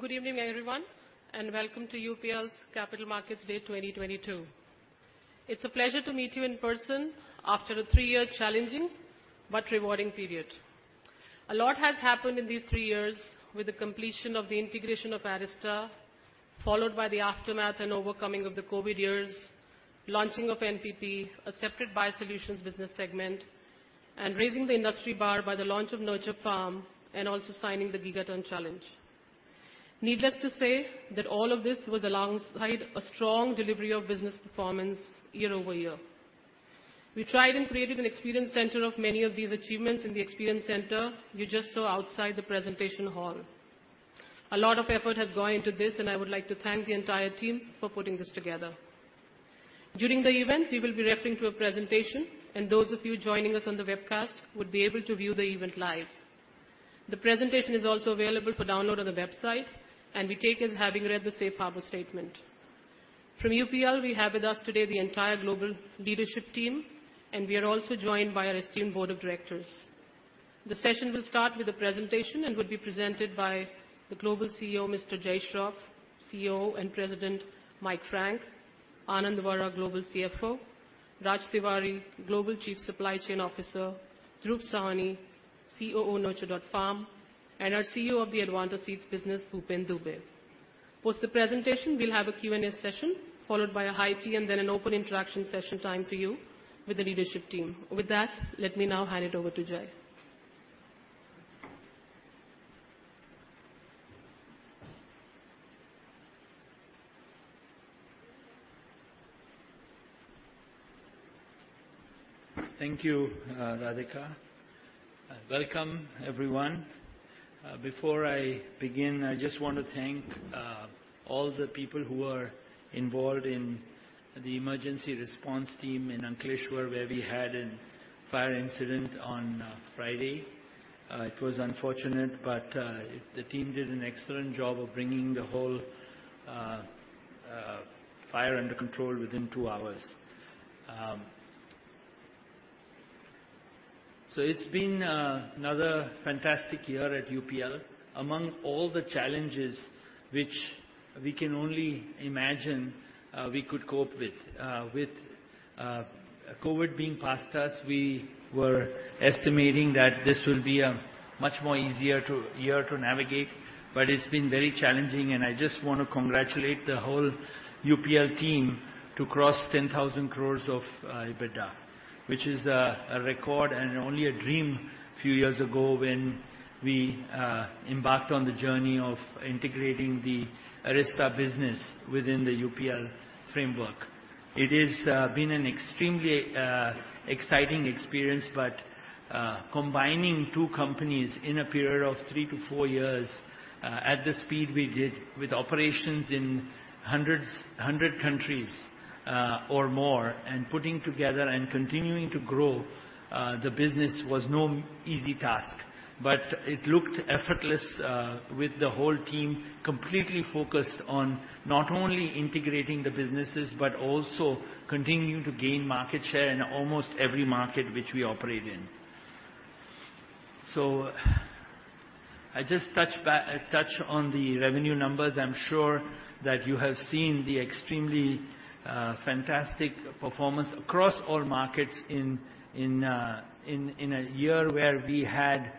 Good evening, everyone, and welcome to UPL's Capital Markets Day 2022. It's a pleasure to meet you in person after a three-year challenging but rewarding period. A lot has happened in these three years with the completion of the integration of Arysta, followed by the aftermath and overcoming of the COVID years, launching of NPP, a separate biosolutions business segment, and raising the industry bar by the launch of nurture.farm and also signing the Gigaton Challenge. Needless to say that all of this was alongside a strong delivery of business performance year-over-year. We tried and created an experience center of many of these achievements in the experience center you just saw outside the presentation hall. A lot of effort has gone into this, and I would like to thank the entire team for putting this together. During the event, we will be referring to a presentation, and those of you joining us on the webcast would be able to view the event live. The presentation is also available for download on the website, and we take as having read the safe harbor statement. From UPL, we have with us today the entire global leadership team, and we are also joined by our esteemed board of directors. The session will start with a presentation and will be presented by the Global CEO, Mr. Jai Shroff, CEO and President, Mike Frank, Anand Vora, Global CFO, Raj Tiwari, Global Chief Supply Chain Officer, Dhruv Sawhney, COO, nurture.farm, and our CEO of the Advanta Seeds business, Bhupen Dubey. Post the presentation, we'll have a Q&A session followed by a high tea and then an open interaction session time for you with the leadership team. With that, let me now hand it over to Jai. Thank you, Radhika. Welcome, everyone. Before I begin, I just want to thank all the people who were involved in the emergency response team in Ankleshwar, where we had a fire incident on Friday. It was unfortunate, but the team did an excellent job of bringing the whole fire under control within two hours. It's been another fantastic year at UPL. Among all the challenges which we can only imagine, we could cope with. With COVID being past us, we were estimating that this will be a much more easier year to navigate, but it's been very challenging, and I just wanna congratulate the whole UPL team to cross 10,000 crore of EBITDA, which is a record and only a dream a few years ago when we embarked on the journey of integrating the Arysta business within the UPL framework. It is been an extremely exciting experience, but combining two companies in a period of 3-4 years at the speed we did with operations in 100 countries or more, and putting together and continuing to grow the business was no easy task. It looked effortless, with the whole team completely focused on not only integrating the businesses, but also continuing to gain market share in almost every market which we operate in. I touch on the revenue numbers. I'm sure that you have seen the extremely fantastic performance across all markets in a year where we had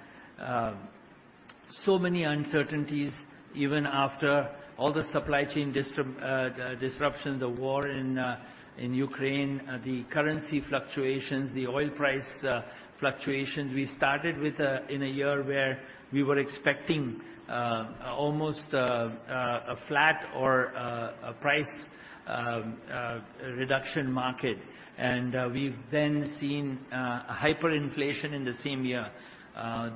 so many uncertainties, even after all the supply chain disruption, the war in Ukraine, the currency fluctuations, the oil price fluctuations. We started in a year where we were expecting almost a flat or a price reduction market. We've then seen hyperinflation in the same year.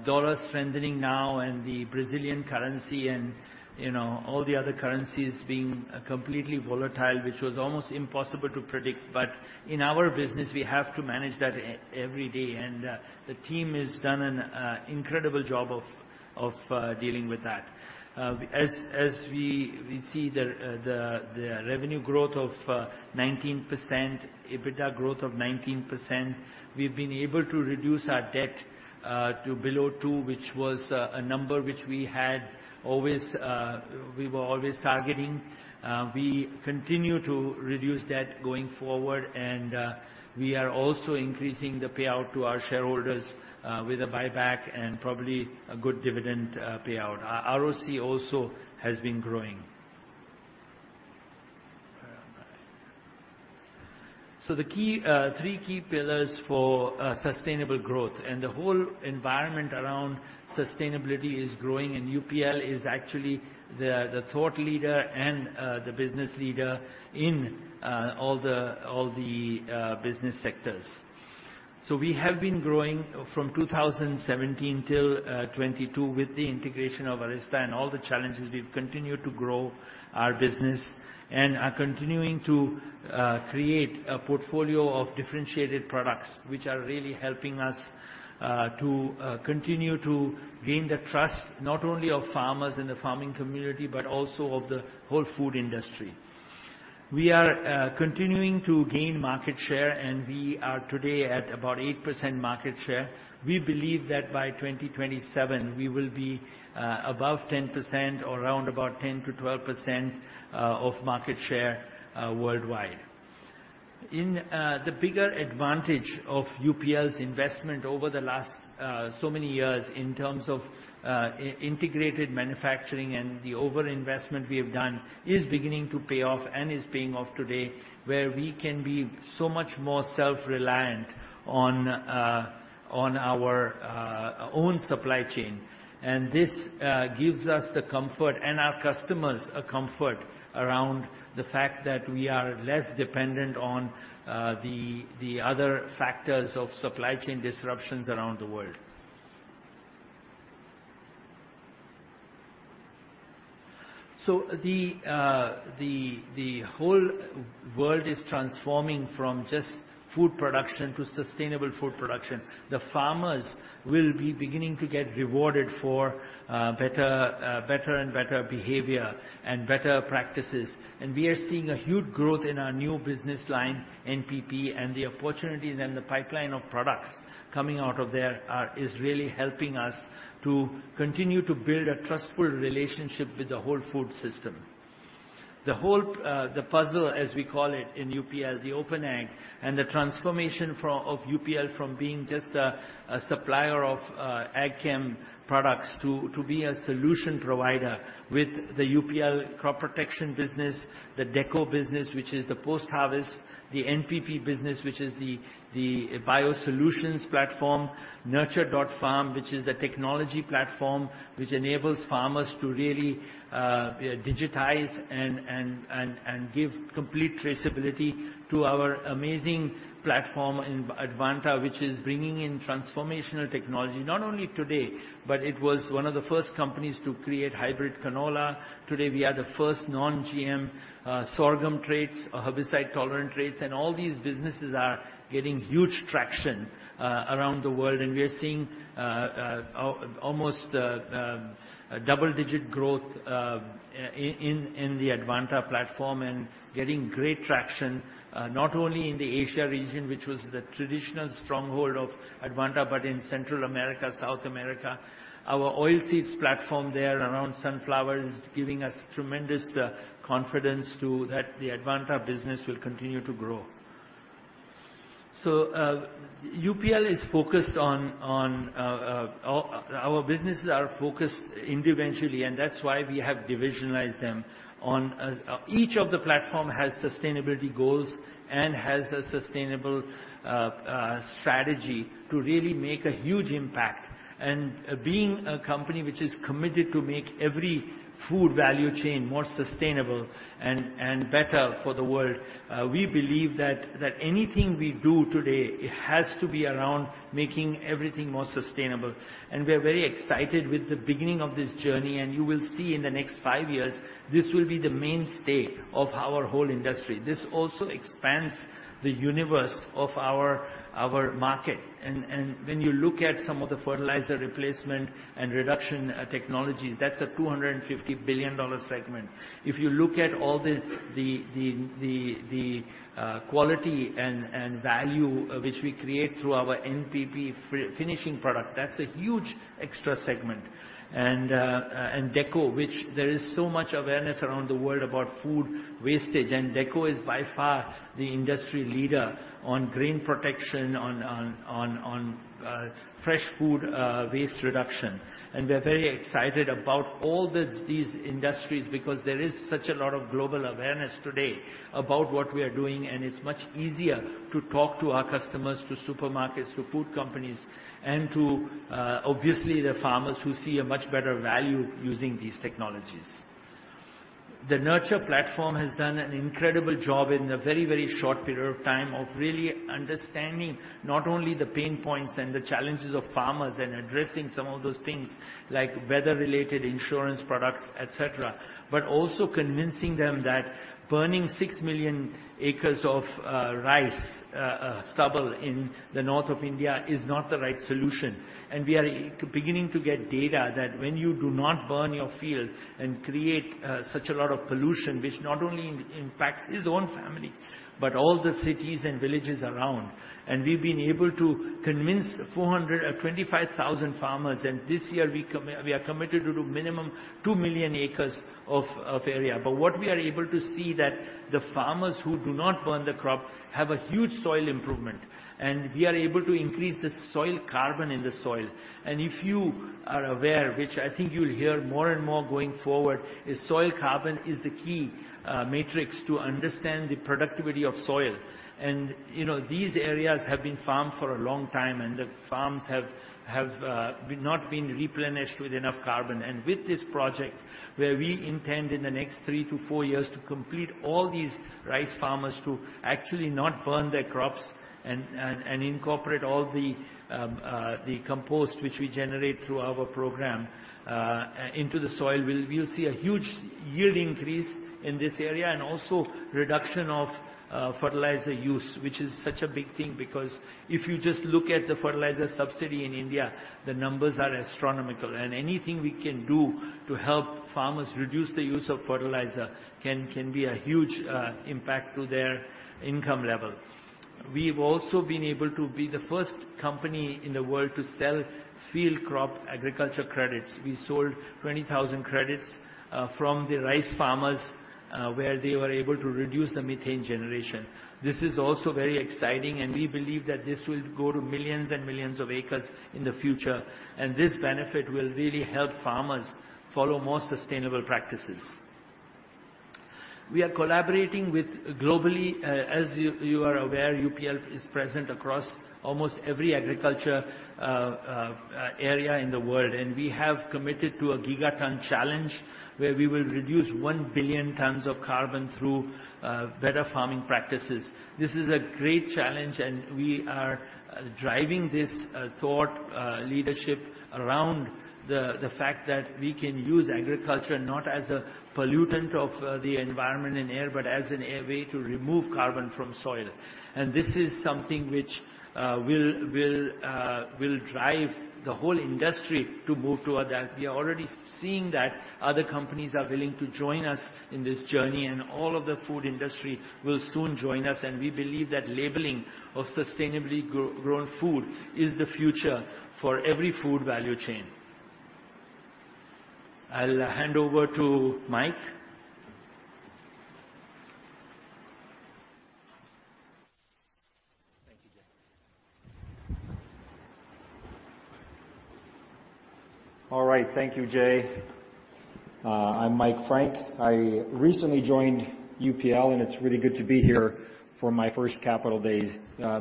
Dollar strengthening now and the Brazilian currency and, you know, all the other currencies being completely volatile, which was almost impossible to predict. In our business, we have to manage that every day, and the team has done an incredible job of dealing with that. As we see the revenue growth of 19%, EBITDA growth of 19%, we've been able to reduce our debt to below two, which was a number we were always targeting. We continue to reduce debt going forward, and we are also increasing the payout to our shareholders with a buyback and probably a good dividend payout. Our ROC also has been growing. The key three key pillars for sustainable growth and the whole environment around sustainability is growing, and UPL is actually the thought leader and the business leader in all the business sectors. We have been growing from 2017 till 2022. With the integration of Arysta and all the challenges, we've continued to grow our business and are continuing to create a portfolio of differentiated products which are really helping us to continue to gain the trust not only of farmers in the farming community, but also of the whole food industry. We are continuing to gain market share, and we are today at about 8% market share. We believe that by 2027, we will be above 10% or around about 10%-12% of market share worldwide. In the bigger advantage of UPL's investment over the last so many years in terms of integrated manufacturing and the over-investment we have done is beginning to pay off and is paying off today, where we can be so much more self-reliant on our own supply chain. This gives us the comfort and our customers a comfort around the fact that we are less dependent on the other factors of supply chain disruptions around the world. The whole world is transforming from just food production to sustainable food production. The farmers will be beginning to get rewarded for better and better behavior and better practices. We are seeing a huge growth in our new business line, NPP, and the opportunities and the pipeline of products coming out of there is really helping us to continue to build a trustful relationship with the whole food system. The whole, the puzzle, as we call it in UPL, the OpenAg and the transformation of UPL from being just a supplier of ag chem products to be a solution provider with the UPL Crop Protection business, the DECCO business, which is the post-harvest, the NPP business, which is the biosolutions platform, nurture.farm, which is the technology platform, which enables farmers to really digitize and give complete traceability to our amazing platform in Advanta, which is bringing in transformational technology. Not only today, but it was one of the first companies to create hybrid canola. Today, we are the first non-GM sorghum traits, herbicide-tolerant traits, and all these businesses are getting huge traction around the world. We are seeing almost double-digit growth in the Advanta platform and getting great traction not only in the Asia region, which was the traditional stronghold of Advanta, but in Central America, South America. Our oilseeds platform there around sunflower is giving us tremendous confidence too that the Advanta business will continue to grow. UPL is focused on our businesses are focused individually, and that's why we have divisionalized them. Each of the platform has sustainability goals and has a sustainable strategy to really make a huge impact. Being a company which is committed to make every food value chain more sustainable and better for the world, we believe that anything we do today has to be around making everything more sustainable. We are very excited with the beginning of this journey, and you will see in the next five years, this will be the mainstay of our whole industry. This also expands the universe of our market. When you look at some of the fertilizer replacement and reduction technologies, that's a $250 billion segment. If you look at all the quality and value which we create through our NPP finishing product, that's a huge extra segment. DECCO, which there is so much awareness around the world about food wastage, and DECCO is by far the industry leader on grain protection, on fresh food waste reduction. We're very excited about all these industries because there is such a lot of global awareness today about what we are doing, and it's much easier to talk to our customers, to supermarkets, to food companies, and to obviously the farmers who see a much better value using these technologies. The nurture.farm platform has done an incredible job in a very, very short period of time of really understanding not only the pain points and the challenges of farmers and addressing some of those things like weather-related insurance products, et cetera, but also convincing them that burning 6 million acres of rice stubble in the north of India is not the right solution. We are beginning to get data that when you do not burn your fields and create such a lot of pollution, which not only impacts his own family, but all the cities and villages around. We've been able to convince 425,000 farmers, and this year we are committed to do minimum 2 million acres of area. What we are able to see that the farmers who do not burn the crop have a huge soil improvement, and we are able to increase the soil carbon in the soil. If you are aware, which I think you'll hear more and more going forward, is soil carbon is the key matrix to understand the productivity of soil. You know, these areas have been farmed for a long time, and the farms have not been replenished with enough carbon. With this project, where we intend in the next three to four years to complete all these rice farmers to actually not burn their crops and incorporate all the compost which we generate through our program into the soil. We'll see a huge yield increase in this area and also reduction of fertilizer use, which is such a big thing because if you just look at the fertilizer subsidy in India, the numbers are astronomical. Anything we can do to help farmers reduce the use of fertilizer can be a huge impact to their income level. We've also been able to be the first company in the world to sell field crop agriculture credits. We sold 20,000 credits from the rice farmers where they were able to reduce the methane generation. This is also very exciting, and we believe that this will go to millions and millions of acres in the future, and this benefit will really help farmers follow more sustainable practices. We are collaborating with globally, as you are aware, UPL is present across almost every agriculture area in the world, and we have committed to a Gigaton Challenge where we will reduce 1 billion tons of carbon through better farming practices. This is a great challenge and we are driving this thought leadership around the fact that we can use agriculture not as a pollutant of the environment and air, but as a way to remove carbon from soil. This is something which will drive the whole industry to move to that. We are already seeing that other companies are willing to join us in this journey, and all of the food industry will soon join us, and we believe that labeling of sustainably grown food is the future for every food value chain. I'll hand over to Mike. Thank you, Jai. All right. I'm Mike Frank. I recently joined UPL, and it's really good to be here for my first Capital Day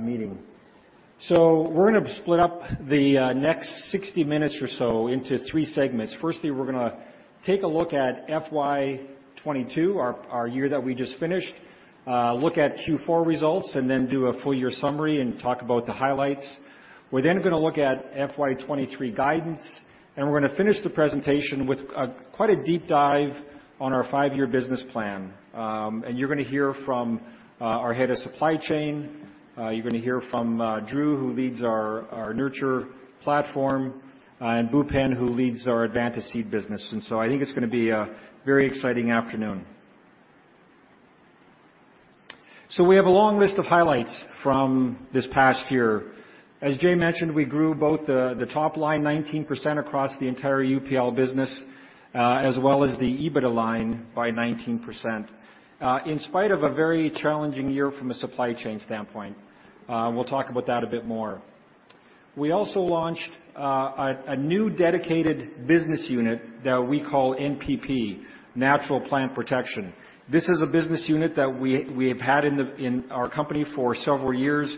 meeting. We're gonna split up the next 60 minutes or so into three segments. Firstly, we're gonna take a look at FY 2022, our year that we just finished, look at Q4 results, and then do a full year summary and talk about the highlights. We're then gonna look at FY 2023 guidance, and we're gonna finish the presentation with quite a deep dive on our five-year business plan. You're gonna hear from our Head of Supply Chain, you're gonna hear from Dhruv, who leads our Nurture platform, and Bhupen, who leads our Advanta Seeds business. I think it's gonna be a very exciting afternoon. We have a long list of highlights from this past year. As Jay mentioned, we grew both the top line 19% across the entire UPL business, as well as the EBITDA line by 19%, in spite of a very challenging year from a supply chain standpoint. We'll talk about that a bit more. We also launched a new dedicated business unit that we call NPP, Natural Plant Protection. This is a business unit that we have had in our company for several years.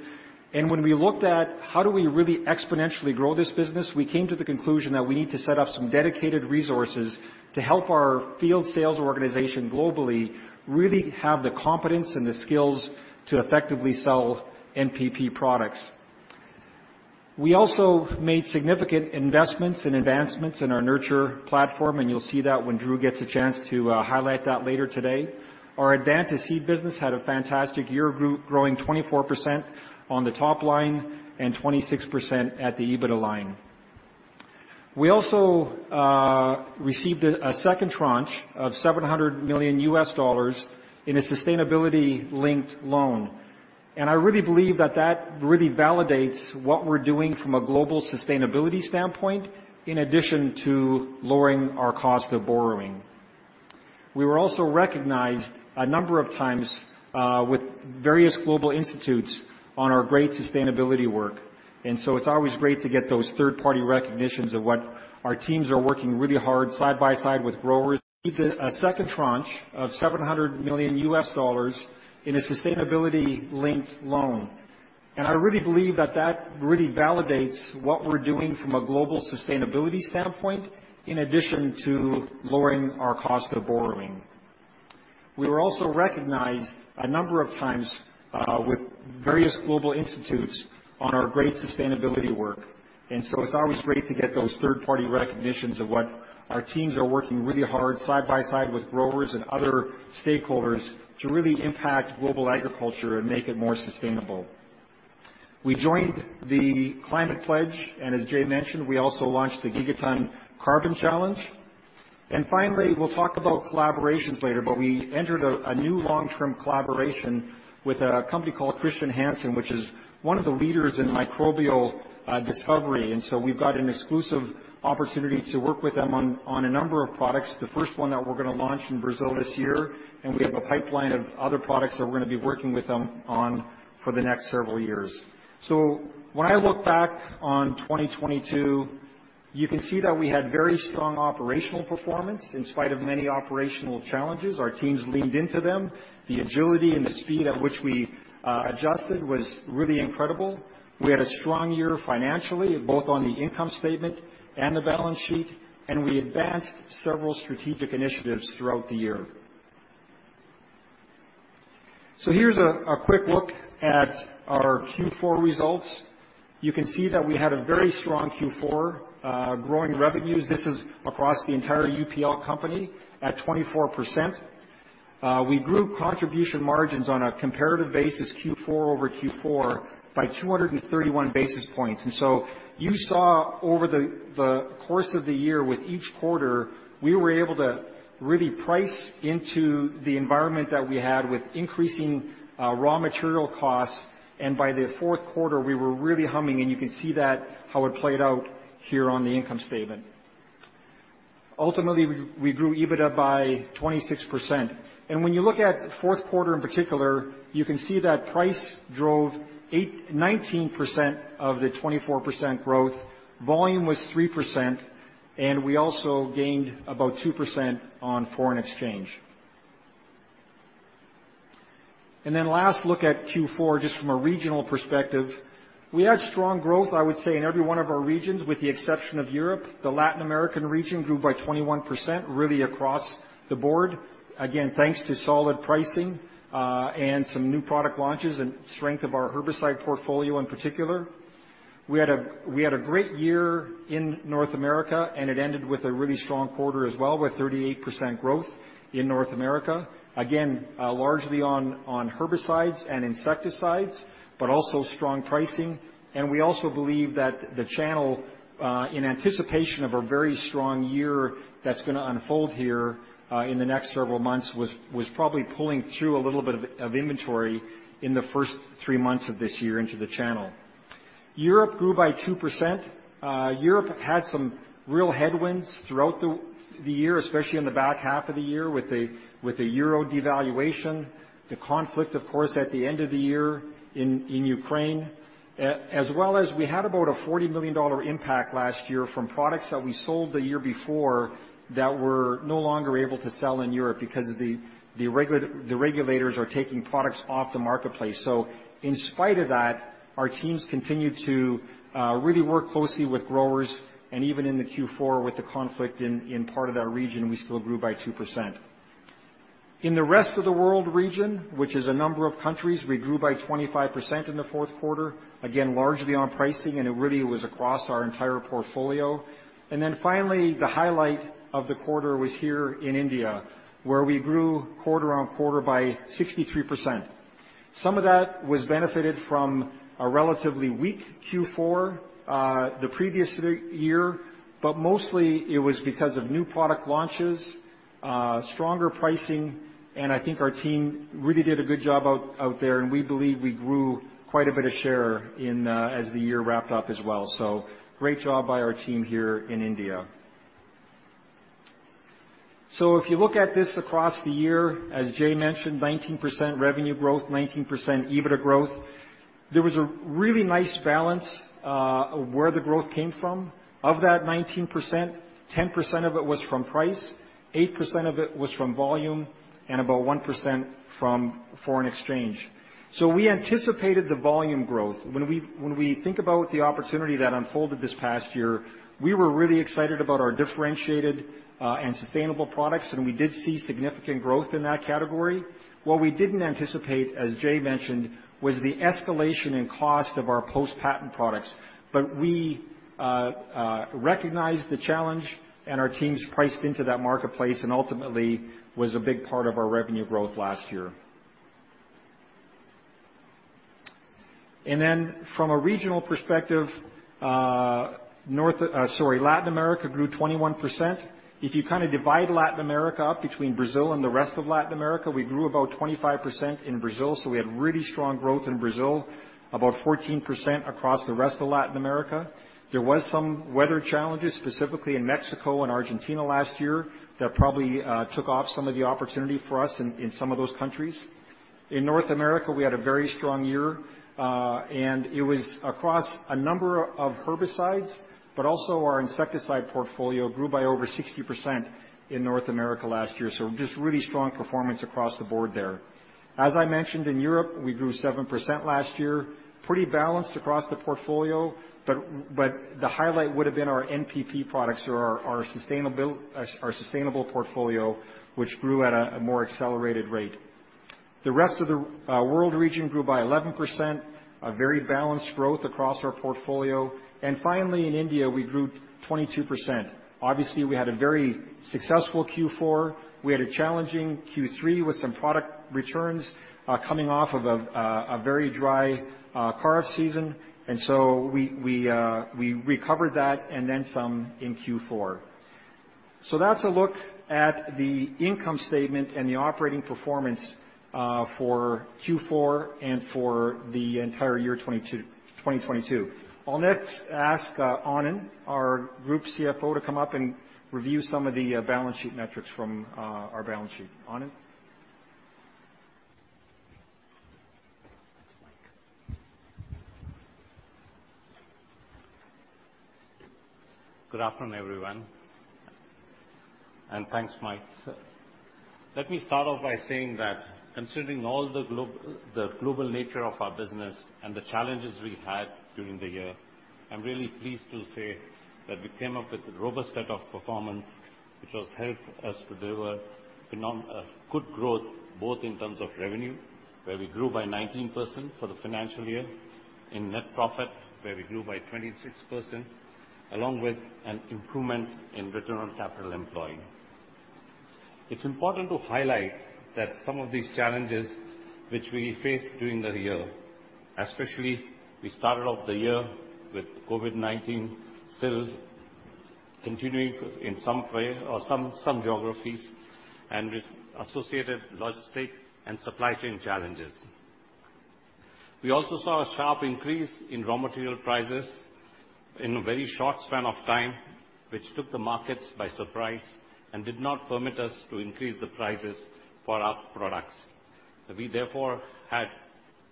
When we looked at how do we really exponentially grow this business, we came to the conclusion that we need to set up some dedicated resources to help our field sales organization globally really have the competence and the skills to effectively sell NPP products. We also made significant investments and advancements in our Nurture platform, and you'll see that when Dhruv gets a chance to highlight that later today. Our Advanta Seeds business had a fantastic year, growing 24% on the top line and 26% at the EBITDA line. We also received a second tranche of $700 million in a sustainability-linked loan. I really believe that that really validates what we're doing from a global sustainability standpoint, in addition to lowering our cost of borrowing. We were also recognized a number of times with various global institutes on our great sustainability work, and so it's always great to get those third-party recognitions of what our teams are working really hard side by side with growers. I really believe that really validates what we're doing from a global sustainability standpoint, in addition to lowering our cost of borrowing. We were also recognized a number of times with various global institutes on our great sustainability work, and so it's always great to get those third-party recognitions of what our teams are working really hard side by side with growers and other stakeholders to really impact global agriculture and make it more sustainable. We joined The Climate Pledge, and as Jay mentioned, we also launched the Gigaton Challenge. Finally, we'll talk about collaborations later, but we entered a new long-term collaboration with a company called Chr. Hansen, which is one of the leaders in microbial discovery. We've got an exclusive opportunity to work with them on a number of products. The first one that we're gonna launch in Brazil this year, and we have a pipeline of other products that we're gonna be working with them on for the next several years. When I look back on 2022, you can see that we had very strong operational performance. In spite of many operational challenges, our teams leaned into them. The agility and the speed at which we adjusted was really incredible. We had a strong year financially, both on the income statement and the balance sheet, and we advanced several strategic initiatives throughout the year. Here's a quick look at our Q4 results. You can see that we had a very strong Q4, growing revenues. This is across the entire UPL company at 24%. We grew contribution margins on a comparative basis Q4 over Q4 by 231 basis points. You saw over the course of the year with each quarter, we were able to really price into the environment that we had with increasing raw material costs. By the fourth quarter, we were really humming, and you can see that how it played out here on the income statement. Ultimately, we grew EBITDA by 26%. When you look at fourth quarter in particular, you can see that price drove nineteen percent of the 24% growth. Volume was 3%, and we also gained about 2% on foreign exchange. Then last, look at Q4 just from a regional perspective. We had strong growth, I would say, in every one of our regions, with the exception of Europe. The Latin American region grew by 21%, really across the board. Again, thanks to solid pricing, and some new product launches and strength of our herbicide portfolio in particular. We had a great year in North America, and it ended with a really strong quarter as well, with 38% growth in North America. Again, largely on herbicides and insecticides, but also strong pricing. We also believe that the channel, in anticipation of a very strong year that's gonna unfold here, in the next several months, was probably pulling through a little bit of inventory in the first three months of this year into the channel. Europe grew by 2%. Europe had some real headwinds throughout the year, especially in the back half of the year with the euro devaluation. The conflict, of course, at the end of the year in Ukraine. As well as we had about a $40 million impact last year from products that we sold the year before that we're no longer able to sell in Europe because of the regulators are taking products off the marketplace. In spite of that, our teams continued to really work closely with growers, and even in the Q4 with the conflict in part of that region, we still grew by 2%. In the rest of the world region, which is a number of countries, we grew by 25% in the fourth quarter. Again, largely on pricing, and it really was across our entire portfolio. Then finally, the highlight of the quarter was here in India, where we grew quarter on quarter by 63%. Some of that was benefited from a relatively weak Q4, the previous year, but mostly it was because of new product launches, stronger pricing, and I think our team really did a good job out there, and we believe we grew quite a bit of share in, as the year wrapped up as well. Great job by our team here in India. If you look at this across the year, as Jay mentioned, 19% revenue growth, 19% EBITDA growth. There was a really nice balance, where the growth came from. Of that 19%, 10% of it was from price, 8% of it was from volume, and about 1% from foreign exchange. We anticipated the volume growth. When we think about the opportunity that unfolded this past year, we were really excited about our differentiated and sustainable products, and we did see significant growth in that category. What we didn't anticipate, as Jay mentioned, was the escalation in cost of our post-patent products. We recognized the challenge, and our teams priced into that marketplace and ultimately was a big part of our revenue growth last year. From a regional perspective, Latin America grew 21%. If you kinda divide Latin America up between Brazil and the rest of Latin America, we grew about 25% in Brazil, so we had really strong growth in Brazil. About 14% across the rest of Latin America. There was some weather challenges, specifically in Mexico and Argentina last year, that probably took off some of the opportunity for us in some of those countries. In North America, we had a very strong year, and it was across a number of herbicides, but also our insecticide portfolio grew by over 60% in North America last year. Just really strong performance across the board there. As I mentioned, in Europe, we grew 7% last year. Pretty balanced across the portfolio, but the highlight would've been our NPP products or our sustainable portfolio, which grew at a more accelerated rate. The rest of the world region grew by 11%, a very balanced growth across our portfolio. Finally, in India, we grew 22%. Obviously, we had a very successful Q4. We had a challenging Q3 with some product returns, coming off of a very dry Kharif season. We recovered that and then some in Q4. That's a look at the income statement and the operating performance for Q4 and for the entire year 2022. I'll next ask Anand, our Group CFO, to come up and review some of the balance sheet metrics from our balance sheet. Anand? Good afternoon, everyone. Thanks, Mike. Let me start off by saying that considering all the global nature of our business and the challenges we had during the year, I'm really pleased to say that we came up with a robust set of performance, which has helped us to deliver good growth, both in terms of revenue, where we grew by 19% for the financial year, in net profit, where we grew by 26%, along with an improvement in return on capital employed. It's important to highlight that some of these challenges which we faced during the year, especially we started off the year with COVID-19 still continuing in some way or some geographies and with associated logistics and supply chain challenges. We also saw a sharp increase in raw material prices in a very short span of time, which took the markets by surprise and did not permit us to increase the prices for our products. We therefore had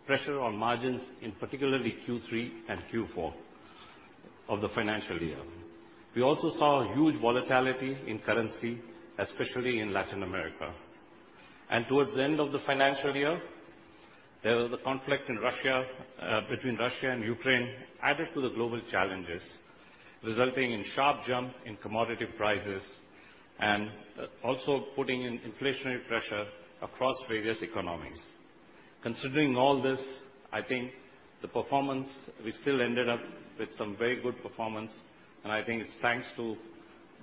pressure on margins in particularly Q3 and Q4 of the financial year. We also saw huge volatility in currency, especially in Latin America. Towards the end of the financial year, there was the conflict in Russia, between Russia and Ukraine, added to the global challenges, resulting in sharp jump in commodity prices and also putting in inflationary pressure across various economies. Considering all this, I think the performance, we still ended up with some very good performance, and I think it's thanks to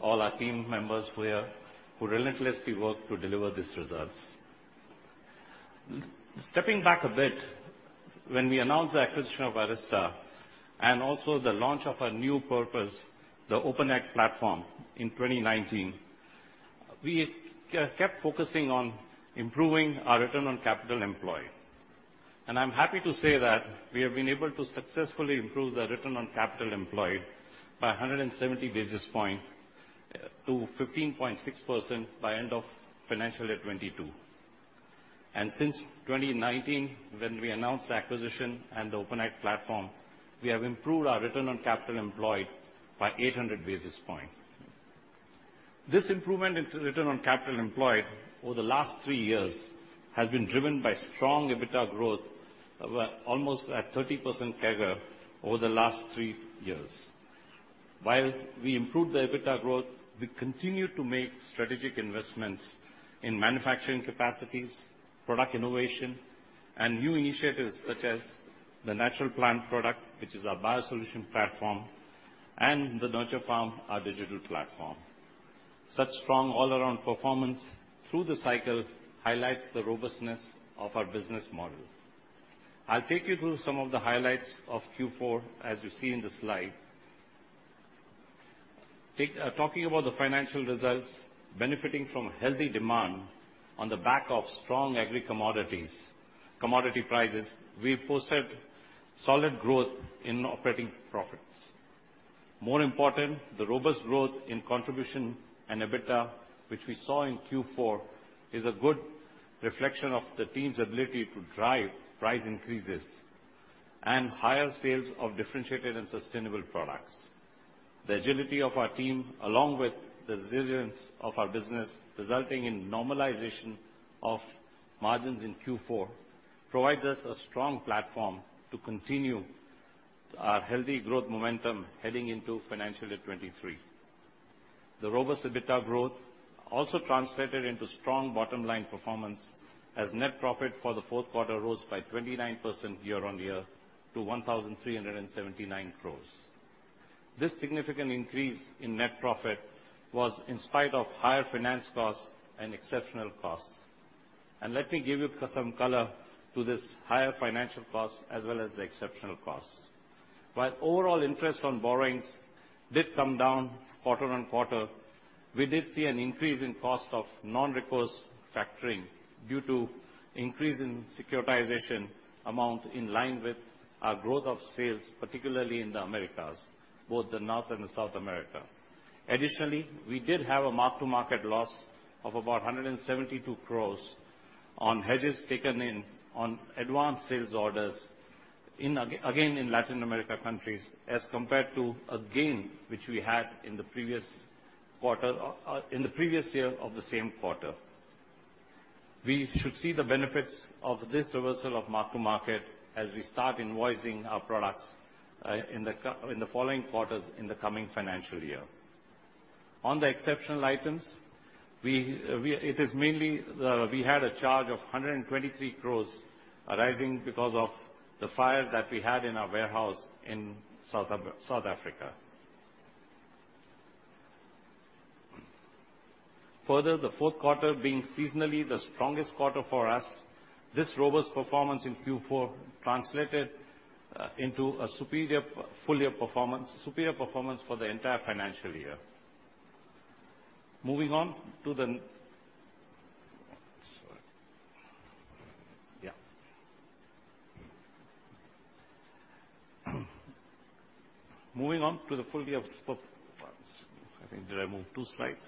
all our team members who relentlessly work to deliver these results. Stepping back a bit, when we announced the acquisition of Arysta and also the launch of our new purpose, the OpenAg platform in 2019, we kept focusing on improving our return on capital employed. I'm happy to say that we have been able to successfully improve the return on capital employed by 170 basis points to 15.6% by end of financial year 2022. Since 2019, when we announced the acquisition and the OpenAg platform, we have improved our return on capital employed by 800 basis points. This improvement in return on capital employed over the last three years has been driven by strong EBITDA growth of almost at 30% CAGR over the last three years. While we improved the EBITDA growth, we continued to make strategic investments in manufacturing capacities, product innovation, and new initiatives such as the Natural Plant Protection, which is our biosolution platform, and the nurture.farm, our digital platform. Such strong all-around performance through the cycle highlights the robustness of our business model. I'll take you through some of the highlights of Q4, as you see in the slide. Talking about the financial results, benefiting from healthy demand on the back of strong agri commodities, commodity prices, we posted solid growth in operating profits. More important, the robust growth in contribution and EBITDA, which we saw in Q4, is a good reflection of the team's ability to drive price increases and higher sales of differentiated and sustainable products. The agility of our team, along with the resilience of our business, resulting in normalization of margins in Q4, provides us a strong platform to continue our healthy growth momentum heading into financial year 2023. The robust EBITDA growth also translated into strong bottom-line performance as net profit for the fourth quarter rose by 29% year-on-year to 1,379 crores. This significant increase in net profit was in spite of higher finance costs and exceptional costs. Let me give you some color to this higher financial cost as well as the exceptional costs. While overall interest on borrowings did come down quarter-on-quarter, we did see an increase in cost of non-recourse factoring due to increase in securitization amount in line with our growth of sales, particularly in the Americas, both the North and the South America. Additionally, we did have a mark-to-market loss of about 172 crores on hedges taken in on advanced sales orders in Ag, again, in Latin America countries as compared to a gain which we had in the previous quarter in the previous year of the same quarter. We should see the benefits of this reversal of mark-to-market as we start invoicing our products in the following quarters in the coming financial year. On the exceptional items, we had a charge of 123 crores arising because of the fire that we had in our warehouse in South Africa. Further, the fourth quarter being seasonally the strongest quarter for us, this robust performance in Q4 translated into a superior full year performance, superior performance for the entire financial year. Yeah. Moving on to the full year performance. I think did I move two slides?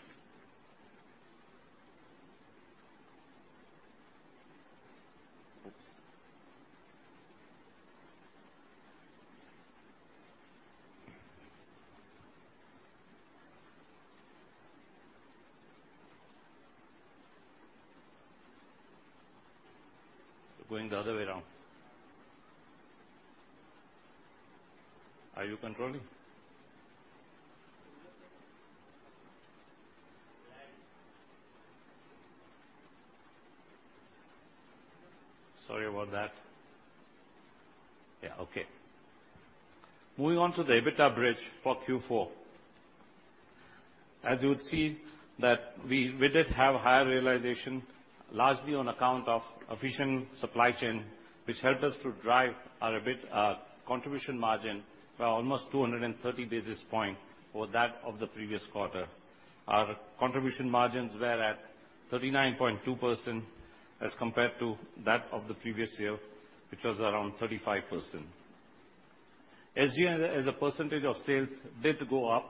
Oops. We're going the other way around. Are you controlling? Sorry about that. Yeah, okay. Moving on to the EBITDA bridge for Q4. As you would see that we did have higher realization largely on account of efficient supply chain, which helped us to drive our contribution margin by almost 230 basis points over that of the previous quarter. Our contribution margins were at 39.2% as compared to that of the previous year, which was around 35%. SG&A as a percentage of sales did go up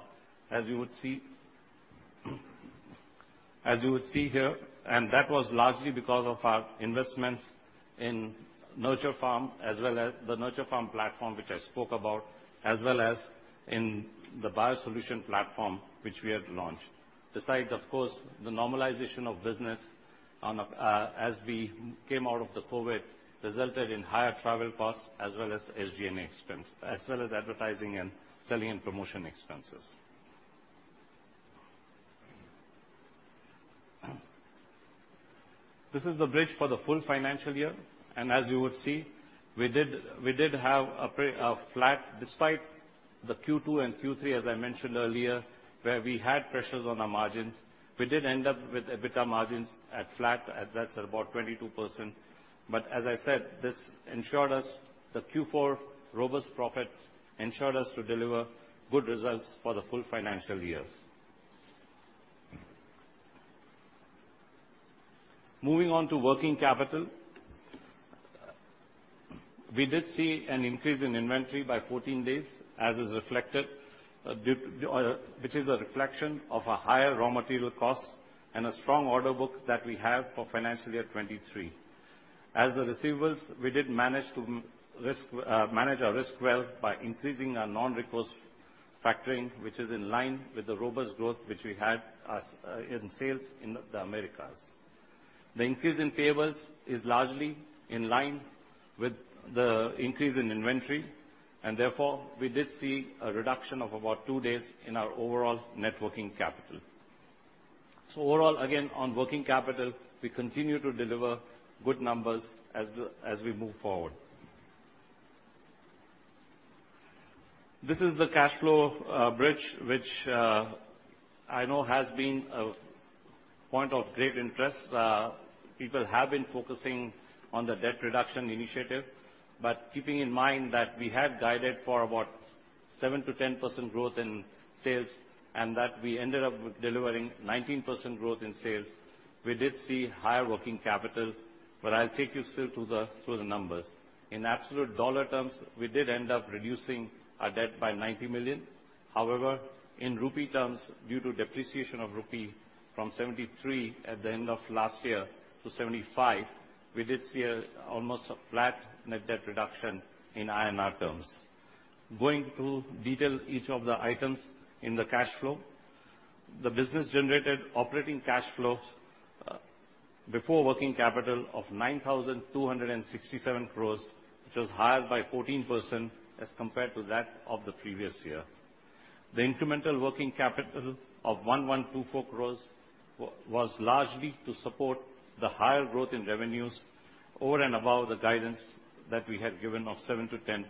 as you would see here, and that was largely because of our investments in nurture.farm, as well as the nurture.farm platform, which I spoke about, as well as in the biosolutions platform, which we have launched. Besides, of course, the normalization of business as we came out of COVID-19 resulted in higher travel costs as well as SG&A expense, as well as advertising and selling and promotion expenses. This is the bridge for the full financial year, and as you would see, we did have a flat despite the Q2 and Q3, as I mentioned earlier, where we had pressures on our margins. We did end up with EBITDA margins at flat, and that's about 22%. As I said, this ensured us the Q4 robust profit, ensured us to deliver good results for the full financial year. Moving on to working capital. We did see an increase in inventory by 14 days, as is reflected, which is a reflection of a higher raw material cost and a strong order book that we have for financial year 2023. As the receivables, we did manage to manage our risk well by increasing our non-recourse factoring, which is in line with the robust growth which we had in sales in the Americas. The increase in payables is largely in line with the increase in inventory, and therefore, we did see a reduction of about 2 days in our overall net working capital. Overall, again, on working capital, we continue to deliver good results as we move forward. This is the cash flow bridge, which I know has been a point of great interest. People have been focusing on the debt reduction initiative. Keeping in mind that we had guided for about 7%-10% growth in sales and that we ended up with delivering 19% growth in sales, we did see higher working capital, but I'll take you still through the numbers. In absolute dollar terms, we did end up reducing our debt by $90 million. However, in rupee terms, due to depreciation of rupee from 73 at the end of last year to 75, we did see almost a flat net debt reduction in INR terms. Going through detail each of the items in the cash flow. The business generated operating cash flows before working capital of 9,267 crores, which was higher by 14% as compared to that of the previous year. The incremental working capital of 1,124 crores was largely to support the higher growth in revenues over and above the guidance that we had given of 7%-10%.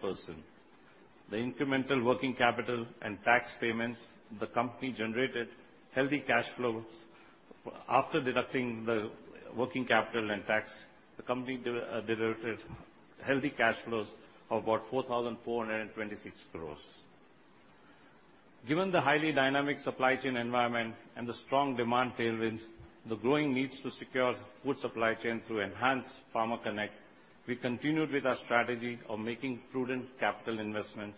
The incremental working capital and tax payments, the company generated healthy cash flows. After deducting the working capital and tax, the company delivered healthy cash flows of about 4,426 crores. Given the highly dynamic supply chain environment and the strong demand tailwinds, the growing needs to secure good supply chain through enhanced Farmer Connect, we continued with our strategy of making prudent capital investments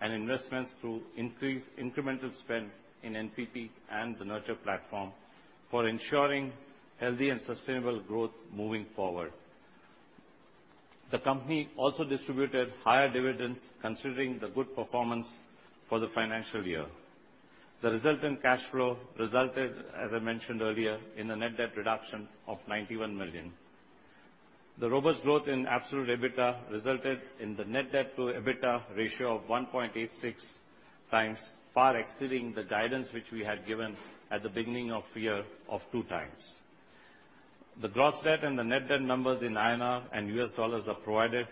and investments through increased incremental spend in NPP and the Nurture platform for ensuring healthy and sustainable growth moving forward. The company also distributed higher dividends considering the good performance for the financial year. The resulting cash flow resulted, as I mentioned earlier, in a net debt reduction of $91 million. The robust growth in absolute EBITDA resulted in the net debt to EBITDA ratio of 1.86 times, far exceeding the guidance which we had given at the beginning of year of 2 times. The gross debt and the net debt numbers in INR and U.S. dollars are provided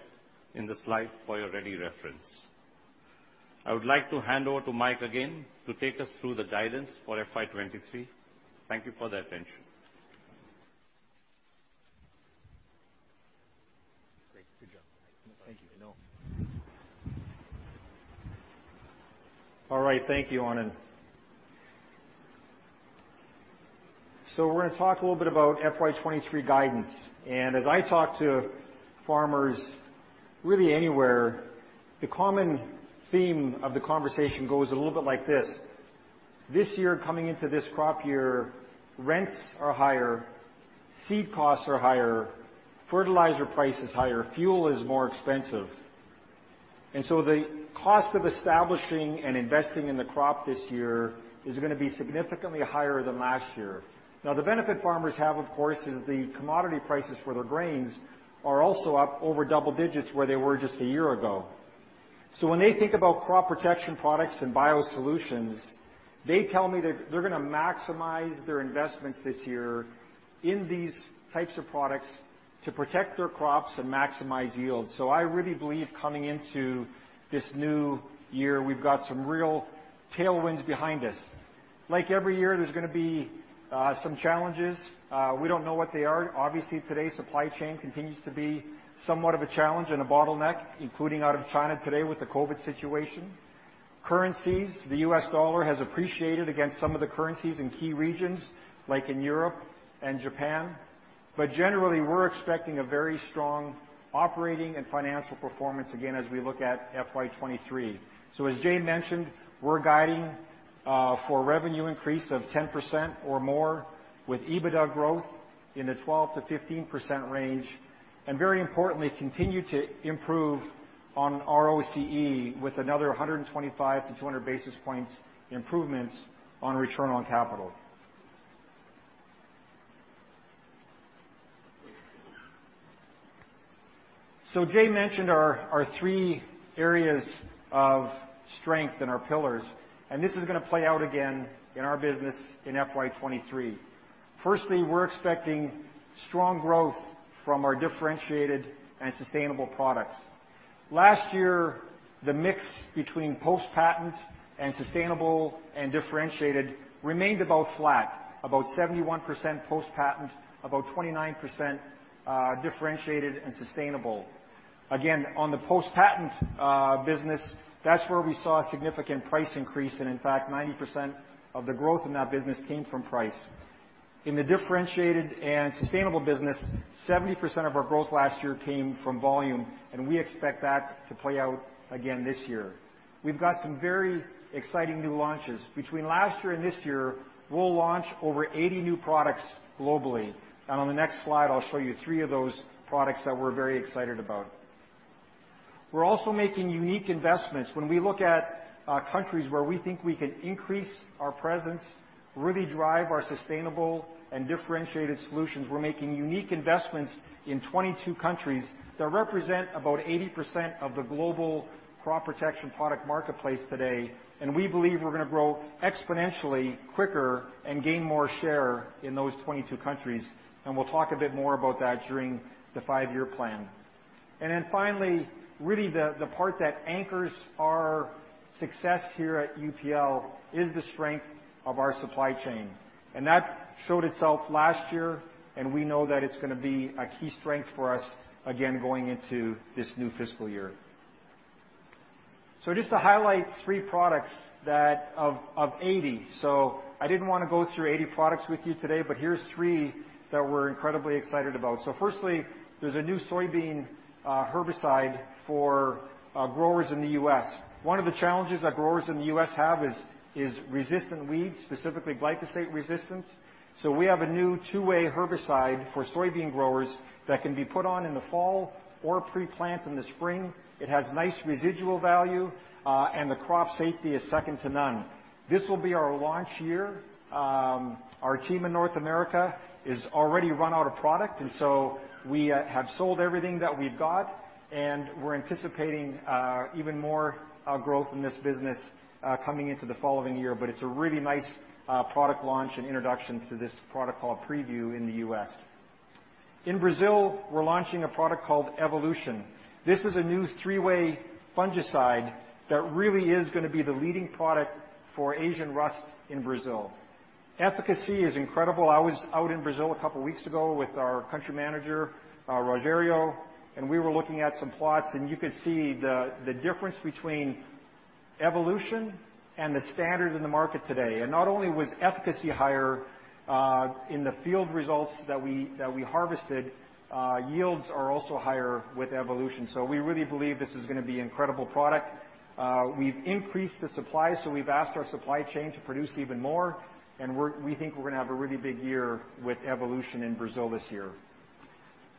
in the slide for your ready reference. I would like to hand over to Mike again to take us through the guidance for FY 2023. Thank you for the attention. Great. Good job. Thank you. You know. All right. Thank you, Anand. We're gonna talk a little bit about FY 2023 guidance. As I talk to farmers really anywhere, the common theme of the conversation goes a little bit like this: this year coming into this crop year, rents are higher, seed costs are higher, fertilizer price is higher, fuel is more expensive. The cost of establishing and investing in the crop this year is gonna be significantly higher than last year. Now, the benefit farmers have, of course, is the commodity prices for their grains are also up over double digits where they were just a year ago. When they think about crop protection products and biosolutions, they tell me that they're gonna maximize their investments this year in these types of products to protect their crops and maximize yields. I really believe coming into this new year, we've got some real tailwinds behind us. Like every year, there's gonna be some challenges. We don't know what they are. Obviously, today, supply chain continues to be somewhat of a challenge and a bottleneck, including out of China today with the COVID-19 situation. Currencies, the U.S. dollar has appreciated against some of the currencies in key regions, like in Europe and Japan. But generally, we're expecting a very strong operating and financial performance again as we look at FY 2023. As Jai mentioned, we're guiding for revenue increase of 10% or more with EBITDA growth in the 12%-15% range, and very importantly, continue to improve on ROCE with another 125-200 basis points improvements on return on capital. Jay mentioned our three areas of strength and our pillars, and this is gonna play out again in our business in FY 2023. We're expecting strong growth from our differentiated and sustainable products. Last year, the mix between post-patent and sustainable and differentiated remained about flat. About 71% post-patent, about 29% differentiated and sustainable. Again, on the post-patent business, that's where we saw a significant price increase, and in fact, 90% of the growth in that business came from price. In the differentiated and sustainable business, 70% of our growth last year came from volume, and we expect that to play out again this year. We've got some very exciting new launches. Between last year and this year, we'll launch over 80 new products globally. On the next slide, I'll show you three of those products that we're very excited about. We're also making unique investments. When we look at countries where we think we can increase our presence, really drive our sustainable and differentiated solutions, we're making unique investments in 22 countries that represent about 80% of the global crop protection product marketplace today, and we believe we're gonna grow exponentially quicker and gain more share in those 22 countries. We'll talk a bit more about that during the five-year plan. Finally, really the part that anchors our success here at UPL is the strength of our supply chain. That showed itself last year, and we know that it's gonna be a key strength for us again going into this new fiscal year. Just to highlight three products that of eighty. I didn't wanna go through 80 products with you today, but here's three that we're incredibly excited about. Firstly, there's a new soybean herbicide for growers in the U.S. One of the challenges that growers in the U.S. have is resistant weeds, specifically glyphosate resistance. We have a new two-way herbicide for soybean growers that can be put on in the fall or pre-plant in the spring. It has nice residual value, and the crop safety is second to none. This will be our launch year. Our team in North America is already run out of product, and so we have sold everything that we've got, and we're anticipating even more growth in this business coming into the following year. It's a really nice product launch and introduction to this product called PREVIEW in the U.S. In Brazil, we're launching a product called Evolution. This is a new three-way fungicide that really is gonna be the leading product for Asian rust in Brazil. Efficacy is incredible. I was out in Brazil a couple weeks ago with our country manager, Rogerio, and we were looking at some plots, and you could see the difference between Evolution and the standard in the market today. Not only was efficacy higher in the field results that we harvested, yields are also higher with Evolution. We really believe this is gonna be incredible product. We've increased the supply, so we've asked our supply chain to produce even more, and we think we're gonna have a really big year with Evolution in Brazil this year.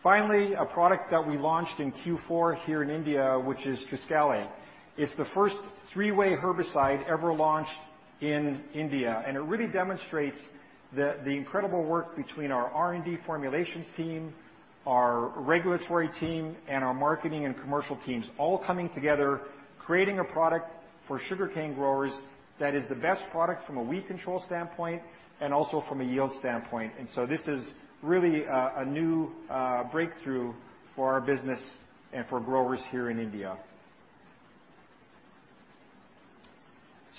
Finally, a product that we launched in Q4 here in India, which is Trishul. It's the first three-way herbicide ever launched in India, and it really demonstrates the incredible work between our R&D formulations team, our regulatory team, and our marketing and commercial teams, all coming together, creating a product for sugarcane growers that is the best product from a weed control standpoint and also from a yield standpoint. This is really a new breakthrough for our business and for growers here in India.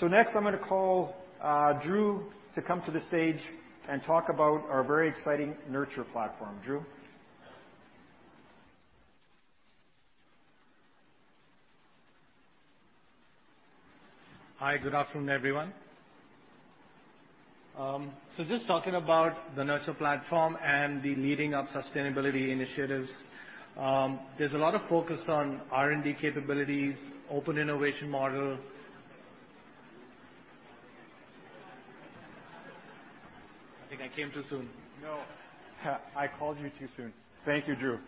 Next, I'm gonna call Dhruv to come to the stage and talk about our very exciting nurture.farm platform. Dhruv? Hi. Good afternoon, everyone. Just talking about the Nurture platform and the leading of sustainability initiatives, there's a lot of focus on R&D capabilities, open innovation model. I think I came too soon. No. I called you too soon. Thank you, Dhruv.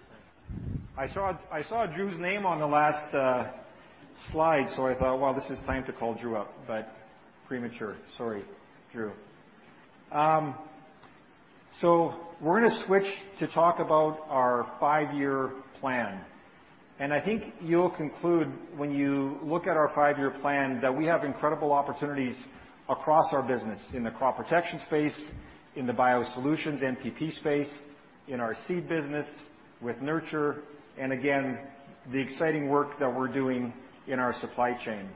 Thanks. I saw Dhruv's name on the last slide, so I thought, "Well, this is time to call Dhruv up," but premature. Sorry, Dhruv. We're gonna switch to talk about our five-year plan. I think you'll conclude when you look at our five-year plan, that we have incredible opportunities across our business, in the crop protection space, in the biosolutions NPP space, in our seed business with Nurture, and again, the exciting work that we're doing in our supply chains.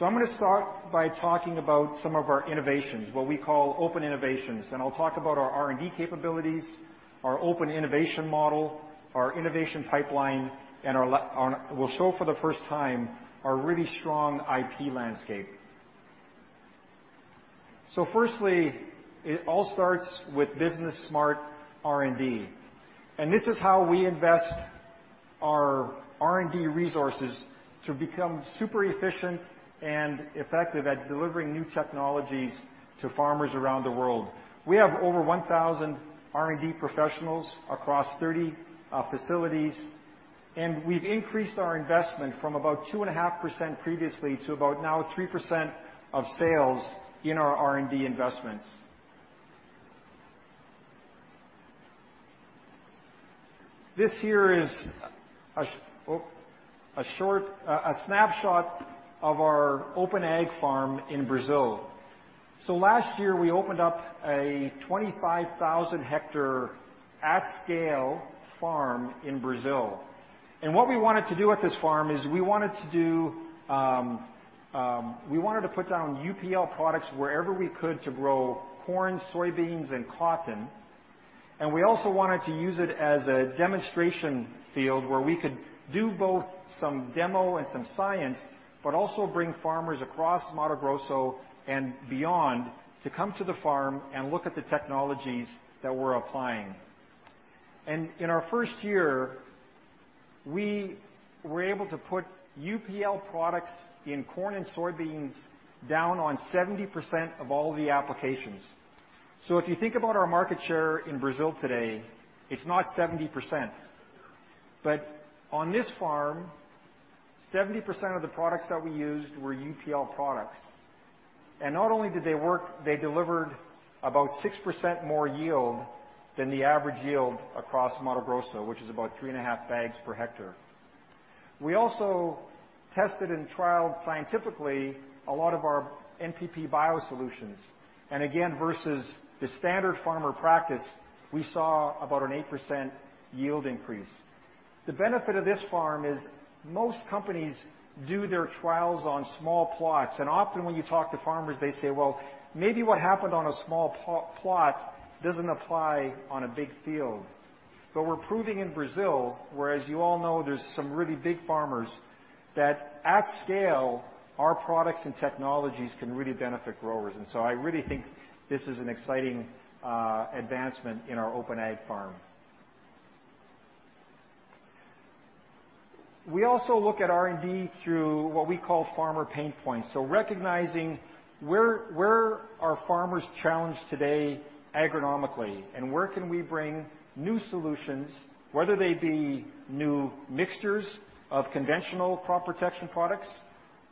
I'm gonna start by talking about some of our innovations, what we call open innovations, and I'll talk about our R&D capabilities, our open innovation model, our innovation pipeline. We'll show for the first time our really strong IP landscape. Firstly, it all starts with business smart R&D. This is how we invest our R&D resources to become super efficient and effective at delivering new technologies to farmers around the world. We have over 1,000 R&D professionals across 30 facilities, and we've increased our investment from about 2.5% previously to about now 3% of sales in our R&D investments. This here is a short snapshot of our OpenAg farm in Brazil. Last year, we opened up a 25,000-hectare at-scale farm in Brazil. What we wanted to do at this farm is we wanted to put down UPL products wherever we could to grow corn, soybeans, and cotton. We also wanted to use it as a demonstration field where we could do both some demo and some science, but also bring farmers across Mato Grosso and beyond to come to the farm and look at the technologies that we're applying. In our first year, we were able to put UPL products in corn and soybeans down on 70% of all the applications. If you think about our market share in Brazil today, it's not 70%. On this farm, 70% of the products that we used were UPL products. Not only did they work, they delivered about 6% more yield than the average yield across Mato Grosso, which is about 3.5 bags per hectare. We also tested and trialed scientifically a lot of our NPP BioSolutions. Again, versus the standard farmer practice, we saw about an 8% yield increase. The benefit of this farm is most companies do their trials on small plots, and often when you talk to farmers, they say, "Well, maybe what happened on a small plot doesn't apply on a big field." We're proving in Brazil, where, as you all know, there's some really big farmers, that at scale, our products and technologies can really benefit growers. I really think this is an exciting advancement in our OpenAg farm. We also look at R&D through what we call farmer pain points, so recognizing where are farmers challenged today agronomically, and where can we bring new solutions, whether they be new mixtures of conventional crop protection products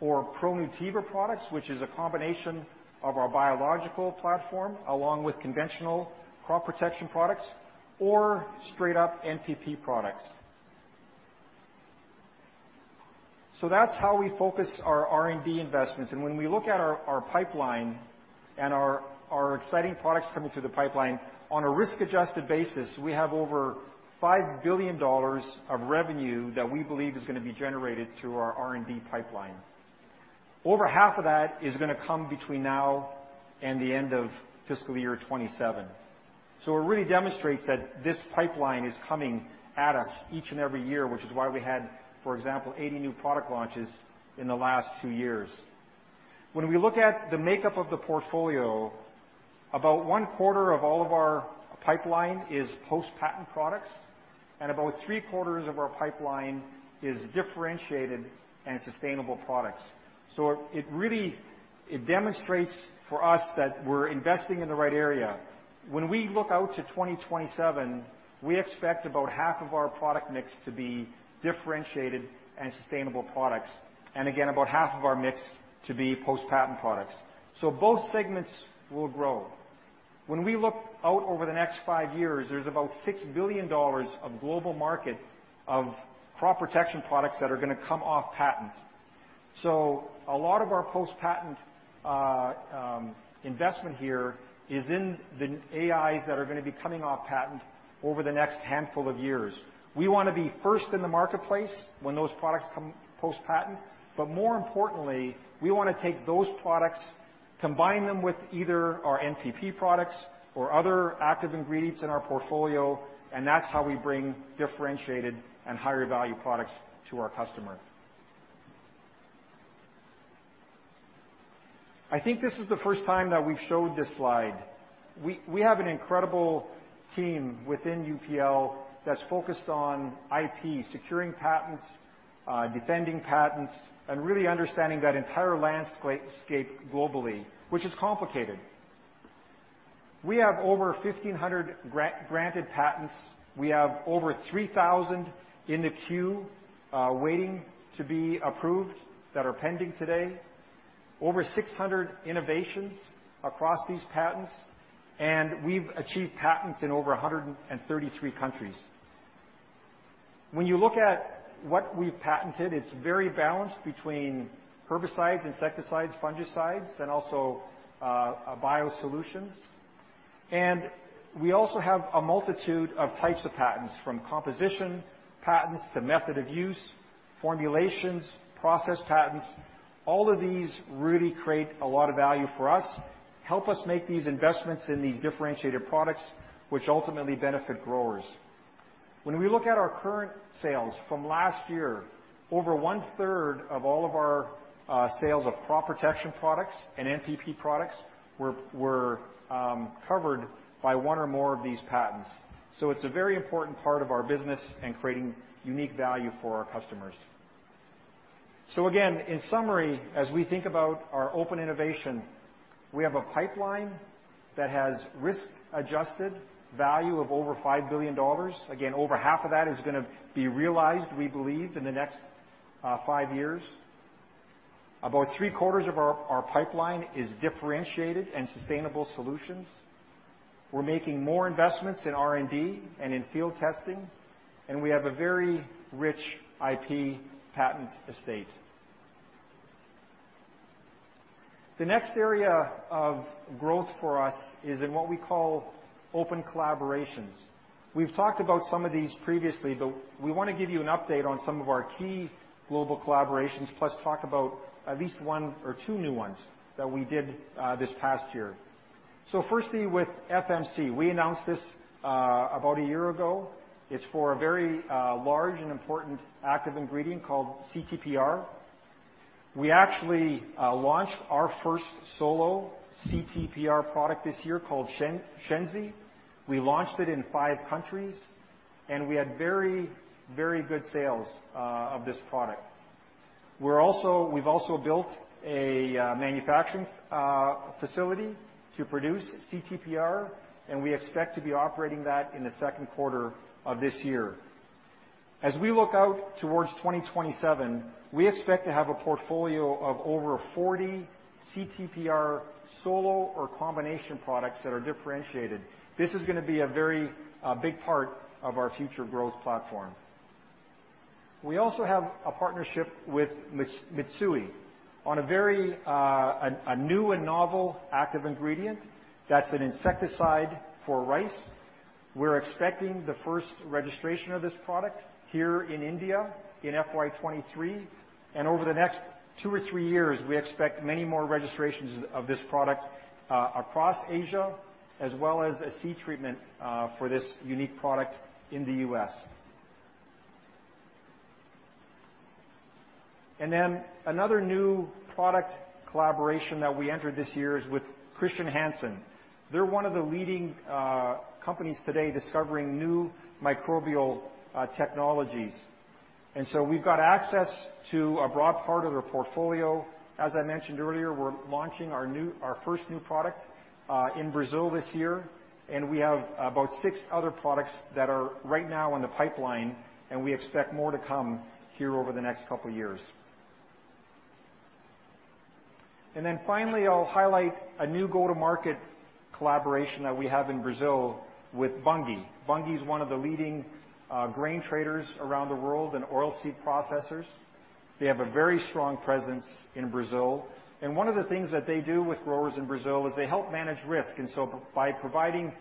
or ProNutiva products, which is a combination of our biological platform, along with conventional crop protection products or straight up NPP products. That's how we focus our R&D investments. When we look at our pipeline and our exciting products coming through the pipeline, on a risk-adjusted basis, we have over $5 billion of revenue that we believe is gonna be generated through our R&D pipeline. Over half of that is gonna come between now and the end of fiscal year 2027. It really demonstrates that this pipeline is coming at us each and every year, which is why we had, for example, 80 new product launches in the last two years. When we look at the makeup of the portfolio, about one quarter of all of our pipeline is post-patent products, and about three-quarters of our pipeline is differentiated and sustainable products. It really demonstrates for us that we're investing in the right area. When we look out to 2027, we expect about half of our product mix to be differentiated and sustainable products, and again, about half of our mix to be post-patent products. Both segments will grow. When we look out over the next five years, there's about $6 billion of global market of crop protection products that are gonna come off patent. A lot of our post-patent investment here is in the AIs that are gonna be coming off patent over the next handful of years. We wanna be first in the marketplace when those products come post-patent, but more importantly, we wanna take those products, combine them with either our NPP products or other active ingredients in our portfolio, and that's how we bring differentiated and higher value products to our customers. I think this is the first time that we've showed this slide. We have an incredible team within UPL that's focused on IP, securing patents, defending patents, and really understanding that entire landscape globally, which is complicated. We have over 1,500 granted patents. We have over 3,000 in the queue waiting to be approved that are pending today. Over 600 innovations across these patents, and we've achieved patents in over 133 countries. When you look at what we've patented, it's very balanced between herbicides, insecticides, fungicides, and also biosolutions. We also have a multitude of types of patents, from composition patents to method of use, formulations, process patents. All of these really create a lot of value for us, help us make these investments in these differentiated products, which ultimately benefit growers. When we look at our current sales from last year, over 1/3 of all of our sales of crop protection products and NPP products were covered by one or more of these patents. It's a very important part of our business in creating unique value for our customers. Again, in summary, as we think about our open innovation, we have a pipeline that has risk-adjusted value of over $5 billion. Again, over half of that is gonna be realized, we believe, in the next 5 years. About three-quarters of our pipeline is differentiated and sustainable solutions. We're making more investments in R&D and in field testing, and we have a very rich IP patent estate. The next area of growth for us is in what we call open collaborations. We've talked about some of these previously, but we wanna give you an update on some of our key global collaborations, plus talk about at least one or two new ones that we did this past year. Firstly, with FMC. We announced this about a year ago. It's for a very large and important active ingredient called CTPR. We actually launched our first solo CTPR product this year called Shenzi. We launched it in five countries, and we had very good sales of this product. We've also built a manufacturing facility to produce CTPR, and we expect to be operating that in the second quarter of this year. As we look out towards 2027, we expect to have a portfolio of over 40 CTPR solo or combination products that are differentiated. This is gonna be a very big part of our future growth platform. We also have a partnership with Mitsui on a very new and novel active ingredient that's an insecticide for rice. We're expecting the first registration of this product here in India in FY 2023, and over the next two or three years, we expect many more registrations of this product across Asia, as well as a seed treatment for this unique product in the U.S. Another new product collaboration that we entered this year is with Chr. Hansen. They're one of the leading companies today discovering new microbial technologies. We've got access to a broad part of their portfolio. As I mentioned earlier, we're launching our first new product in Brazil this year, and we have about six other products that are right now in the pipeline, and we expect more to come here over the next couple years. Finally, I'll highlight a new go-to-market collaboration that we have in Brazil with Bunge. Bunge is one of the leading grain traders around the world and oil seed processors. They have a very strong presence in Brazil. One of the things that they do with growers in Brazil is they help manage risk. By providing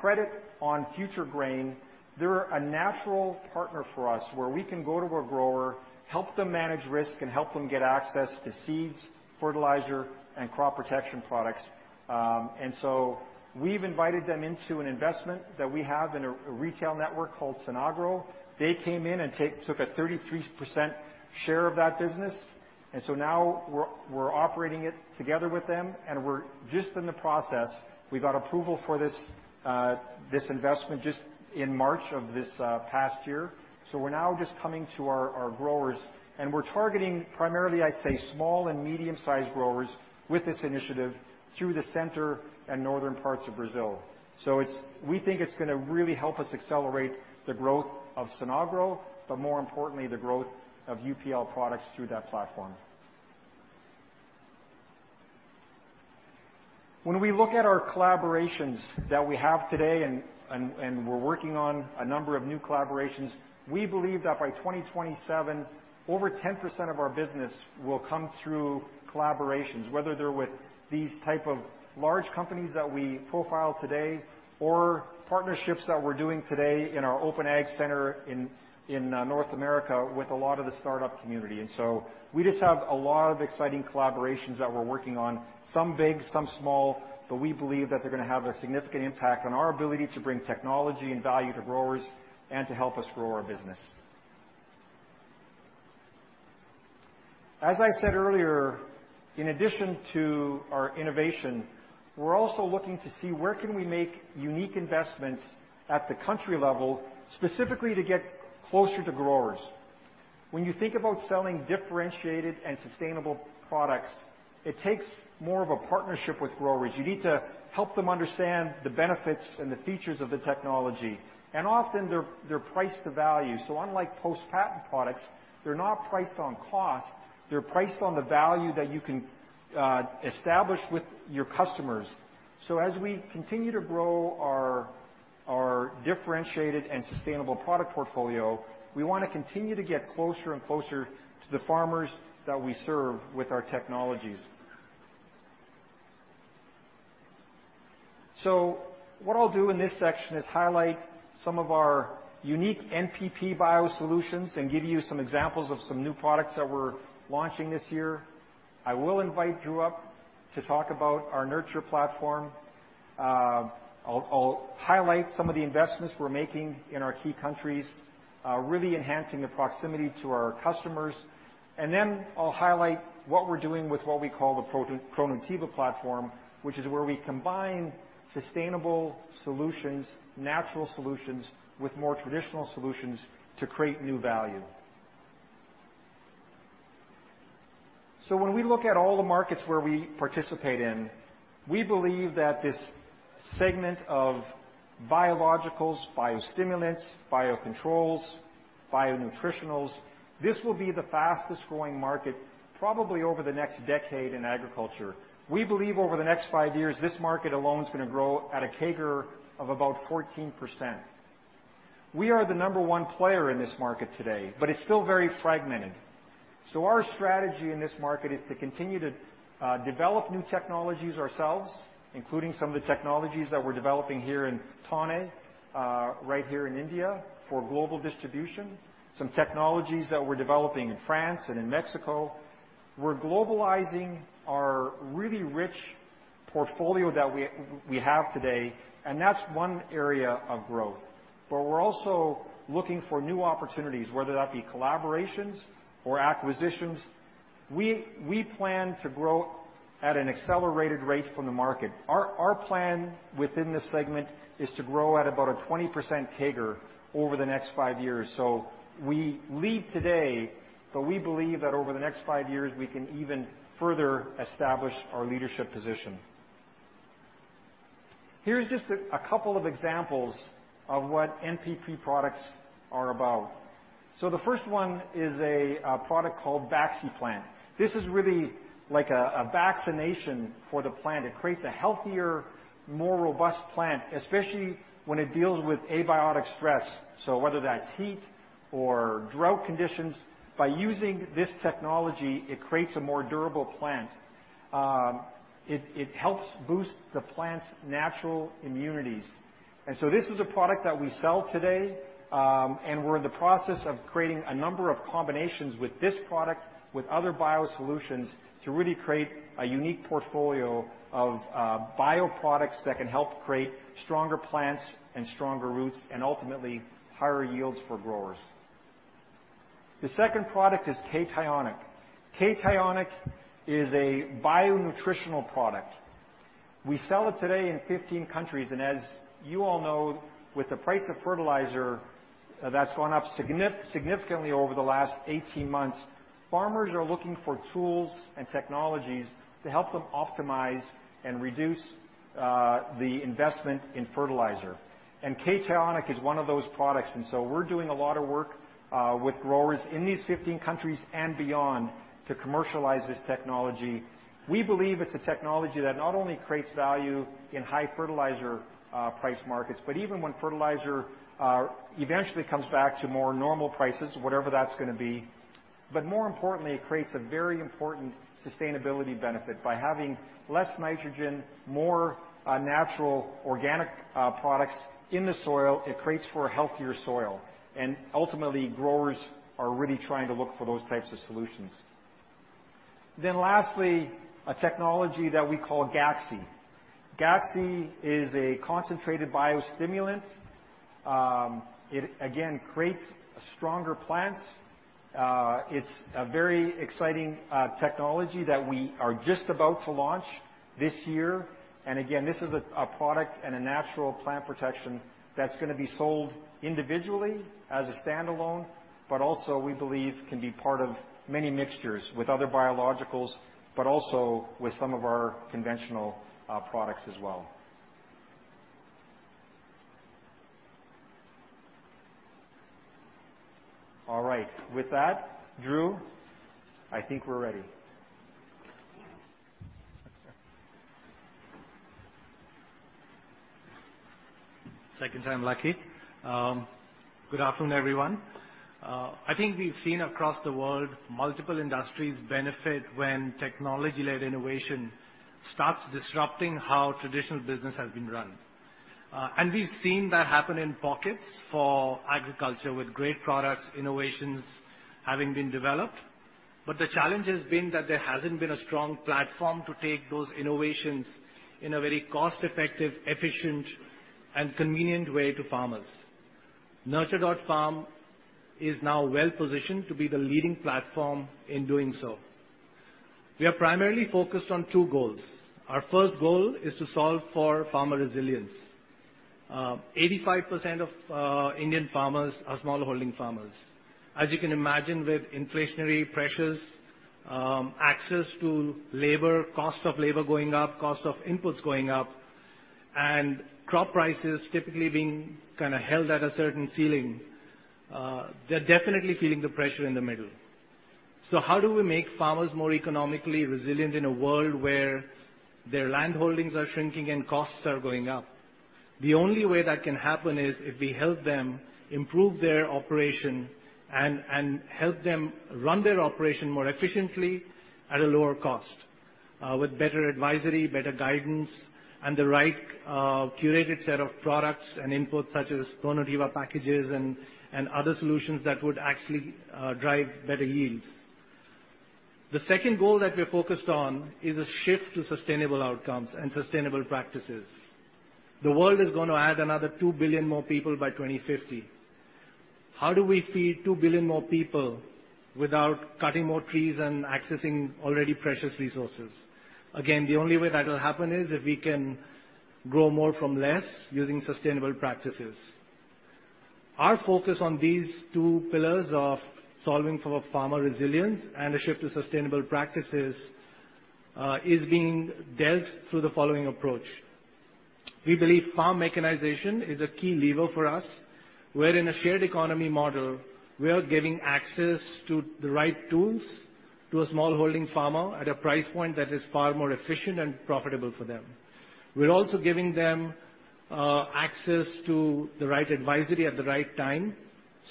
credit on future grain, they're a natural partner for us, where we can go to a grower, help them manage risk, and help them get access to seeds, fertilizer, and crop protection products. We've invited them into an investment that we have in a retail network called Sinagro. They came in and took a 33% share of that business. Now we're operating it together with them, and we're just in the process. We got approval for this investment just in March of this past year. We're now just coming to our growers, and we're targeting primarily, I'd say, small and medium-sized growers with this initiative through the center and northern parts of Brazil. It's gonna really help us accelerate the growth of Sinagro, but more importantly, the growth of UPL products through that platform. When we look at our collaborations that we have today, and we're working on a number of new collaborations, we believe that by 2027, over 10% of our business will come through collaborations, whether they're with these type of large companies that we profiled today or partnerships that we're doing today in our OpenAg Center in North America with a lot of the startup community. We just have a lot of exciting collaborations that we're working on, some big, some small, but we believe that they're gonna have a significant impact on our ability to bring technology and value to growers and to help us grow our business. As I said earlier, in addition to our innovation, we're also looking to see where can we make unique investments at the country level, specifically to get closer to growers. When you think about selling differentiated and sustainable products, it takes more of a partnership with growers. You need to help them understand the benefits and the features of the technology. Often, they're priced to value. Unlike post-patent products, they're not priced on cost, they're priced on the value that you can establish with your customers. As we continue to grow our differentiated and sustainable product portfolio, we wanna continue to get closer and closer to the farmers that we serve with our technologies. What I'll do in this section is highlight some of our unique NPP BioSolutions, and give you some examples of some new products that we're launching this year. I will invite Dhruv up to talk about our Nurture platform. I'll highlight some of the investments we're making in our key countries, really enhancing the proximity to our customers. Then I'll highlight what we're doing with what we call the ProNutiva platform, which is where we combine sustainable solutions, natural solutions, with more traditional solutions to create new value. When we look at all the markets where we participate in, we believe that this segment of biologicals, biostimulants, biocontrols, bio nutritionals, this will be the fastest growing market probably over the next decade in agriculture. We believe over the next five years, this market alone is gonna grow at a CAGR of about 14%. We are the number one player in this market today, but it's still very fragmented. Our strategy in this market is to continue to develop new technologies ourselves, including some of the technologies that we're developing here in Thane, right here in India for global distribution, some technologies that we're developing in France and in Mexico. We're globalizing our really rich portfolio that we have today, and that's one area of growth, but we're also looking for new opportunities, whether that be collaborations or acquisitions. We plan to grow at an accelerated rate from the market. Our plan within this segment is to grow at about a 20% CAGR over the next five years. We lead today, but we believe that over the next five years, we can even further establish our leadership position. Here's just a couple of examples of what NPP products are about. The first one is a product called Vacciplant. This is really like a vaccination for the plant. It creates a healthier, more robust plant, especially when it deals with abiotic stress. Whether that's heat or drought conditions, by using this technology, it creates a more durable plant. It helps boost the plant's natural immunities. This is a product that we sell today, and we're in the process of creating a number of combinations with this product, with other biosolutions to really create a unique portfolio of bioproducts that can help create stronger plants and stronger roots, and ultimately higher yields for growers. The second product is K-Tionic. K-Tionic is a bio nutritional product. We sell it today in 15 countries, and as you all know, with the price of fertilizer that's gone up significantly over the last 18 months, farmers are looking for tools and technologies to help them optimize and reduce the investment in fertilizer. K-Tionic is one of those products, and so we're doing a lot of work with growers in these 15 countries and beyond to commercialize this technology. We believe it's a technology that not only creates value in high fertilizer price markets, but even when fertilizer eventually comes back to more normal prices, whatever that's gonna be. More importantly, it creates a very important sustainability benefit. By having less nitrogen, more natural organic products in the soil, it creates for a healthier soil, and ultimately, growers are really trying to look for those types of solutions. Lastly, a technology that we call Gaxy. Gaxy is a concentrated biostimulant. It again creates stronger plants. It's a very exciting technology that we are just about to launch this year. This is a product and a Natural Plant Protection that's gonna be sold individually as a standalone, but also we believe can be part of many mixtures with other biologicals, but also with some of our conventional products as well. All right. With that, Dhruv, I think we're ready. Second time lucky. Good afternoon, everyone. I think we've seen across the world multiple industries benefit when technology-led innovation starts disrupting how traditional business has been run. We've seen that happen in pockets for agriculture with great products, innovations having been developed. The challenge has been that there hasn't been a strong platform to take those innovations in a very cost-effective, efficient, and convenient way to farmers. nurture.farm is now well-positioned to be the leading platform in doing so. We are primarily focused on two goals. Our first goal is to solve for farmer resilience. 85% of Indian farmers are smallholding farmers. As you can imagine with inflationary pressures, access to labor, cost of labor going up, cost of inputs going up, and crop prices typically being kinda held at a certain ceiling, they're definitely feeling the pressure in the middle. How do we make farmers more economically resilient in a world where their land holdings are shrinking and costs are going up? The only way that can happen is if we help them improve their operation and help them run their operation more efficiently at a lower cost, with better advisory, better guidance, and the right curated set of products and inputs such as ProNutiva packages and other solutions that would actually drive better yields. The second goal that we're focused on is a shift to sustainable outcomes and sustainable practices. The world is gonna add another 2 billion more people by 2050. How do we feed 2 billion more people without cutting more trees and accessing already precious resources? Again, the only way that'll happen is if we can grow more from less using sustainable practices. Our focus on these two pillars of solving for farmer resilience and a shift to sustainable practices is being dealt through the following approach. We believe farm mechanization is a key lever for us, where in a shared economy model, we are giving access to the right tools to a smallholding farmer at a price point that is far more efficient and profitable for them. We're also giving them access to the right advisory at the right time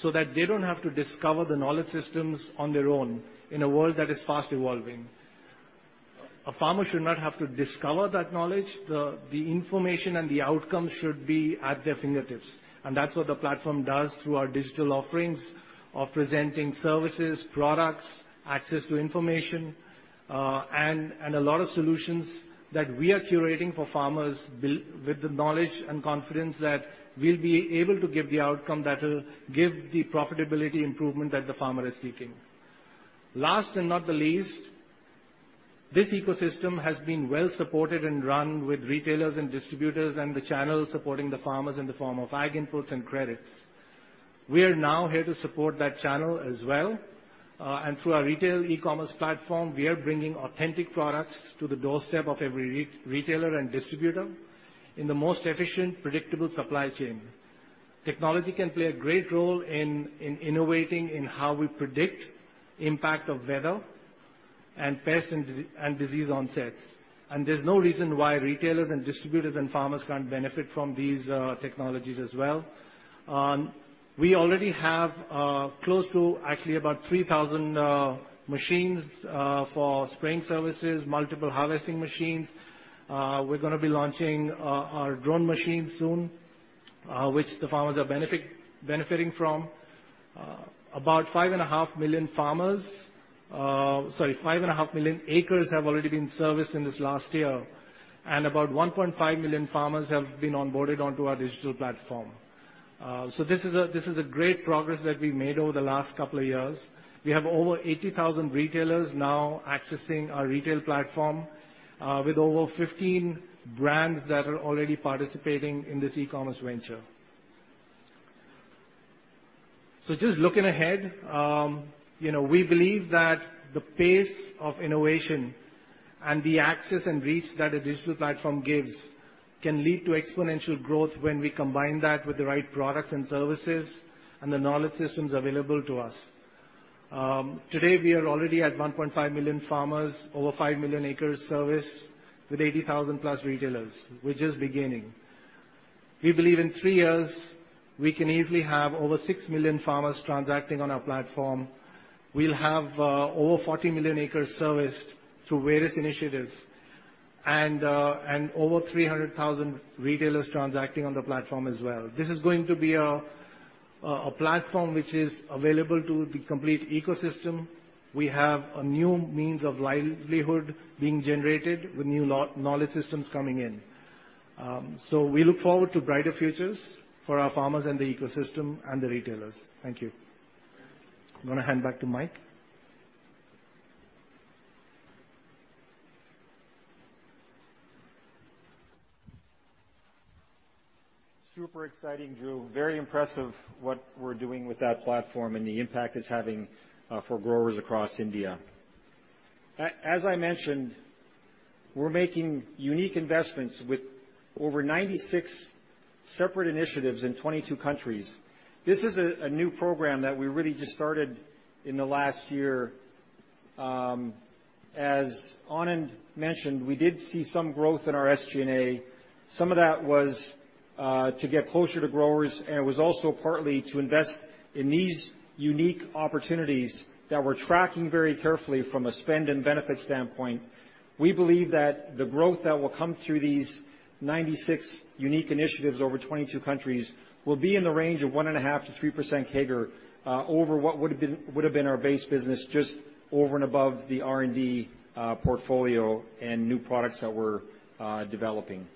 so that they don't have to discover the knowledge systems on their own in a world that is fast evolving. A farmer should not have to discover that knowledge. The information and the outcome should be at their fingertips, and that's what the platform does through our digital offerings of presenting services, products, access to information, and a lot of solutions that we are curating for farmers with the knowledge and confidence that we'll be able to give the outcome that will give the profitability improvement that the farmer is seeking. Last and not the least, this ecosystem has been well supported and run with retailers and distributors and the channels supporting the farmers in the form of ag inputs and credits. We are now here to support that channel as well, and through our retail e-commerce platform, we are bringing authentic products to the doorstep of every retailer and distributor in the most efficient, predictable supply chain. Technology can play a great role in innovating in how we predict impact of weather and pest and disease onsets. There's no reason why retailers and distributors and farmers can't benefit from these technologies as well. We already have close to actually about 3,000 machines for spraying services, multiple harvesting machines. We're gonna be launching our drone machines soon, which the farmers are benefiting from. About 5.5 million acres have already been serviced in this last year, and about 1.5 million farmers have been onboarded onto our digital platform. This is a great progress that we made over the last couple of years. We have over 80,000 retailers now accessing our retail platform, with over 15 brands that are already participating in this e-commerce venture. Just looking ahead, you know, we believe that the pace of innovation and the access and reach that a digital platform gives can lead to exponential growth when we combine that with the right products and services and the knowledge systems available to us. Today we are already at 1.5 million farmers, over 5 million acres serviced with 80,000+ retailers. We're just beginning. We believe in three years, we can easily have over 6 million farmers transacting on our platform. We'll have over 40 million acres serviced through various initiatives and over 300,000 retailers transacting on the platform as well. This is going to be a platform which is available to the complete ecosystem. We have a new means of livelihood being generated with new knowledge systems coming in. We look forward to brighter futures for our farmers and the ecosystem and the retailers. Thank you. I'm gonna hand back to Mike. Super exciting, Dhruv. Very impressive what we're doing with that platform and the impact it's having for growers across India. As I mentioned, we're making unique investments with over 96 separate initiatives in 22 countries. This is a new program that we really just started in the last year. As Anand mentioned, we did see some growth in our SG&A. Some of that was to get closer to growers, and it was also partly to invest in these unique opportunities that we're tracking very carefully from a spend and benefit standpoint. We believe that the growth that will come through these 96 unique initiatives over 22 countries will be in the range of 1.5%-3% CAGR over what would've been our base business, just over and above the R&D portfolio and new products that we're developing.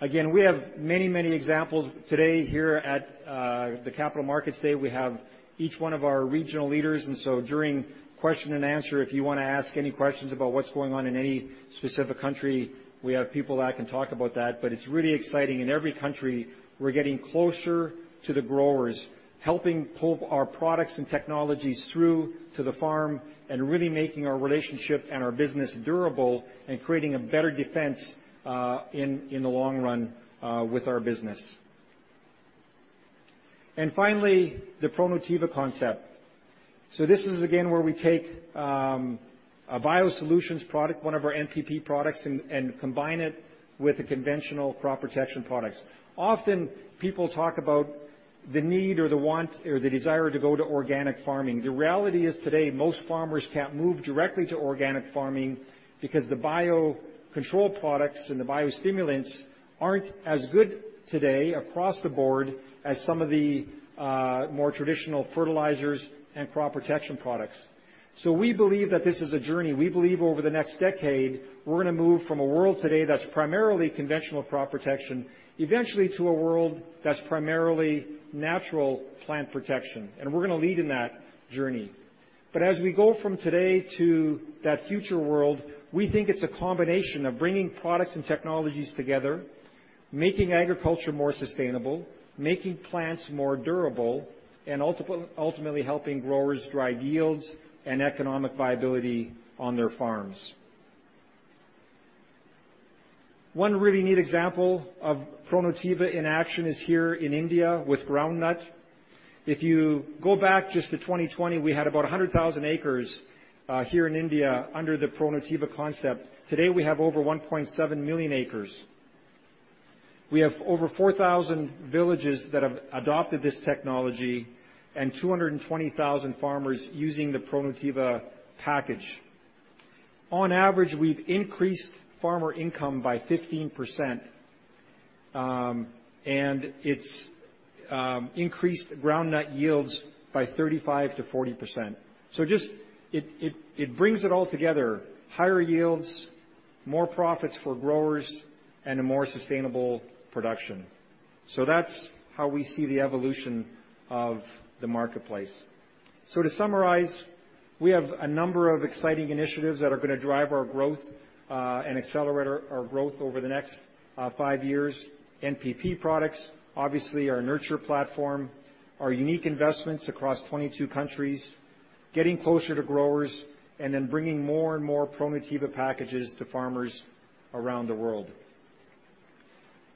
Again, we have many, many examples today here at the Capital Markets Day. We have each one of our regional leaders, during question and answer, if you wanna ask any questions about what's going on in any specific country, we have people that can talk about that. It's really exciting. In every country, we're getting closer to the growers, helping pull our products and technologies through to the farm and really making our relationship and our business durable and creating a better defense in the long run with our business. Finally, the ProNutiva concept. This is again where we take a biosolutions product, one of our NPP products, and combine it with the conventional crop protection products. Often, people talk about the need or the want or the desire to go to organic farming. The reality is today, most farmers can't move directly to organic farming because the biocontrol products and the biostimulants aren't as good today across the board as some of the more traditional fertilizers and crop protection products. We believe that this is a journey. We believe over the next decade, we're gonna move from a world today that's primarily conventional crop protection, eventually to a world that's primarily Natural Plant Protection, and we're gonna lead in that journey. As we go from today to that future world, we think it's a combination of bringing products and technologies together, making agriculture more sustainable, making plants more durable, and ultimately helping growers drive yields and economic viability on their farms. One really neat example of ProNutiva in action is here in India with groundnut. If you go back just to 2020, we had about 100,000 acres here in India under the ProNutiva concept. Today, we have over 1.7 million acres. We have over 4,000 villages that have adopted this technology and 220,000 farmers using the ProNutiva package. On average, we've increased farmer income by 15%, and it's increased groundnut yields by 35%-40%. It brings it all together, higher yields, more profits for growers, and a more sustainable production. That's how we see the evolution of the marketplace. To summarize, we have a number of exciting initiatives that are gonna drive our growth and accelerate our growth over the next 5 years. NPP products, obviously our nurture.farm platform, our unique investments across 22 countries, getting closer to growers, and then bringing more and more ProNutiva packages to farmers around the world.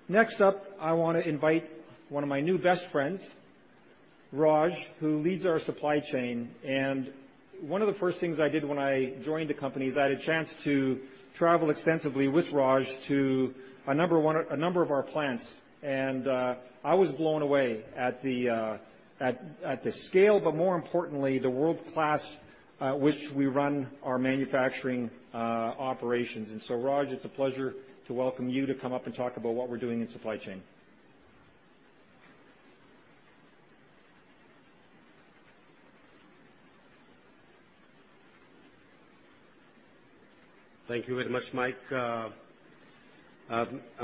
Next up, I wanna invite one of my new best friends, Raj, who leads our supply chain. One of the first things I did when I joined the company is I had a chance to travel extensively with Raj to a number of our plants. I was blown away at the scale, but more importantly, the world-class which we run our manufacturing operations. Raj, it's a pleasure to welcome you to come up and talk about what we're doing in supply chain. Thank you very much, Mike. I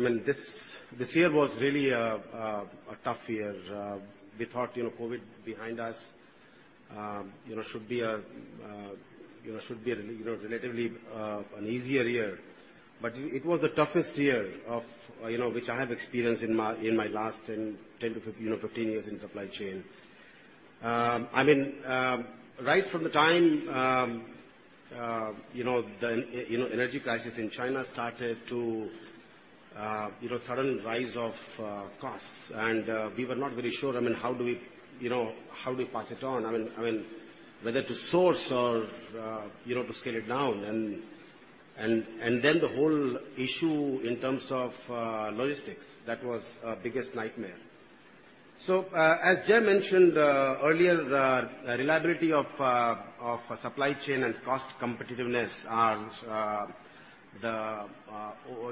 mean, this year was really a tough year. We thought, you know, COVID behind us, you know, should be a relatively an easier year. It was the toughest year of, you know, which I have experienced in my last 10 to 15 years in supply chain. I mean, right from the time, you know, the you know, energy crisis in China started to sudden rise of costs, and we were not very sure. I mean, how do we, you know, pass it on? I mean, whether to source or, you know, to scale it down. Then the whole issue in terms of logistics, that was our biggest nightmare. As Jay mentioned earlier, the reliability of supply chain and cost competitiveness are the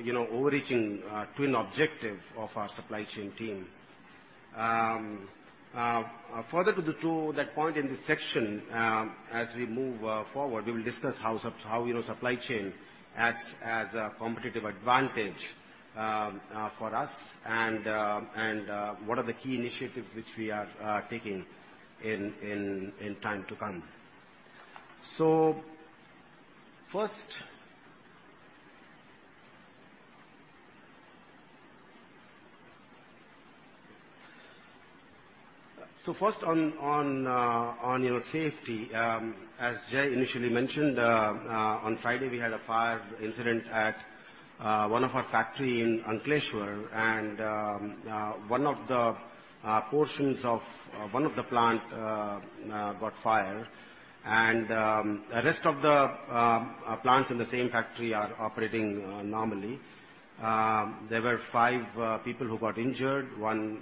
you know, overarching twin objective of our supply chain team. Further to that point in this section, as we move forward, we will discuss how supply chain acts as a competitive advantage for us and what are the key initiatives which we are taking in time to come. First on you know safety as Jai initially mentioned on Friday we had a fire incident at one of our factories in Ankleshwar and one of the portions of one of the plants caught fire. The rest of the plants in the same factory are operating normally. There were five people who got injured. One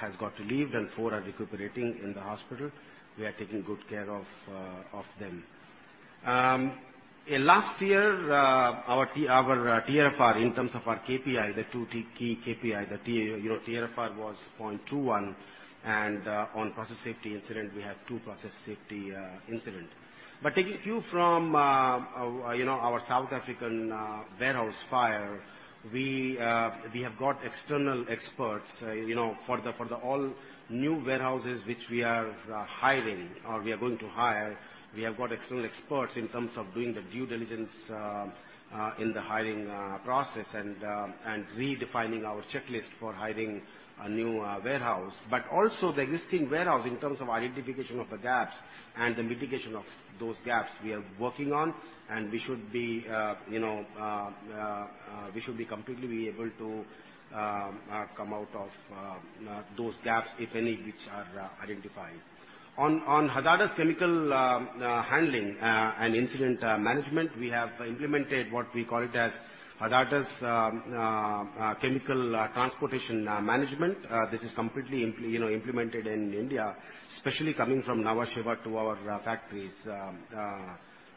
has been released and 4 are recuperating in the hospital. We are taking good care of them. Last year our TRFR in terms of our KPI the two key KPIs the TRFR was 0.21. On process safety incident we have two process safety incidents. Taking a cue from our you know our South African warehouse fire, we have got external experts you know for the all new warehouses which we are hiring or we are going to hire. We have got external experts in terms of doing the due diligence in the hiring process and redefining our checklist for hiring a new warehouse. Also the existing warehouse in terms of identification of the gaps and the mitigation of those gaps we are working on, and we should be completely able to come out of those gaps, if any, which are identified. On hazardous chemical handling and incident management, we have implemented what we call hazardous chemical transportation management. This is completely implemented in India, especially coming from Nhava Sheva to our factories,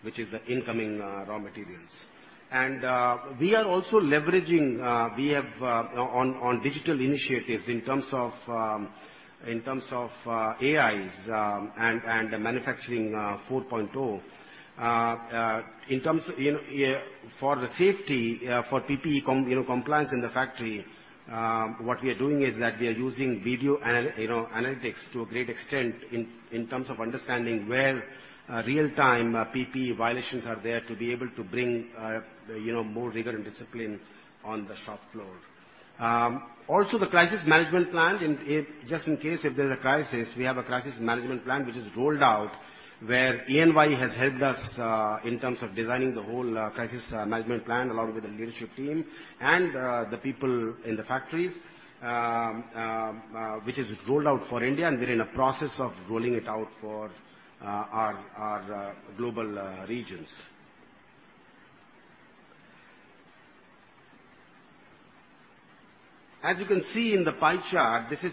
which is incoming raw materials. We are also leveraging on digital initiatives in terms of AIs and Manufacturing 4.0. In terms for the safety, for PPE compliance in the factory, what we are doing is that we are using video analytics to a great extent in terms of understanding where real-time PPE violations are there to be able to bring, you know, more rigor and discipline on the shop floor. Also the crisis management plan. In just in case if there's a crisis, we have a crisis management plan which is rolled out, where EY has helped us in terms of designing the whole crisis management plan, along with the leadership team and the people in the factories, which is rolled out for India, and we're in a process of rolling it out for our global regions. As you can see in the pie chart, this is,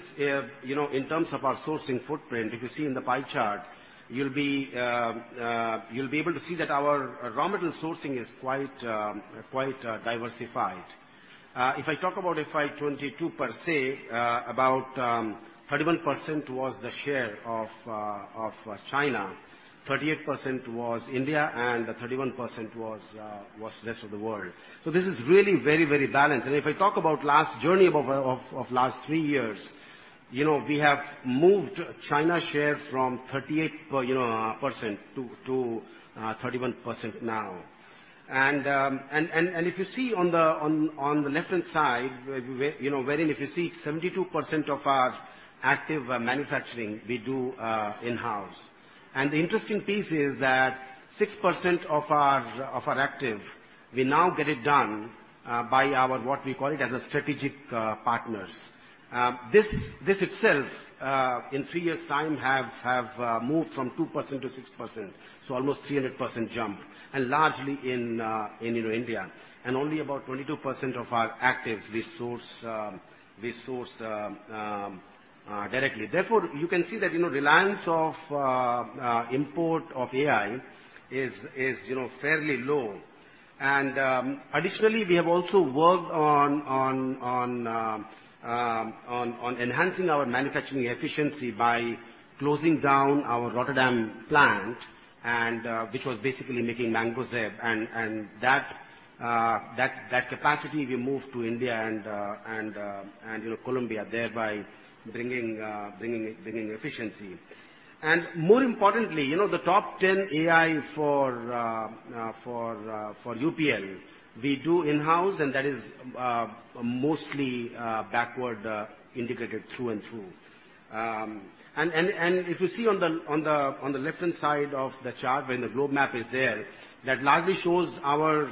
you know, in terms of our sourcing footprint, if you see in the pie chart, you'll be able to see that our raw material sourcing is quite diversified. If I talk about FY 2022 per se, about 31% was the share of China, 38% was India, and 31% was rest of the world. This is really very balanced. If I talk about last three years, you know, we have moved China share from 38%-31% now. If you see on the left-hand side, where you know, wherein if you see 72% of our actives manufacturing we do in-house. The interesting piece is that 6% of our actives we now get it done by our what we call as strategic partners. This itself in three years' time have moved from 2%-6%, so almost 300% jump, and largely in India. Only about 22% of our actives we source directly. Therefore, you can see that you know reliance on import of AI is you know fairly low. Additionally, we have also worked on enhancing our manufacturing efficiency by closing down our Rotterdam plant, which was basically making mancozeb. That capacity we moved to India and, you know, Colombia, thereby bringing efficiency. More importantly, you know, the top ten AIs for UPL, we do in-house, and that is mostly backward integrated through and through. If you see on the left-hand side of the chart, when the globe map is there, that largely shows our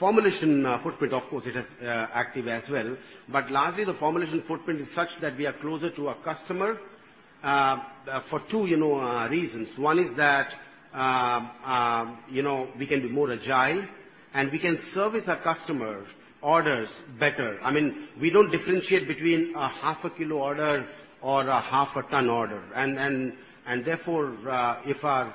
formulation footprint. Of course, it has actives as well. Largely, the formulation footprint is such that we are closer to our customer for two, you know, reasons. One is that, you know, we can be more agile, and we can service our customer orders better. I mean, we don't differentiate between a half a kilo order or a half a ton order. Therefore, if our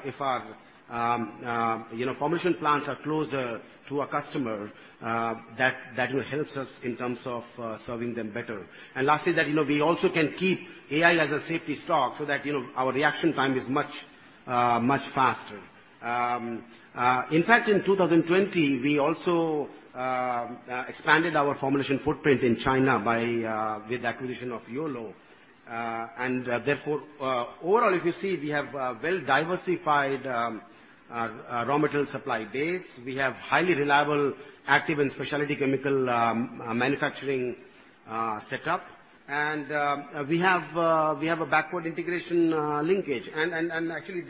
formulation plants are closer to our customer, that will help us in terms of serving them better. Lastly is that, you know, we also can keep AI as a safety stock so that, you know, our reaction time is much faster. In fact, in 2020, we also expanded our formulation footprint in China by the acquisition of Yoloo. Therefore, overall, if you see, we have a well-diversified raw material supply base. We have highly reliable active and specialty chemical manufacturing setup. We have a backward integration linkage. Actually,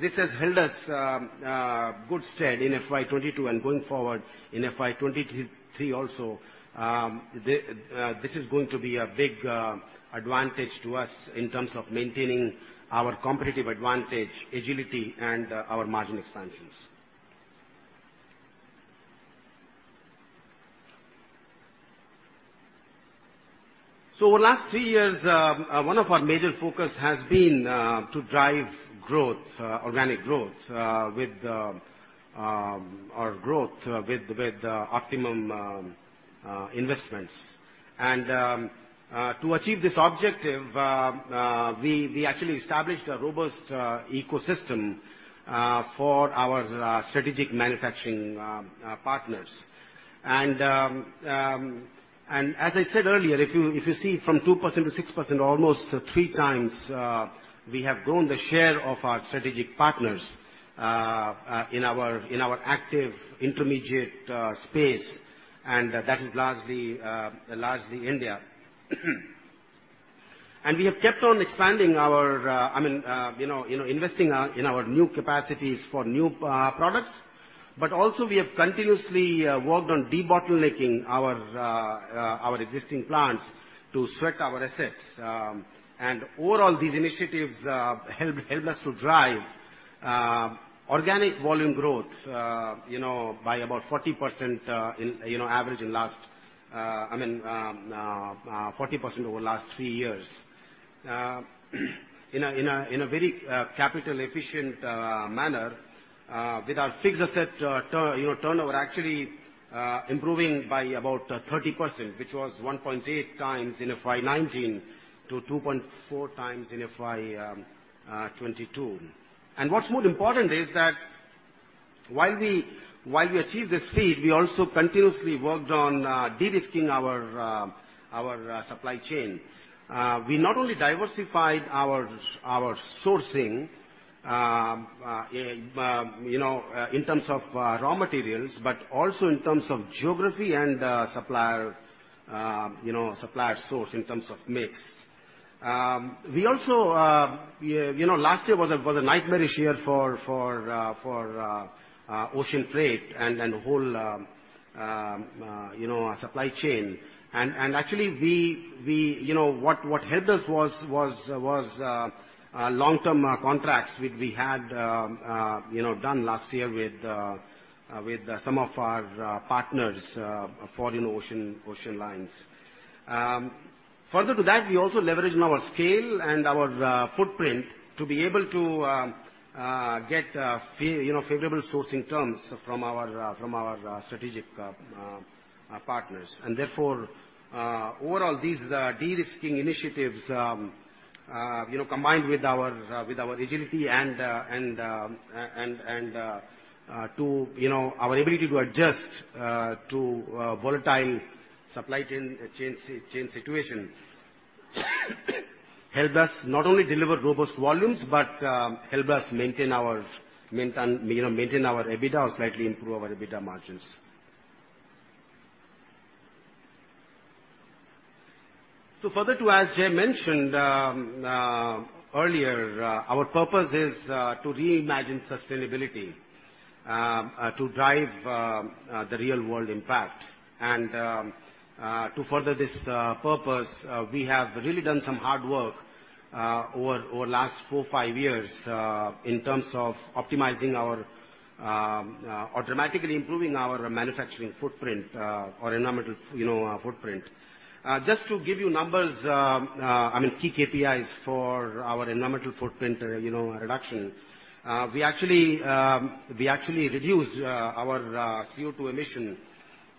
this has held us in good stead in FY 2022. Going forward in FY 2023 also, this is going to be a big advantage to us in terms of maintaining our competitive advantage, agility, and our margin expansions. Over last three years, one of our major focus has been to drive growth, organic growth, with optimum investments. To achieve this objective, we actually established a robust ecosystem for our strategic manufacturing partners. as I said earlier, if you see from 2%-6%, almost three times, we have grown the share of our strategic partners in our active intermediate space, and that is largely India. We have kept on expanding our, I mean, you know, investing in our new capacities for new products. Also we have continuously worked on debottlenecking our existing plants to sweat our assets. Overall, these initiatives helped us to drive organic volume growth, you know, by about 40% on average over the last three years. In a very capital efficient manner with our fixed asset turnover actually improving by about 30%, which was 1.8 times in FY 2019 to 2.4 times in FY 2022. What's more important is that while we achieve this feat, we also continuously worked on de-risking our supply chain. We not only diversified our sourcing in terms of raw materials, but also in terms of geography and supplier source in terms of mix. We also, you know, last year was a nightmarish year for ocean freight and whole supply chain. Actually we, you know, what helped us was long-term contracts which we had, you know, done last year with some of our partners, foreign ocean lines. Further to that, we also leveraged on our scale and our footprint to be able to get, you know, favorable sourcing terms from our strategic partners. Therefore, overall, these de-risking initiatives, you know, combined with our agility and our ability to adjust to volatile supply chain situation helped us not only deliver robust volumes, but helped us maintain our, you know, maintain our EBITDA or slightly improve our EBITDA margins. Further to, as Jai mentioned, earlier, our purpose is to reimagine sustainability to drive the real world impact. To further this purpose, we have really done some hard work over last four, five years in terms of optimizing our or dramatically improving our manufacturing footprint or environmental, you know, footprint. Just to give you numbers, I mean, key KPIs for our environmental footprint, you know, reduction, we actually reduced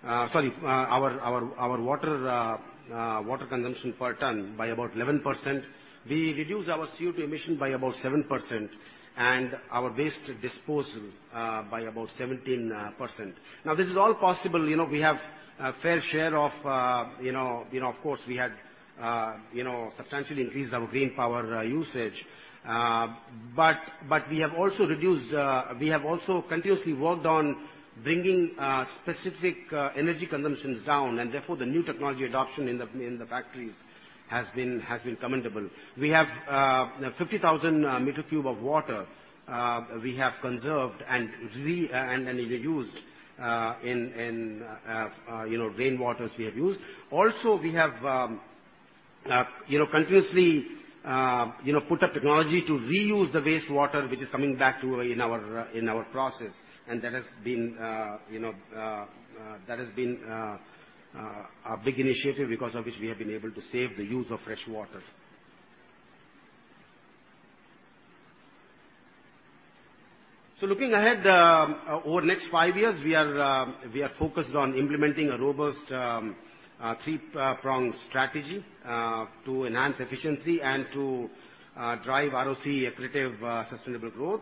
our water consumption per ton by about 11%. We reduced our CO2 emission by about 7% and our waste disposal by about 17%. Now this is all possible, you know. We have a fair share of course, we had substantially increased our green power usage. We have also reduced. We have also continuously worked on bringing specific energy consumptions down, and therefore, the new technology adoption in the factories has been commendable. We have conserved and reused 50,000 cubic meters of water in rainwater we have used. Also, we have continuously put up technology to reuse the wastewater which is coming back into our process. That has been, you know, a big initiative because of which we have been able to save the use of fresh water. Looking ahead over next five years, we are focused on implementing a robust three-prong strategy to enhance efficiency and to drive ROC accretive sustainable growth.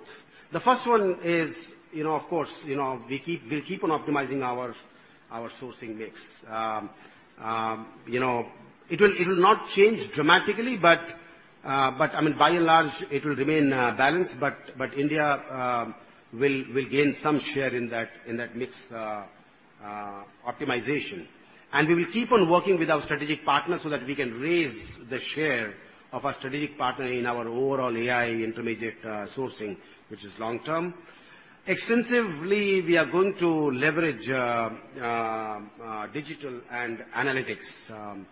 The first one is, you know, of course, you know, we'll keep on optimizing our sourcing mix. You know, it will not change dramatically, but I mean, by and large, it will remain balanced, but India will gain some share in that mix optimization. We will keep on working with our strategic partners so that we can raise the share of our strategic partner in our overall AI intermediate sourcing, which is long-term. Extensively, we are going to leverage digital and analytics.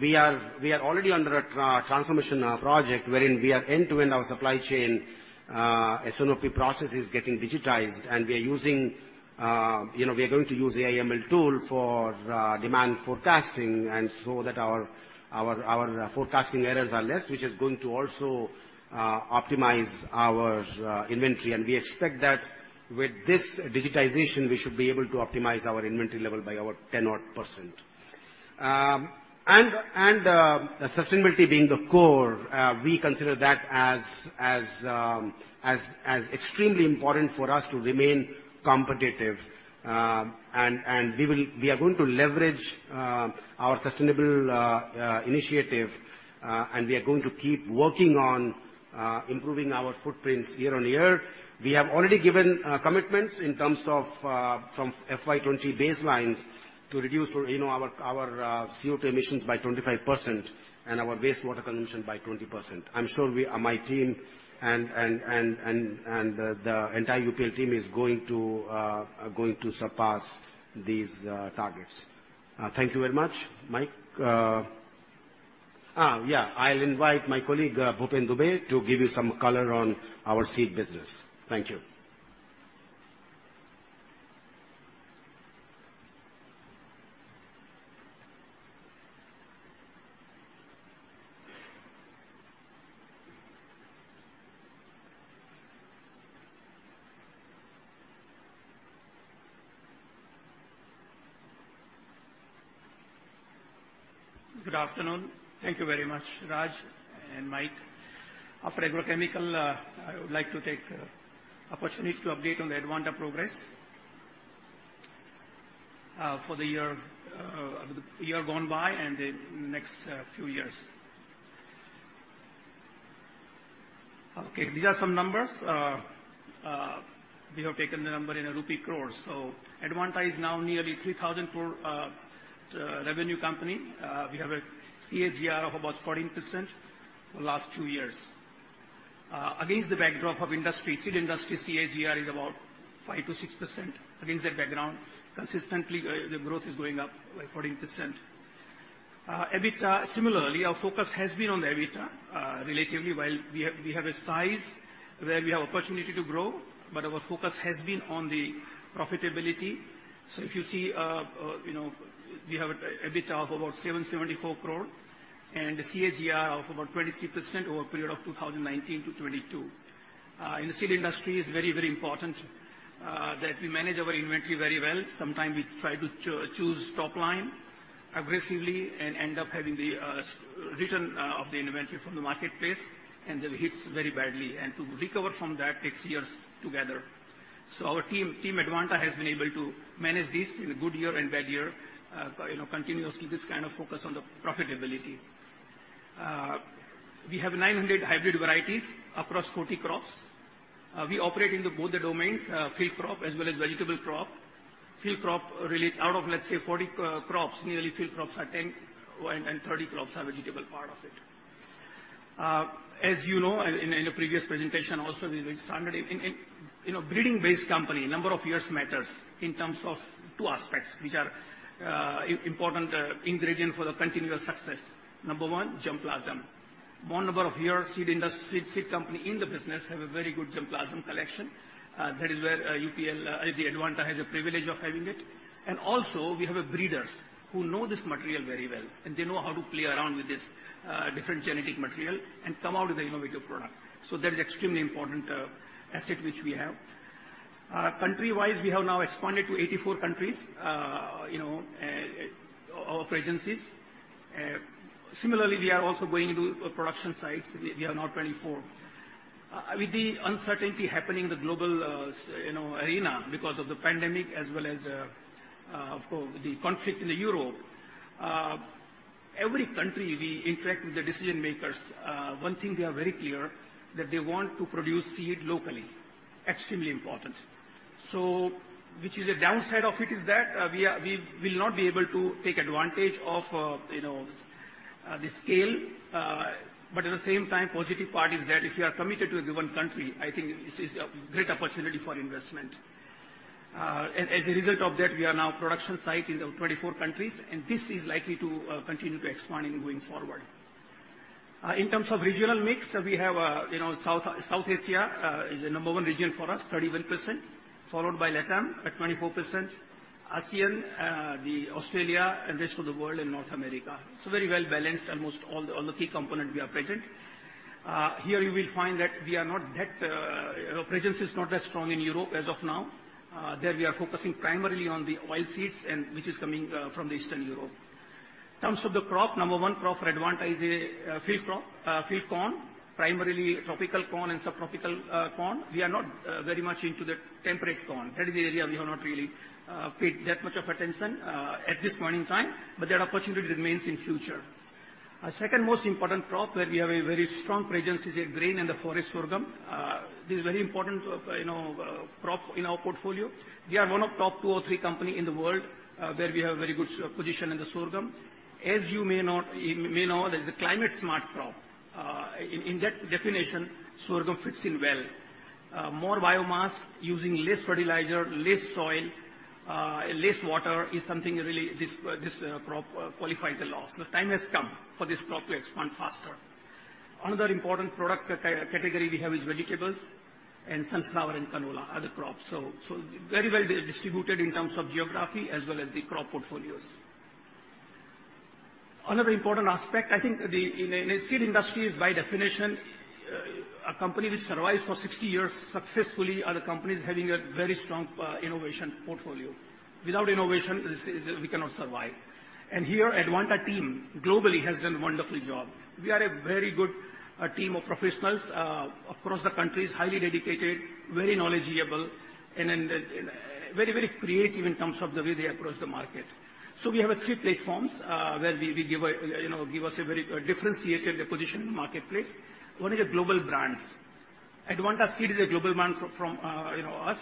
We are already under a transformation project wherein we are end-to-end our supply chain S&OP process is getting digitized, and we are using, we are going to use AI ML tool for demand forecasting and so that our forecasting errors are less, which is going to also optimize our inventory. We expect that with this digitization, we should be able to optimize our inventory level by about 10%. Sustainability being the core, we consider that as extremely important for us to remain competitive. We are going to leverage our sustainable initiative, and we are going to keep working on improving our footprints year-on-year. We have already given commitments in terms of from FY20 baselines to reduce our CO2 emissions by 25% and our wastewater consumption by 20%. I'm sure my team and the entire UPL team is going to surpass these targets. Thank you very much, Mike. I'll invite my colleague, Bhupen Dubey, to give you some color on our seed business. Thank you. Good afternoon. Thank you very much, Raj and Mike. After agrochemical, I would like to take opportunity to update on the Advanta progress for the year, the year gone by and the next few years. These are some numbers. We have taken the number in a rupee crores. So Advanta is now nearly 3,000 crore revenue company. We have a CAGR of about 14% for last two years. Against the backdrop of industry, seed industry CAGR is about 5%-6%. Against that background, consistently the growth is going up by 14%. EBITDA, similarly, our focus has been on the EBITDA. Relatively, while we have a size where we have opportunity to grow, but our focus has been on the profitability. If you see, you know, we have an EBITDA of about 774 crore and a CAGR of about 23% over a period of 2019 to 2022. In the seed industry, it's very, very important that we manage our inventory very well. Sometimes we try to choose top line aggressively and end up having the return of the inventory from the marketplace, and that hits very badly. To recover from that takes years to gather. Our team, Team Advanta, has been able to manage this in a good year and bad year, you know, continuously this kind of focus on the profitability. We have 900 hybrid varieties across 40 crops. We operate in both the domains, field crop as well as vegetable crop. Field crop really out of, let's say, 40 crops, nearly field crops are 10 and 30 crops are vegetable part of it. As you know, in a previous presentation also, we started in. You know, breeding-based company, number of years matters in terms of two aspects, which are important ingredient for the continuous success. Number one, germplasm. More number of years seed industry, seed company in the business have a very good germplasm collection. That is where UPL, the Advanta has a privilege of having it. And also we have breeders who know this material very well, and they know how to play around with this different genetic material and come out with an innovative product. That is extremely important asset which we have. Country-wise, we have now expanded to 84 countries, you know, of agencies. Similarly, we are also going into production sites. We are now 24. With the uncertainty happening in the global, you know, arena because of the pandemic as well as, of course, the conflict in Europe, every country we interact with the decision makers, one thing they are very clear, that they want to produce seed locally. Extremely important. Which is a downside of it is that, we will not be able to take advantage of, you know, the scale. But at the same time, positive part is that if you are committed to a given country, I think this is a great opportunity for investment. As a result of that, we are now production sites in 24 countries, and this is likely to continue to expand going forward. In terms of regional mix, we have, you know, South Asia is the number one region for us, 31%, followed by LATAM at 24%. ASEAN, Australia and rest of the world in North America. It's very well-balanced. Almost all the key components we are present. Here you will find that our presence is not as strong in Europe as of now. There we are focusing primarily on the oilseeds, which are coming from Eastern Europe. In terms of the crop, number one crop for Advanta is field crop, field corn, primarily tropical corn and subtropical corn. We are not very much into the temperate corn. That is the area we have not really paid that much attention at this point in time, but that opportunity remains in future. Our second most important crop, where we have a very strong presence, is grains and forage sorghum. This is very important, you know, crop in our portfolio. We are one of the top two or three companies in the world, where we have very good strong position in the sorghum. As you may know, that is a climate-smart crop. In that definition, sorghum fits in well. More biomass, using less fertilizer, less soil, less water is something really, this crop qualifies a lot. Time has come for this crop to expand faster. Another important product category we have is vegetables, sunflower, and canola, other crops very well distributed in terms of geography as well as the crop portfolios. Another important aspect, I think in a seed industry is by definition a company which survives for 60 years successfully are the companies having a very strong innovation portfolio. Without innovation, we cannot survive. Here, Advanta team globally has done a wonderful job. We are a very good team of professionals across the countries, highly dedicated, very knowledgeable, and then very, very creative in terms of the way they approach the market. We have three platforms where we, you know, give us a very differentiated position in the marketplace. One is the global brands. Advanta Seeds is a global brand from us,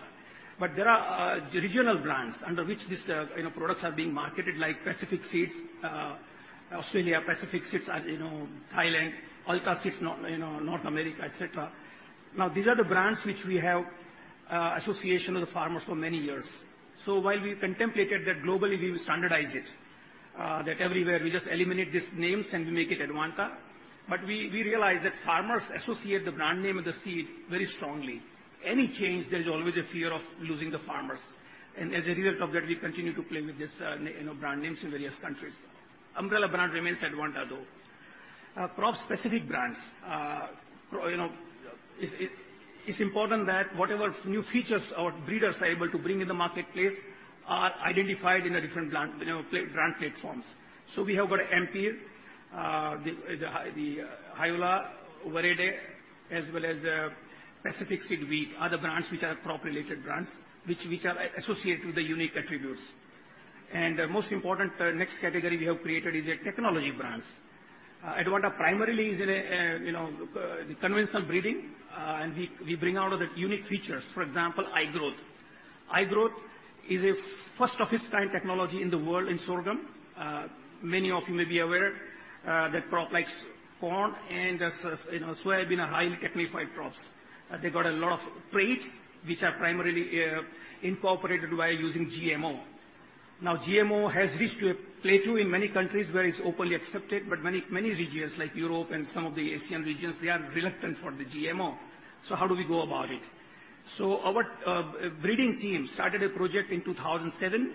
but there are regional brands under which these products are being marketed like Pacific Seeds Australia, Pacific Seeds Thailand, Alta Seeds North America, et cetera. These are the brands which we have association with the farmers for many years. While we contemplated that globally we will standardize it, that everywhere we just eliminate these names and we make it Advanta, but we realized that farmers associate the brand name of the seed very strongly. Any change, there is always a fear of losing the farmers. As a result of that, we continue to play with these brand names in various countries. Umbrella brand remains Advanta, though. Crop-specific brands. You know, it's important that whatever new features our breeders are able to bring in the marketplace are identified in the different brand, you know, brand platforms. We have got Ampere, the Hyola, Verede, as well as Pacific Seeds Wheat, other brands which are crop-related brands, which are associated with the unique attributes. The most important next category we have created is the technology brands. Advanta primarily is in conventional breeding, and we bring out the unique features. For example, iGrowth. iGrowth is a first of its kind technology in the world in sorghum. Many of you may be aware that crops like corn and soy have been highly technified crops. They got a lot of traits which are primarily incorporated via using GMO. Now, GMO has reached to a plateau in many countries where it's openly accepted, but many, many regions like Europe and some of the Asian regions, they are reluctant for the GMO. How do we go about it? Our breeding team started a project in 2007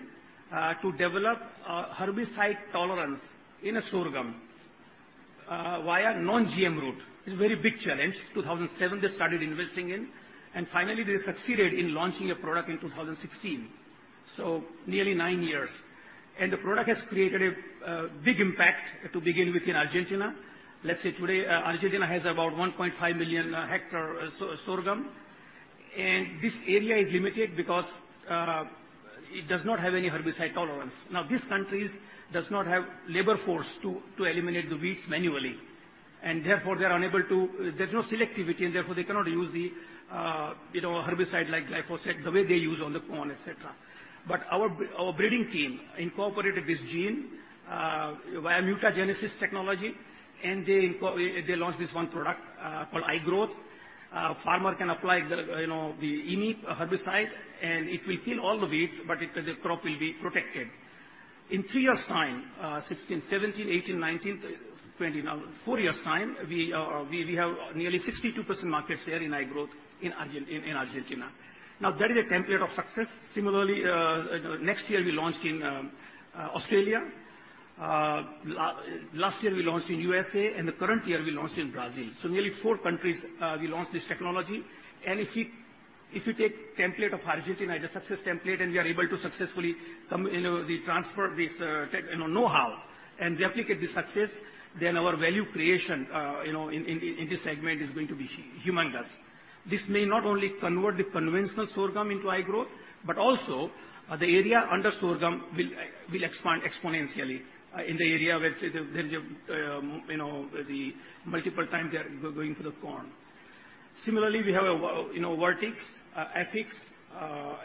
to develop a herbicide tolerance in a sorghum via non-GM route. It's a very big challenge. 2007, they started investing in, and finally they succeeded in launching a product in 2016. Nearly nine years. The product has created a big impact to begin with in Argentina. Let's say today, Argentina has about 1.5 million hectare sorghum, and this area is limited because it does not have any herbicide tolerance. Now, these countries does not have labor force to eliminate the weeds manually, and therefore, they are unable to. There's no selectivity and therefore they cannot use the herbicide like glyphosate the way they use on the corn, et cetera. Our breeding team incorporated this gene via mutagenesis technology, and they launched this one product called iGrowth. Farmer can apply the iMEP herbicide, and it will kill all the weeds, but the crop will be protected. In three years' time, 2016, 2017, 2018, 2019, 2020 now, four years' time, we have nearly 62% market share in iGrowth in Argentina. Now, that is a template of success. Similarly, next year we launched in Australia. Last year we launched in U.S., and the current year we launched in Brazil. Nearly 4 countries, we launched this technology. If you take template of Argentina as a success template, and we are able to successfully come, you know, we transfer this, you know-how and replicate the success, then our value creation, you know, in this segment is going to be humongous. This may not only convert the conventional sorghum into iGrowth, but also, the area under sorghum will expand exponentially, in the area where say there's a, you know, the multiple times they're going for the corn. Similarly, we have a, you know, Vertix, Afix,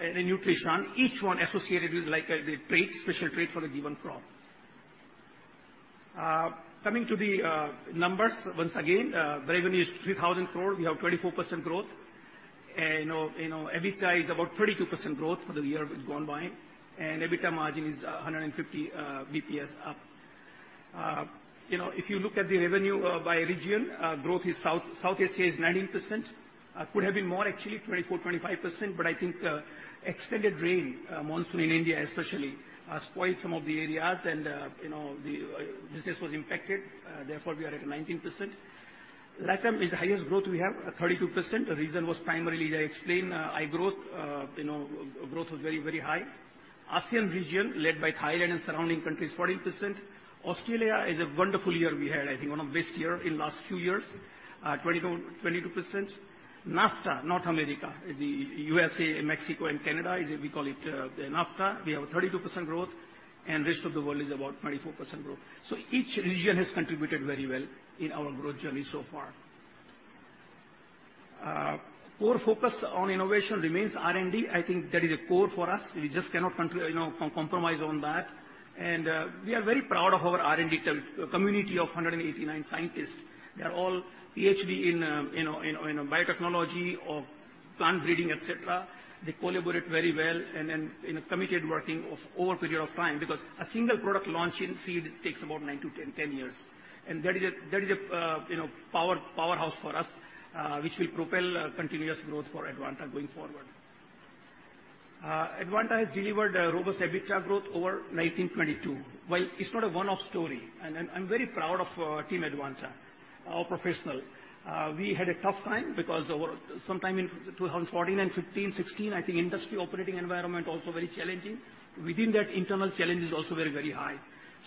and a Nutrisan, each one associated with like, the traits, special trait for a given crop. Coming to the numbers once again. The revenue is 3,000 crore. We have 24% growth. You know, EBITDA is about 32% growth for the year which gone by, and EBITDA margin is 150 basis points up. You know, if you look at the revenue by region, growth is South Asia is 19%. Could have been more actually, 24%-25%, but I think, extended rain, monsoon in India especially, spoiled some of the areas and, you know, the business was impacted. Therefore, we are at 19%. LATAM is the highest growth we have, at 32%. The reason was primarily, as I explained, igrowth. You know, growth was very, very high. ASEAN region, led by Thailand and surrounding countries, 14%. Australia is a wonderful year we had, I think one of best year in last few years, 21%-22%. NAFTA, North America, the USA, Mexico and Canada, we call it the NAFTA. We have a 32% growth, and rest of the world is about 24% growth. Each region has contributed very well in our growth journey so far. Core focus on innovation remains R&D. I think that is a core for us. We just cannot compromise on that. We are very proud of our R&D talent community of 189 scientists. They are all PhD in you know biotechnology or plant breeding, et cetera. They collaborate very well and then committed working over a period of time because a single product launch in seed takes about 9-10 years. That is a powerhouse for us, which will propel continuous growth for Advanta going forward. Advanta has delivered a robust EBITDA growth over 2019-2022. While it's not a one-off story, and I'm very proud of team Advanta, our professionals. We had a tough time because sometime in 2014 and 2015, 2016, I think industry operating environment also very challenging. Within that, internal challenges also very high.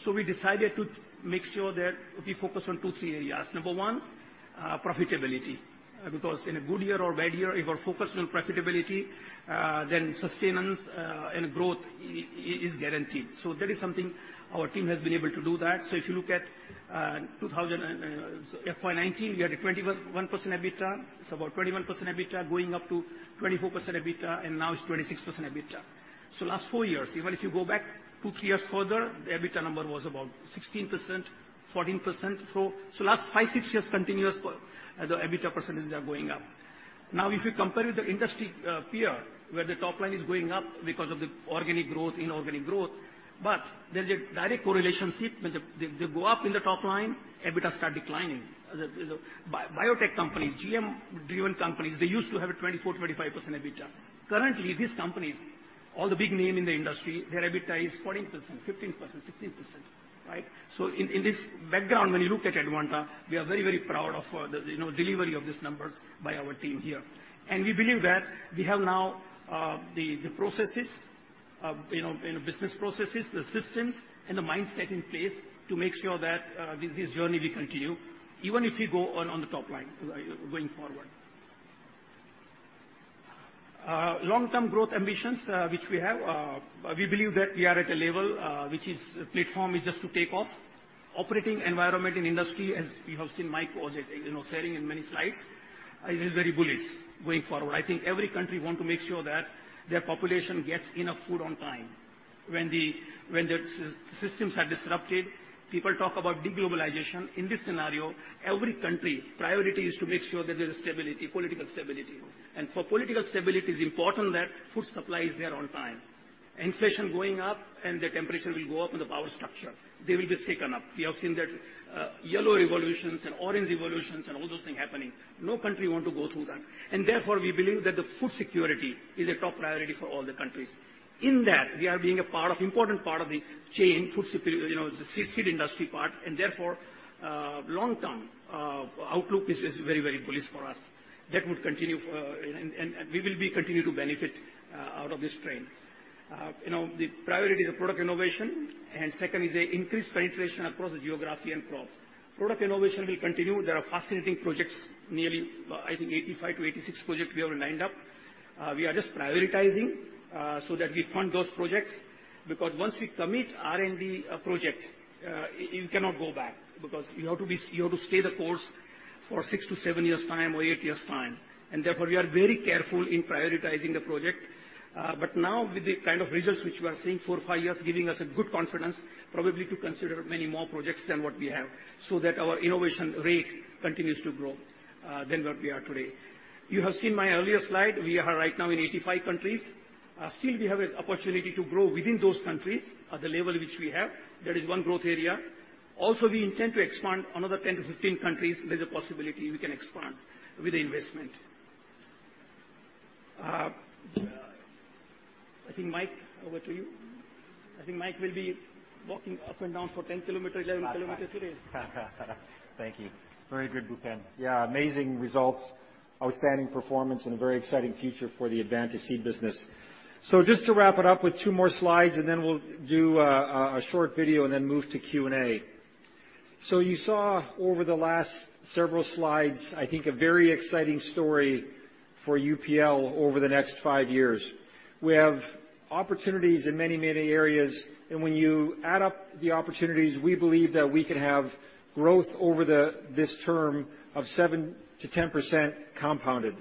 We decided to make sure that we focus on 2-3 areas. Number 1, profitability. Because in a good year or bad year, if we're focused on profitability, then sustenance, and growth is guaranteed. That is something our team has been able to do that. If you look at FY 2019, we had a 21% EBITDA. It's about 21% EBITDA going up to 24% EBITDA, and now it's 26% EBITDA. Last four years, even if you go back two, three years further, the EBITDA number was about 16%, 14%. Last five, six years continuously the EBITDA percentages are going up. Now, if you compare with the industry peer, where the top line is going up because of the organic growth, inorganic growth, but there's a direct relationship when they go up in the top line, EBITDA start declining. The biotech company, GM-driven companies, they used to have a 24%-25% EBITDA. Currently, these companies, all the big name in the industry, their EBITDA is 14%, 15%, 16%, right? In this background, when you look at Advanta, we are very, very proud of, you know, the delivery of these numbers by our team here. We believe that we have now the processes, you know, business processes, the systems and the mindset in place to make sure that this journey will continue even if we go on the top line going forward. Long-term growth ambitions, which we have, we believe that we are at a level which is platform is just to take off. Operating environment in industry, as you have seen Mike, you know, sharing in many slides, is very bullish going forward. I think every country want to make sure that their population gets enough food on time. When the systems are disrupted, people talk about de-globalization. In this scenario, every country priority is to make sure that there's a stability, political stability. For political stability, it's important that food supply is there on time. Inflation going up, and the temperature will go up in the power structure. They will be sickened up. We have seen that, yellow revolutions and orange revolutions and all those things happening. No country want to go through that. Therefore, we believe that the food security is a top priority for all the countries. In that, we are being a part of, important part of the chain, food security, you know, seed industry part, and therefore, long-term, outlook is very, very bullish for us. That would continue for. We will be continue to benefit out of this trend. You know, the priority is the product innovation, and second is the increased penetration across the geography and crop. Product innovation will continue. There are fascinating projects, nearly, I think 85-86 projects we have lined up. We are just prioritizing, so that we fund those projects. Because once we commit R&D project, you cannot go back because you have to be. You have to stay the course for 6-7 years' time or 8 years' time. Therefore, we are very careful in prioritizing the project. Now with the kind of results which we are seeing 4-5 years, giving us a good confidence probably to consider many more projects than what we have, so that our innovation rate continues to grow, than what we are today. You have seen my earlier slide. We are right now in 85 countries. Still we have an opportunity to grow within those countries at the level which we have. That is one growth area. Also, we intend to expand another 10-15 countries. There is a possibility we can expand with the investment. I think, Mike, over to you. I think Mike will be walking up and down for 10 kilometers, 11 kilometers today. Thank you. Very good, Bhupen. Yeah, amazing results, outstanding performance, and a very exciting future for the Advanta Seeds business. Just to wrap it up with two more slides, and then we'll do a short video and then move to Q&A. You saw over the last several slides, I think, a very exciting story for UPL over the next 5 years. We have opportunities in many, many areas, and when you add up the opportunities, we believe that we could have growth over this term of 7%-10% compounded.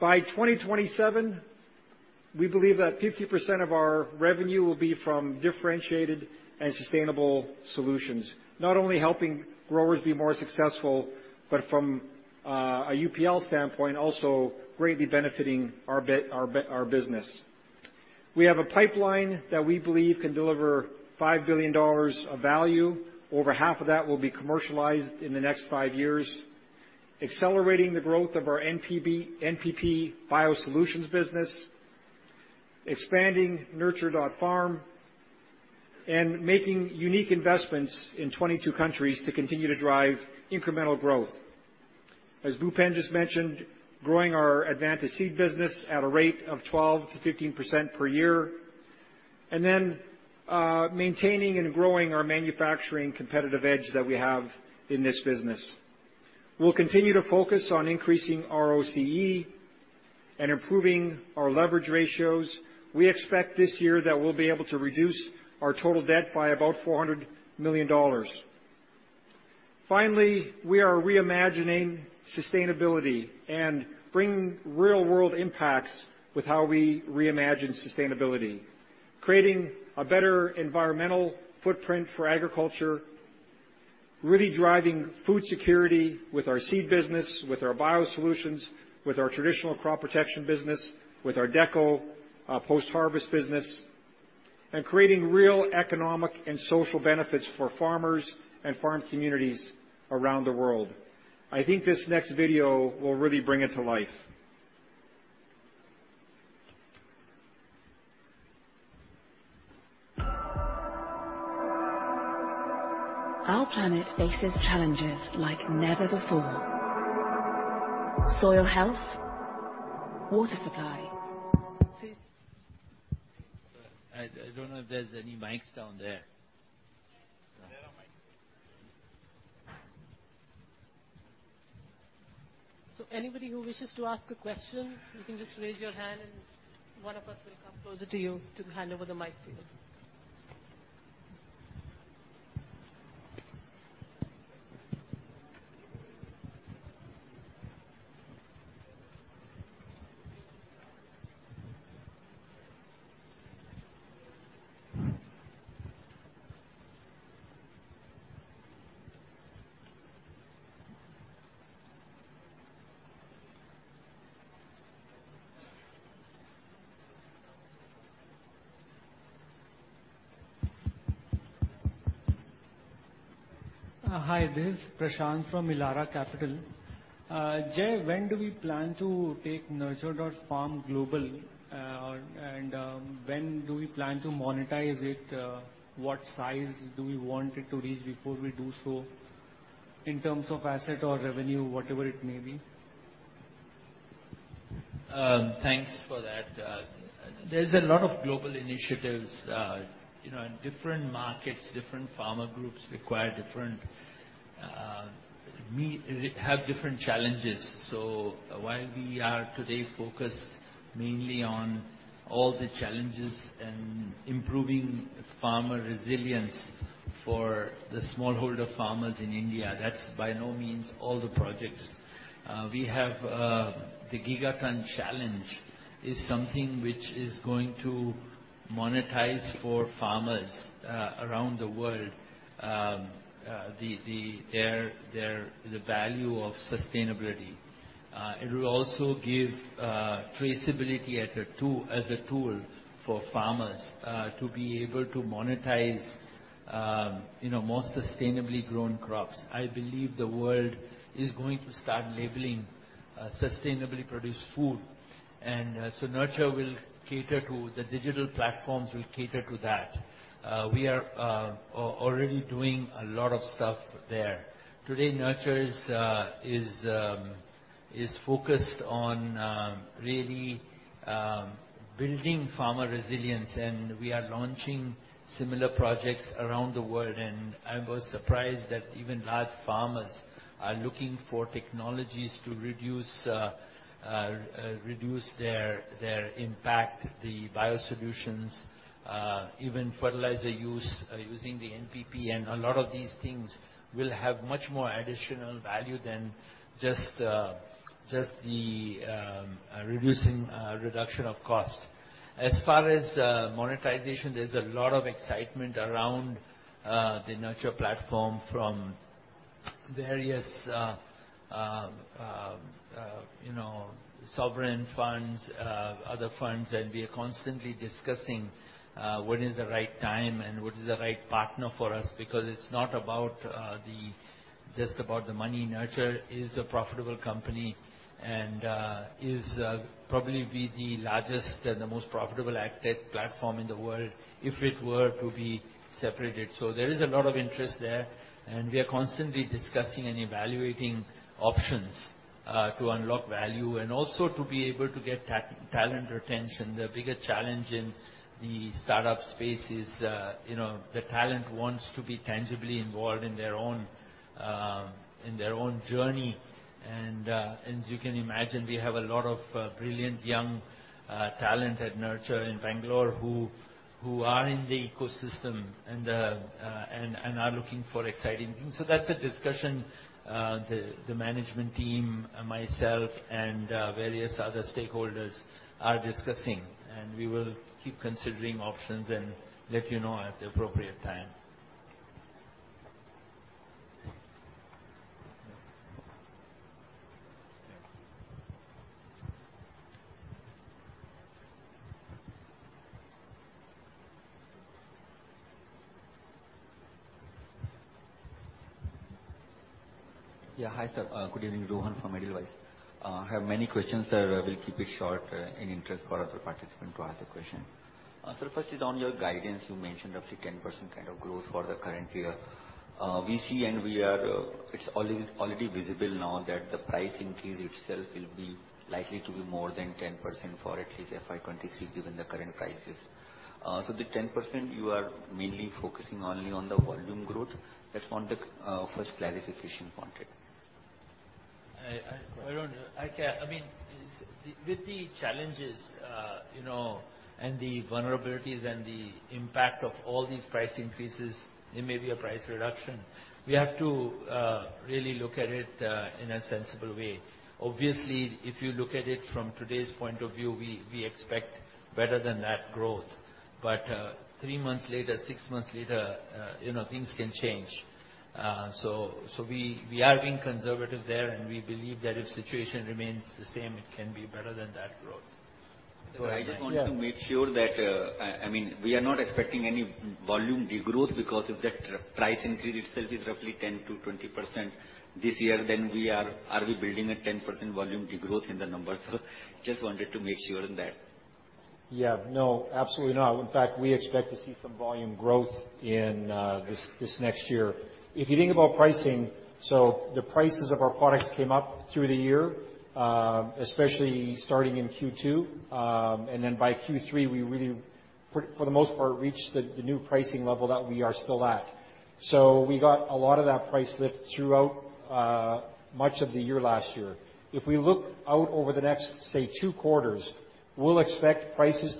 By 2027, we believe that 50% of our revenue will be from differentiated and sustainable solutions, not only helping growers be more successful, but from a UPL standpoint, also greatly benefiting our business. We have a pipeline that we believe can deliver $5 billion of value. Over half of that will be commercialized in the next five years, accelerating the growth of our NPP BioSolutions business, expanding nurture.farm, and making unique investments in 22 countries to continue to drive incremental growth. As Bhupen just mentioned, growing our Advanta Seeds business at a rate of 12%-15% per year, and then maintaining and growing our manufacturing competitive edge that we have in this business. We'll continue to focus on increasing ROCE and improving our leverage ratios. We expect this year that we'll be able to reduce our total debt by about $400 million. Finally, we are reimagining sustainability and bringing real-world impacts with how we reimagine sustainability, creating a better environmental footprint for agriculture, really driving food security with our seed business, with our biosolutions, with our traditional crop protection business, with our DECCO post-harvest business. Creating real economic and social benefits for farmers and farm communities around the world. I think this next video will really bring it to life. Our planet faces challenges like never before. Soil health, water supply, food I don't know if there's any mics down there. There are mics. Anybody who wishes to ask a question, you can just raise your hand and one of us will come closer to you to hand over the mic to you. Hi. This is Prashant from Elara Capital. Jay, when do we plan to take nurture.farm global? When do we plan to monetize it? What size do we want it to reach before we do so in terms of asset or revenue, whatever it may be? Thanks for that. There's a lot of global initiatives. You know, in different markets, different farmer groups require different, have different challenges. While we are today focused mainly on all the challenges and improving farmer resilience for the smallholder farmers in India, that's by no means all the projects. We have the Gigaton Challenge is something which is going to monetize for farmers around the world. The value of sustainability. It will also give traceability as a tool for farmers to be able to monetize you know more sustainably grown crops. I believe the world is going to start labeling sustainably produced food. Nurture will cater to. The digital platforms will cater to that. We are already doing a lot of stuff there. Today, Nurture is focused on really building farmer resilience, and we are launching similar projects around the world. I was surprised that even large farmers are looking for technologies to reduce their impact, the biosolutions, even fertilizer use, using the NPP and a lot of these things will have much more additional value than just the reduction of cost. As far as monetization, there's a lot of excitement around the Nurture platform from various, you know, sovereign funds, other funds. We are constantly discussing what is the right time and what is the right partner for us, because it's not just about the money. Nurture is a profitable company and is probably to be the largest and the most profitable AgTech platform in the world if it were to be separated. There is a lot of interest there, and we are constantly discussing and evaluating options to unlock value and also to be able to get talent retention. The bigger challenge in the start-up space is, you know, the talent wants to be tangibly involved in their own, in their own journey. As you can imagine, we have a lot of brilliant young talent at Nurture in Bangalore who are in the ecosystem and are looking for exciting things. That's a discussion, the management team, myself and various other stakeholders are discussing. We will keep considering options and let you know at the appropriate time. Yeah. Yeah. Hi, sir. Good evening. Rohan from Edelweiss. I have many questions, sir. We'll keep it short, in the interest for other participants to ask a question. Sir, first is on your guidance. You mentioned a 10% kind of growth for the current year. We see it's already visible now that the price increase itself will be likely to be more than 10% for at least FY 2023, given the current prices. So the 10% you are mainly focusing only on the volume growth. That's one, the first clarification wanted. I mean, with the challenges, you know, and the vulnerabilities and the impact of all these price increases, there may be a price reduction. We have to really look at it in a sensible way. Obviously, if you look at it from today's point of view, we expect better than that growth. Three months later, six months later, you know, things can change. We are being conservative there, and we believe that if situation remains the same, it can be better than that growth. I just want to make sure that, I mean, we are not expecting any volume degrowth because of that price increase itself is roughly 10%-20% this year, then we are. Are we building a 10% volume degrowth in the numbers? Just wanted to make sure on that. Yeah. No, absolutely not. In fact, we expect to see some volume growth in this next year. If you think about pricing, so the prices of our products came up through the year, especially starting in Q2. Then by Q3, we really for the most part reached the new pricing level that we are still at. We got a lot of that price lift throughout much of the year last year. If we look out over the next, say, two quarters, we'll expect prices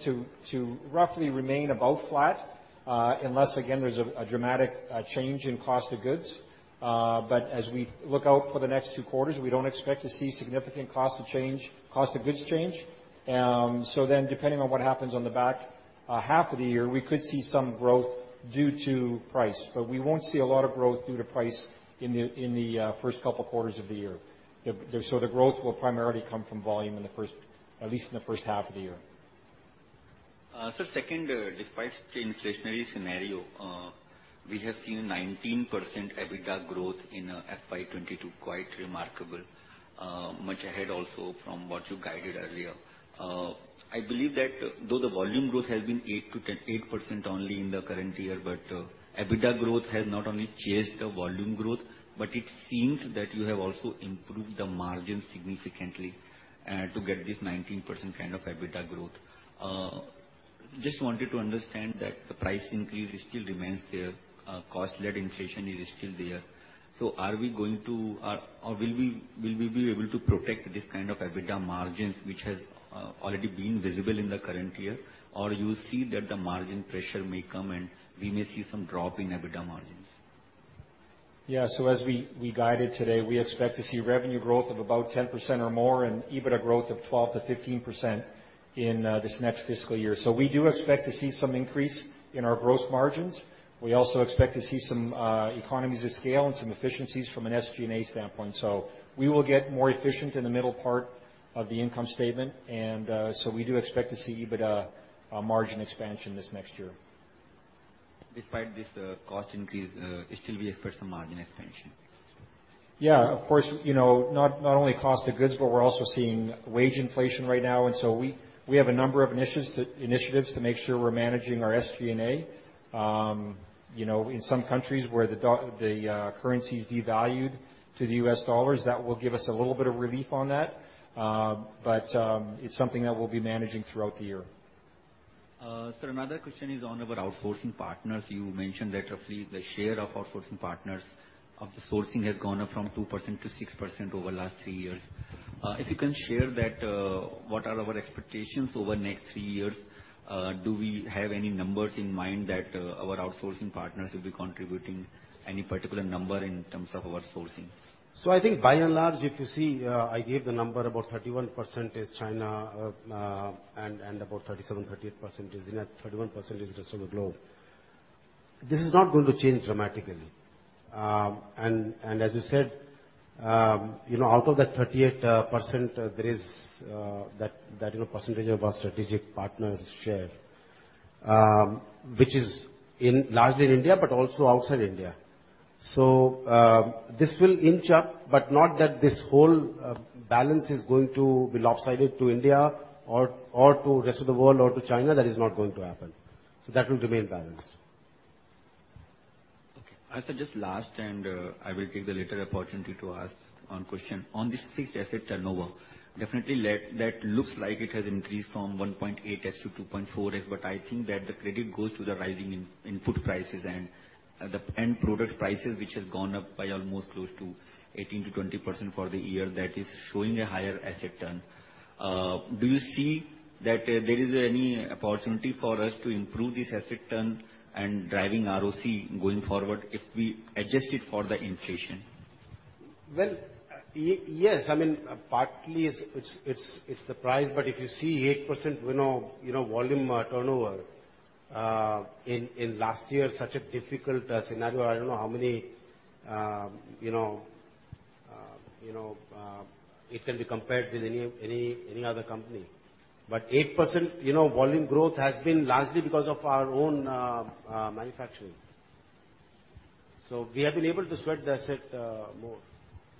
to roughly remain about flat, unless again, there's a dramatic change in cost of goods. As we look out for the next two quarters, we don't expect to see significant cost of goods change. Depending on what happens on the back half of the year, we could see some growth due to price. We won't see a lot of growth due to price in the first couple quarters of the year. The growth will primarily come from volume in the first, at least in the first half of the year. Second, despite the inflationary scenario, we have seen 19% EBITDA growth in FY 2022, quite remarkable, much ahead also from what you guided earlier. I believe that though the volume growth has been 8%-10%, 8% only in the current year, but EBITDA growth has not only chased the volume growth, but it seems that you have also improved the margin significantly, to get this 19% kind of EBITDA growth. Just wanted to understand that the price increase still remains there, cost-led inflation is still there. Are we going to, or will we be able to protect this kind of EBITDA margins which has already been visible in the current year? Or you see that the margin pressure may come, and we may see some drop in EBITDA margins? As we guided today, we expect to see revenue growth of about 10% or more, and EBITDA growth of 12%-15% in this next fiscal year. We do expect to see some increase in our gross margins. We also expect to see some economies of scale and some efficiencies from an SG&A standpoint. We will get more efficient in the middle part of the income statement. We do expect to see EBITDA margin expansion this next year. Despite this, cost increase, still we expect some margin expansion. Yeah. Of course, you know, not only cost of goods, but we're also seeing wage inflation right now. We have a number of initiatives to make sure we're managing our SG&A. You know, in some countries where the currency is devalued against the U.S. dollar, that will give us a little bit of relief on that. It's something that we'll be managing throughout the year. Sir, another question is on our outsourcing partners. You mentioned that roughly the share of outsourcing partners of the sourcing has gone up from 2%-6% over the last three years. If you can share that, what are our expectations over the next three years? Do we have any numbers in mind that, our outsourcing partners will be contributing any particular number in terms of our sourcing? I think by and large, if you see, I gave the number about 31% is China, and about 37%-38% is in it. 31% is rest of the globe. This is not going to change dramatically. As you said, you know, out of that 38%, there is that, you know, percentage of our strategic partners' share, which is largely in India but also outside India. This will inch up, but not that this whole balance is going to be lopsided to India or to rest of the world or to China. That is not going to happen. That will remain balanced. Okay. I will take the later opportunity to ask one question. On this fixed asset turnover, definitely that looks like it has increased from 1.8x-2.4x, but I think that the credit goes to the rising input prices and the end product prices, which has gone up by almost close to 18%-20% for the year that is showing a higher asset turn. Do you see that there is any opportunity for us to improve this asset turn and driving ROC going forward if we adjust it for the inflation? Well, yes. I mean, partly it's the price. If you see 8%, you know, volume turnover in last year, such a difficult scenario, I don't know how many you know it can be compared with any other company. 8%, you know, volume growth has been largely because of our own manufacturing. We have been able to sweat the asset more.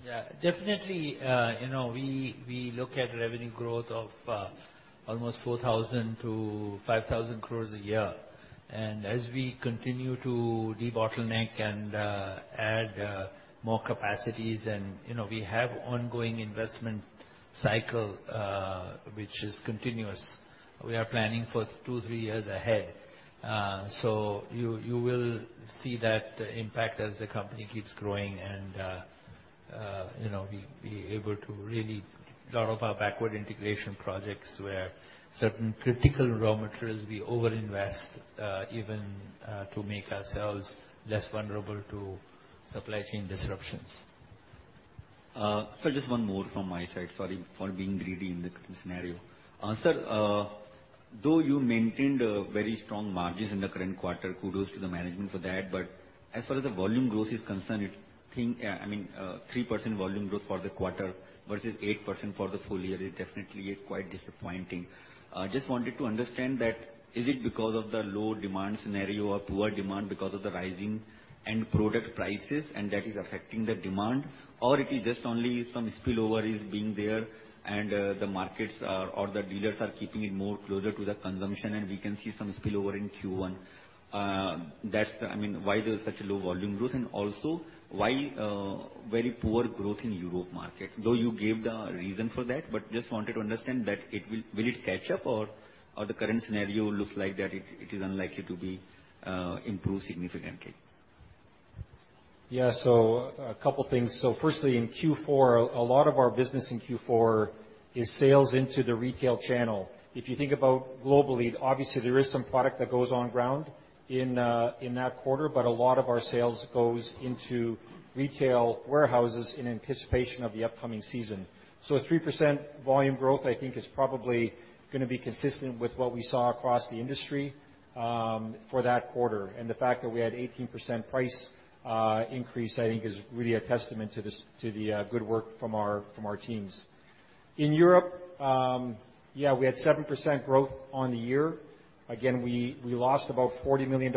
Yeah. Definitely, you know, we look at revenue growth of almost 4,000-5,000 crores a year. We continue to debottleneck and add more capacities and, you know, we have ongoing investment cycle, which is continuous. We are planning for 2-3 years ahead. So you will see that impact as the company keeps growing and, you know, be able to really. A lot of our backward integration projects where certain critical raw materials we over-invest, even, to make ourselves less vulnerable to supply chain disruptions. Just one more from my side. Sorry for being greedy in the current scenario. Sir, though you maintained very strong margins in the current quarter, kudos to the management for that. As far as the volume growth is concerned, I think. I mean, 3% volume growth for the quarter versus 8% for the full year is definitely quite disappointing. Just wanted to understand that is it because of the low demand scenario or poor demand because of the rising end product prices, and that is affecting the demand? Or it is just only some spillover is being there and the dealers are keeping it more closer to the consumption, and we can see some spillover in Q1? I mean, why there's such low volume growth and also why very poor growth in Europe market? Though you gave the reason for that, but just wanted to understand. Will it catch up or the current scenario looks like that it is unlikely to be improved significantly. Yeah. A couple things. Firstly, in Q4, a lot of our business in Q4 is sales into the retail channel. If you think about globally, obviously, there is some product that goes on ground in that quarter, but a lot of our sales goes into retail warehouses in anticipation of the upcoming season. Three percent volume growth, I think, is probably gonna be consistent with what we saw across the industry for that quarter. The fact that we had 18% price increase, I think is really a testament to the good work from our teams. In Europe, yeah, we had 7% growth on the year. Again, we lost about $40 million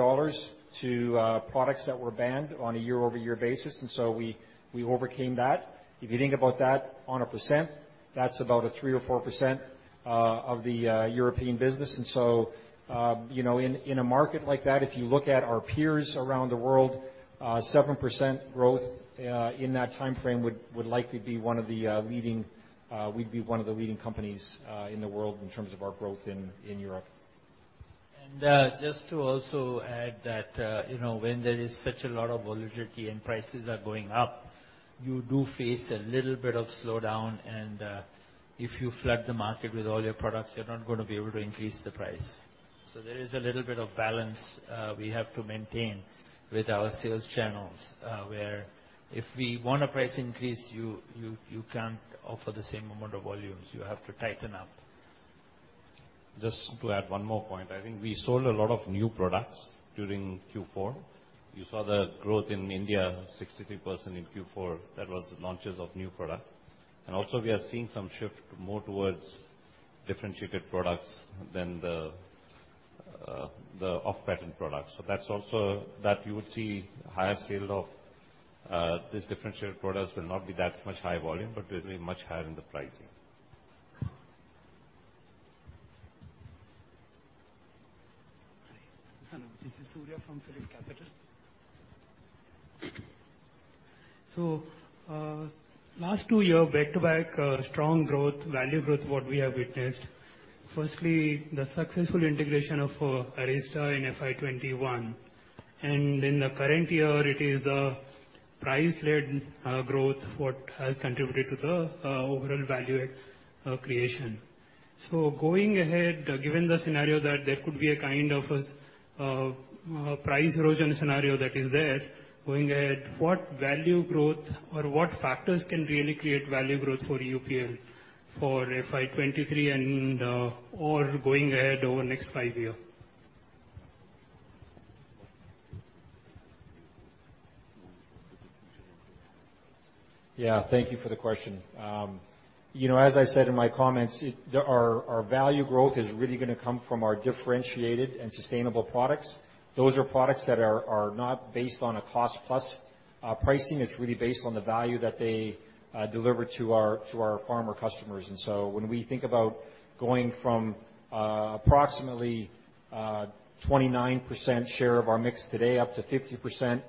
to products that were banned on a year-over-year basis, and we overcame that. If you think about that on a percent, that's about a 3 or 4% of the European business. You know, in a market like that, if you look at our peers around the world, 7% growth in that timeframe would likely be one of the leading, we'd be one of the leading companies in the world in terms of our growth in Europe. Just to also add that, you know, when there is such a lot of volatility and prices are going up, you do face a little bit of slowdown, and if you flood the market with all your products, you're not gonna be able to increase the price. So there is a little bit of balance we have to maintain with our sales channels, where if we want a price increase, you can't offer the same amount of volumes. You have to tighten up. Just to add one more point. I think we sold a lot of new products during Q4. You saw the growth in India, 63% in Q4. That was the launches of new product. Also we are seeing some shift more towards differentiated products than the off-patent products. That's also that you would see higher sales of these differentiated products will not be that much high volume, but will be much higher in the pricing. Hello. This is Surya from PhillipCapital. Last two years, back-to-back, strong growth, value growth, what we have witnessed. Firstly, the successful integration of Arysta in FY 2021, and in the current year, it is the price-led growth what has contributed to the overall value creation. Going ahead, given the scenario that there could be a kind of a price erosion scenario that is there, going ahead, what value growth or what factors can really create value growth for UPL for FY 2023 and or going ahead over next five years? Yeah. Thank you for the question. You know, as I said in my comments, our value growth is really gonna come from our differentiated and sustainable products. Those are products that are not based on a cost plus pricing. It's really based on the value that they deliver to our farmer customers. When we think about going from approximately 29% share of our mix today up to 50%,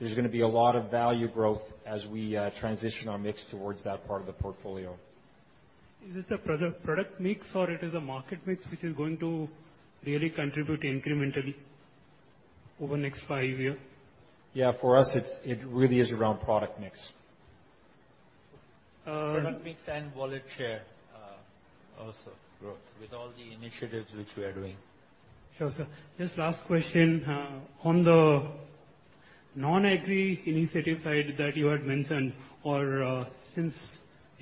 there's gonna be a lot of value growth as we transition our mix towards that part of the portfolio. Is this the product mix or is it a market mix which is going to really contribute incrementally over next five year? Yeah. For us, it's really around product mix. Product mix and wallet share, also growth with all the initiatives which we are doing. Sure, sir. Just last question. On the non-agri initiative side that you had mentioned or since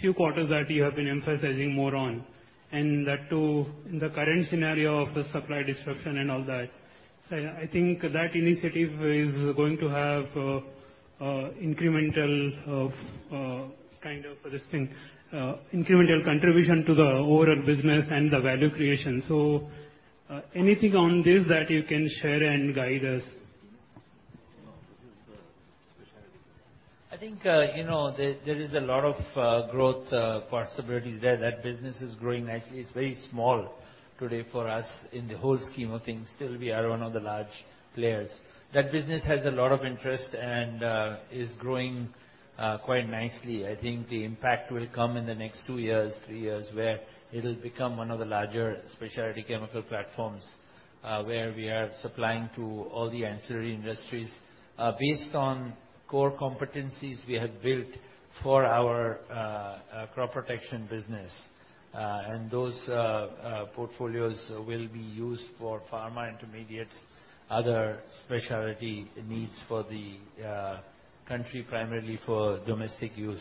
few quarters that you have been emphasizing more on, and that too in the current scenario of the supply disruption and all that. I think that initiative is going to have incremental contribution to the overall business and the value creation. Anything on this that you can share and guide us? No. This is the specialty. I think, you know, there is a lot of growth possibilities there. That business is growing nicely. It's very small today for us in the whole scheme of things. Still, we are one of the large players. That business has a lot of interest and is growing quite nicely. I think the impact will come in the next two years, three years, where it'll become one of the larger specialty chemical platforms, where we are supplying to all the ancillary industries, based on core competencies we have built for our crop protection business. Those portfolios will be used for pharma intermediates, other specialty needs for the country, primarily for domestic use.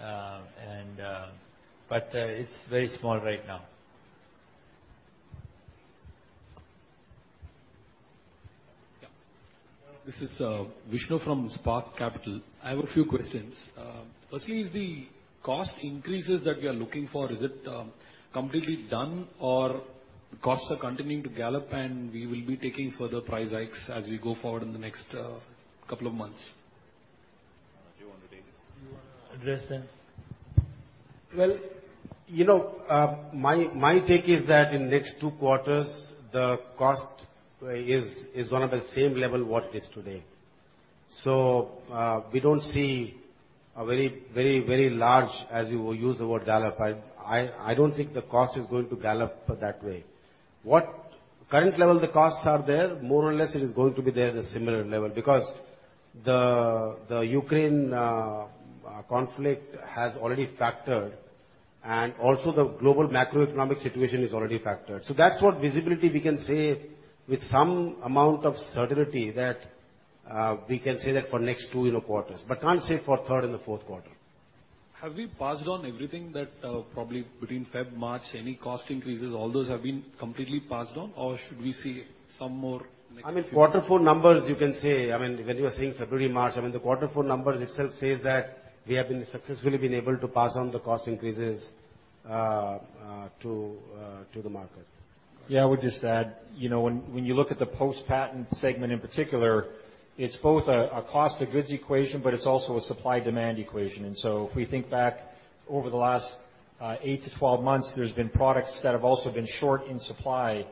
It's very small right now. This is Vishnu from Spark Capital. I have a few questions. Firstly, is the cost increases that we are looking for completely done, or costs are continuing to gallop, and we will be taking further price hikes as we go forward in the next couple of months? Do you want to take it? Do you wanna address that? Well, you know, my take is that in next 2 quarters, the cost is gonna be the same level what it is today. We don't see a very large, as you use the word gallop. I don't think the cost is going to gallop that way. What current level the costs are there, more or less it is going to be there the similar level because the Ukraine conflict has already factored, and also the global macroeconomic situation is already factored. That's what visibility we can say with some amount of certainty that we can say that for next two, you know, quarters, but can't say for third and the fourth quarter. Have we passed on everything that, probably between February, March, any cost increases, all those have been completely passed on? Or should we see some more next few months? I mean, quarter four numbers you can say. I mean, when you are saying February, March, I mean, the quarter four numbers itself says that we have been successfully able to pass on the cost increases to the market. Yeah. I would just add, you know, when you look at the post-patent segment in particular, it's both a cost of goods equation, but it's also a supply-demand equation. If we think back over the last 8-12 months, there's been products that have also been short in supply.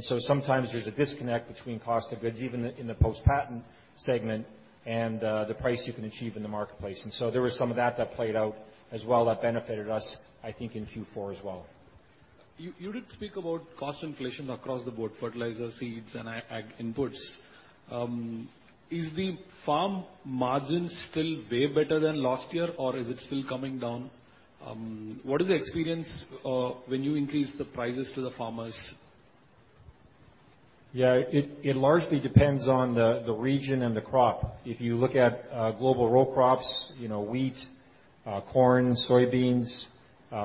Sometimes there's a disconnect between cost of goods even in the post-patent segment and the price you can achieve in the marketplace. There was some of that that played out as well that benefited us, I think, in Q4 as well. You did speak about cost inflation across the board, fertilizer, seeds, and ag inputs. Is the farm margins still way better than last year, or is it still coming down? What is the experience when you increase the prices to the farmers? Yeah. It largely depends on the region and the crop. If you look at global row crops, you know, wheat, corn, soybeans,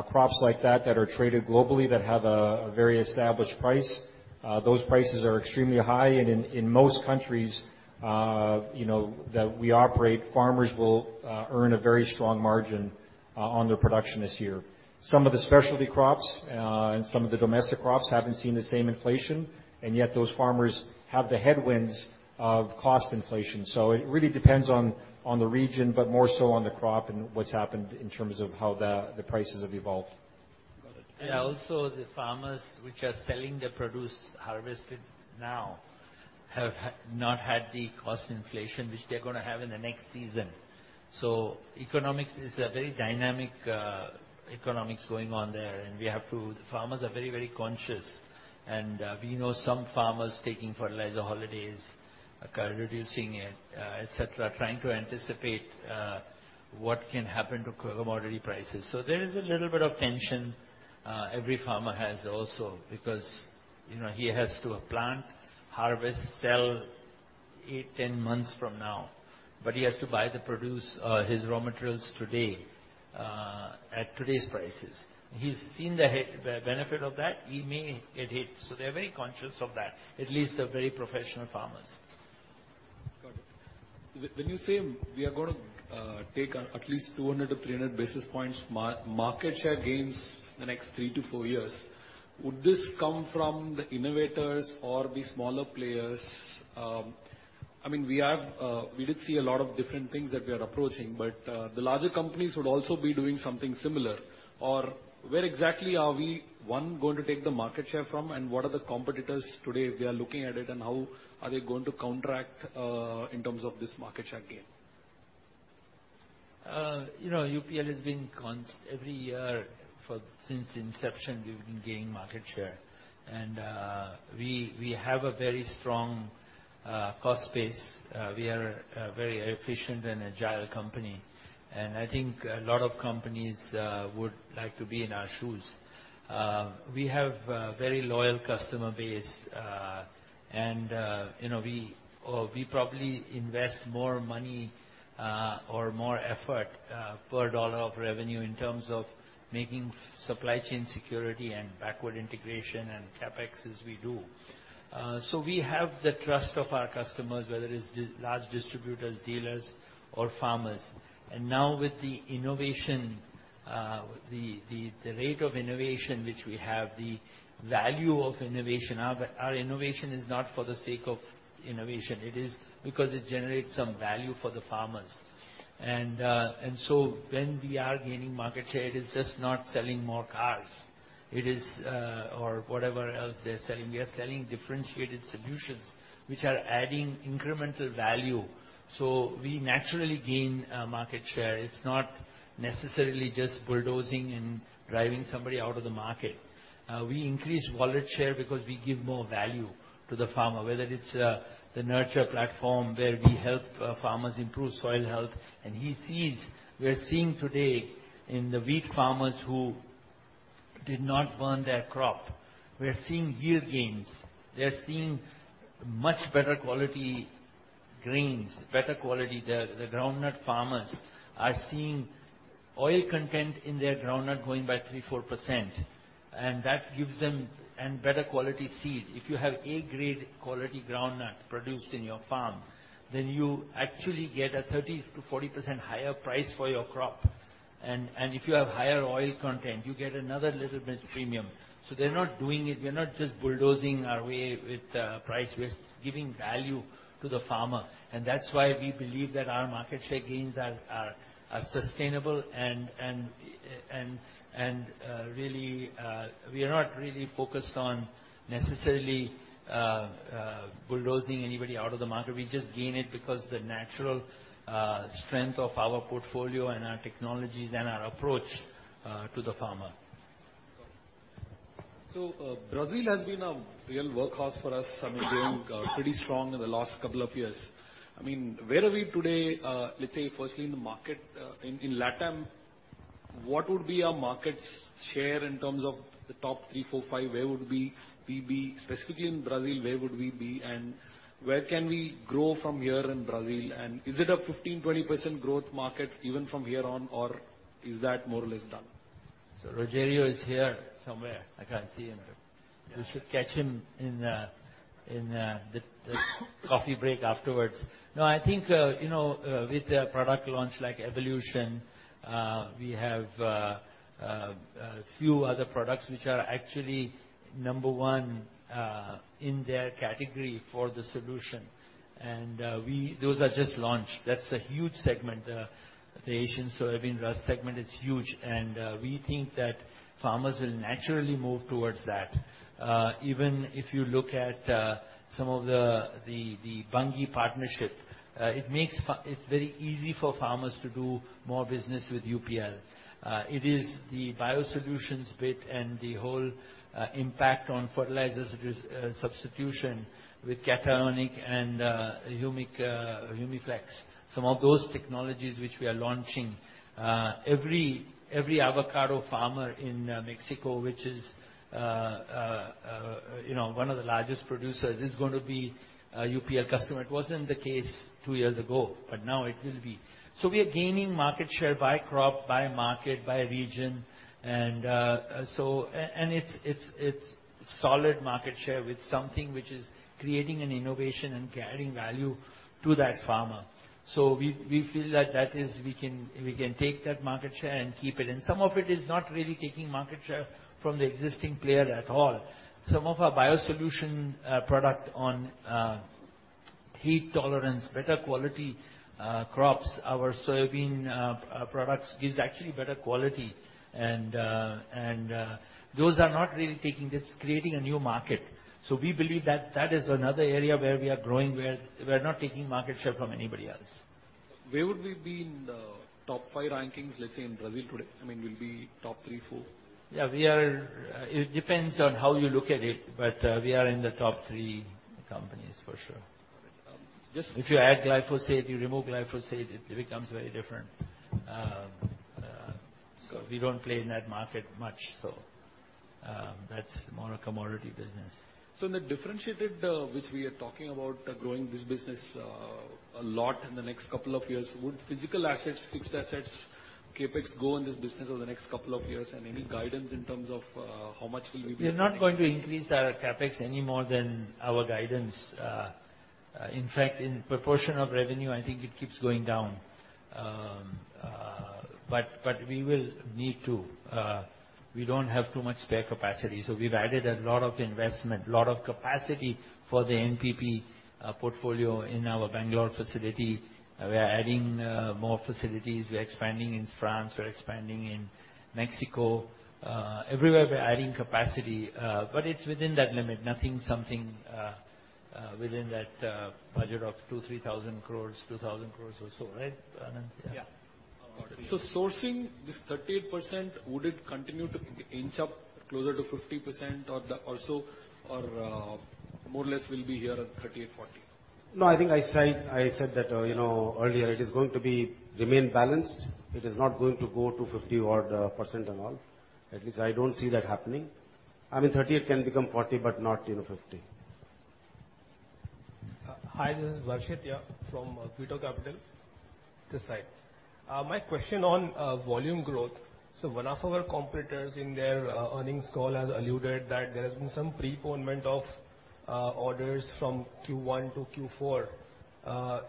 crops like that that are traded globally that have a very established price, those prices are extremely high. In most countries, you know, that we operate, farmers will earn a very strong margin on their production this year. Some of the specialty crops and some of the domestic crops haven't seen the same inflation, and yet those farmers have the headwinds of cost inflation. It really depends on the region, but more so on the crop and what's happened in terms of how the prices have evolved. Got it. Also, the farmers which are selling the produce harvested now have not had the cost inflation which they're gonna have in the next season. Economics is a very dynamic economics going on there. The farmers are very, very conscious. We know some farmers taking fertilizer holidays, reducing it, et cetera, trying to anticipate what can happen to commodity prices. There is a little bit of tension every farmer has also because, you know, he has to plant, harvest, sell 8, 10 months from now, but he has to buy the produce, his raw materials today at today's prices. He's seen the benefit of that. He may get hit, so they're very conscious of that. At least the very professional farmers. Got it. When you say we are gonna take at least 200-300 basis points market share gains the next 3-4 years, would this come from the innovators or the smaller players? I mean, we have, we did see a lot of different things that we are approaching, but the larger companies would also be doing something similar. Where exactly are we, one, going to take the market share from, and what are the competitors today, if we are looking at it, and how are they going to counteract in terms of this market share gain? You know, UPL has been every year since inception, we've been gaining market share. We have a very strong cost base. We are a very efficient and agile company. I think a lot of companies would like to be in our shoes. We have a very loyal customer base. You know, we probably invest more money or more effort per dollar of revenue in terms of making supply chain security and backward integration and CapEx as we do. We have the trust of our customers, whether it's large distributors, dealers, or farmers. Now with the innovation, the rate of innovation which we have, the value of innovation, our innovation is not for the sake of innovation. It is because it generates some value for the farmers. When we are gaining market share, it's just not selling more cars or whatever else they're selling. We are selling differentiated solutions which are adding incremental value, so we naturally gain market share. It's not necessarily just bulldozing and driving somebody out of the market. We increase wallet share because we give more value to the farmer, whether it's the nurture platform where we help farmers improve soil health. We're seeing today in the wheat farmers who did not burn their crop, we're seeing yield gains. They're seeing much better quality grains, better quality. The groundnut farmers are seeing oil content in their groundnut going by 3%-4%, and that gives them and better quality seed. If you have A grade quality groundnut produced in your farm, then you actually get a 30%-40% higher price for your crop. If you have higher oil content, you get another little bit premium. They're not doing it. We are not just bulldozing our way with price. We're giving value to the farmer, and that's why we believe that our market share gains are sustainable and really we are not really focused on necessarily bulldozing anybody out of the market. We just gain it because the natural strength of our portfolio and our technologies and our approach to the farmer. Brazil has been a real workhorse for us. I mean, doing pretty strong in the last couple of years. I mean, where are we today? Let's say firstly in the market in LATAM, what would be our market share in terms of the top three, four, five? Where would we be specifically in Brazil? Where would we be, and where can we grow from here in Brazil? Is it a 15%-20% growth market even from here on, or is that more or less done? Rogerio is here somewhere. I can't see him. You should catch him in the coffee break afterwards. No, I think you know with a product launch like Evolution we have a few other products which are actually number one in their category for the solution. Those are just launched. That's a huge segment. The Asian soybean rust segment is huge, and we think that farmers will naturally move towards that. Even if you look at some of the Bunge partnership it's very easy for farmers to do more business with UPL. It is the biosolutions bit and the whole impact on fertilizers substitution with K-Tionic and Humic Humiflex. Some of those technologies which we are launching, every avocado farmer in Mexico, which is, you know, one of the largest producers, is going to be a UPL customer. It wasn't the case two years ago, but now it will be. We are gaining market share by crop, by market, by region. It's solid market share with something which is creating an innovation and carrying value to that farmer. We feel that we can take that market share and keep it. Some of it is not really taking market share from the existing player at all. Some of our biosolution product on heat tolerance, better quality crops, our soybean products gives actually better quality. Those are not really taking this, creating a new market. We believe that is another area where we are growing, where we're not taking market share from anybody else. Where would we be in the top 5 rankings, let's say, in Brazil today? I mean, we'll be top 3-4. Yeah, we are. It depends on how you look at it, but we are in the top three companies for sure. Just. If you add glyphosate, you remove glyphosate, it becomes very different. We don't play in that market much. That's more a commodity business. In the differentiated, which we are talking about growing this business, a lot in the next couple of years, would physical assets, fixed assets, CapEx go in this business over the next couple of years? Any guidance in terms of how much will we be spending? We're not going to increase our CapEx any more than our guidance. In fact, in proportion of revenue, I think it keeps going down. But we will need to. We don't have too much spare capacity. So we've added a lot of investment, a lot of capacity for the NPP portfolio in our Bangalore facility. We are adding more facilities. We're expanding in France, we're expanding in Mexico. Everywhere we're adding capacity, but it's within that limit. Within that budget of 2,000-3,000 crores. 2,000 crores or so, right, Anand? Yeah. Sourcing this 38%, would it continue to inch up closer to 50% or more or less will be here at 38%-40%? No, I think I said that, you know, earlier it is going to be remain balanced. It is not going to go to 50-odd% and all. At least I don't see that happening. I mean, 38% can become 40%, but not, you know, 50%. Hi, this is Varshitya from Plutus Capital. This side. My question on volume growth. One of our competitors in their earnings call has alluded that there has been some preponement of orders from Q1 to Q4.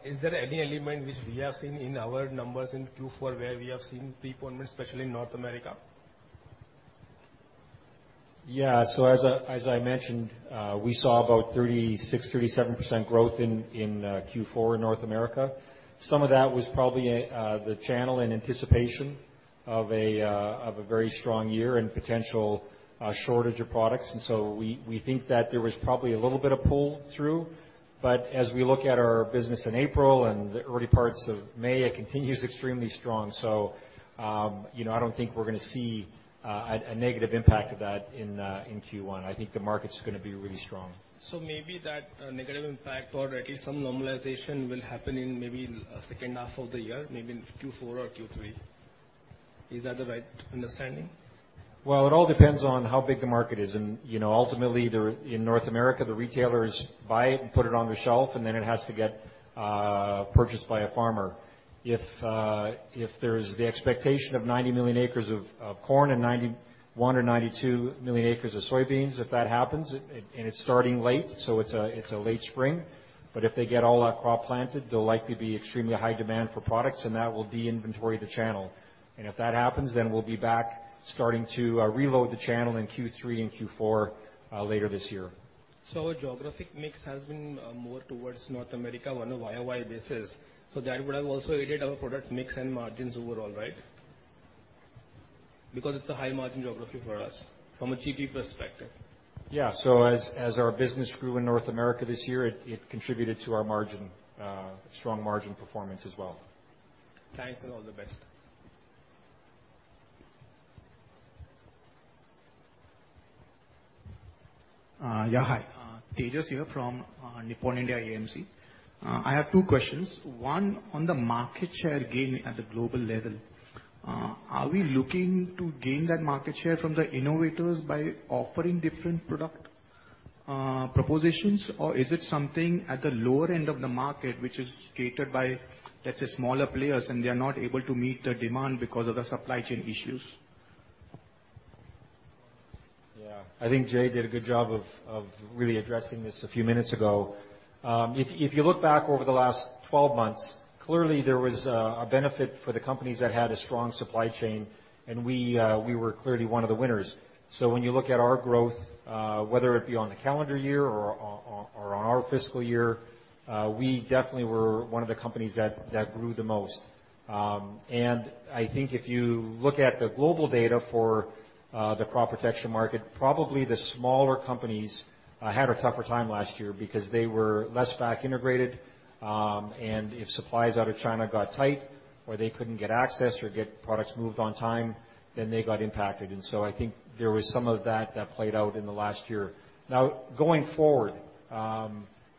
Is there any element which we have seen in our numbers in Q4 where we have seen preponement, especially in North America? As I mentioned, we saw about 36%-37% growth in Q4 in North America. Some of that was probably the channel in anticipation of a very strong year and potential shortage of products. We think that there was probably a little bit of pull through. As we look at our business in April and the early parts of May, it continues extremely strong. You know, I don't think we're gonna see a negative impact of that in Q1. I think the market's gonna be really strong. Maybe that negative impact or at least some normalization will happen in maybe second half of the year, maybe in Q4 or Q3. Is that the right understanding? Well, it all depends on how big the market is. You know, ultimately, in North America, the retailers buy it and put it on the shelf, and then it has to get purchased by a farmer. If there's the expectation of 90 million acres of corn and 91 or 92 million acres of soybeans, if that happens, and it's starting late, so it's a late spring. If they get all that crop planted, there'll likely be extremely high demand for products, and that will de-inventory the channel. And if that happens, then we'll be back starting to reload the channel in Q3 and Q4 later this year. Geographic mix has been more towards North America on a year-over-year basis. That would have also aided our product mix and margins overall, right? Because it's a high margin geography for us from a GP perspective. As our business grew in North America this year, it contributed to our strong margin performance as well. Thanks, and all the best. Tejas here from Nippon India AMC. I have two questions. One, on the market share gain at the global level, are we looking to gain that market share from the innovators by offering different product propositions? Or is it something at the lower end of the market which is catered by, let's say, smaller players, and they are not able to meet the demand because of the supply chain issues? Yeah. I think Jai did a good job of really addressing this a few minutes ago. If you look back over the last 12 months, clearly there was a benefit for the companies that had a strong supply chain, and we were clearly one of the winners. When you look at our growth, whether it be on the calendar year or on our fiscal year, we definitely were one of the companies that grew the most. I think if you look at the global data for the crop protection market, probably the smaller companies had a tougher time last year because they were less backward integrated. If supplies out of China got tight or they couldn't get access or get products moved on time, then they got impacted. I think there was some of that played out in the last year. Now, going forward,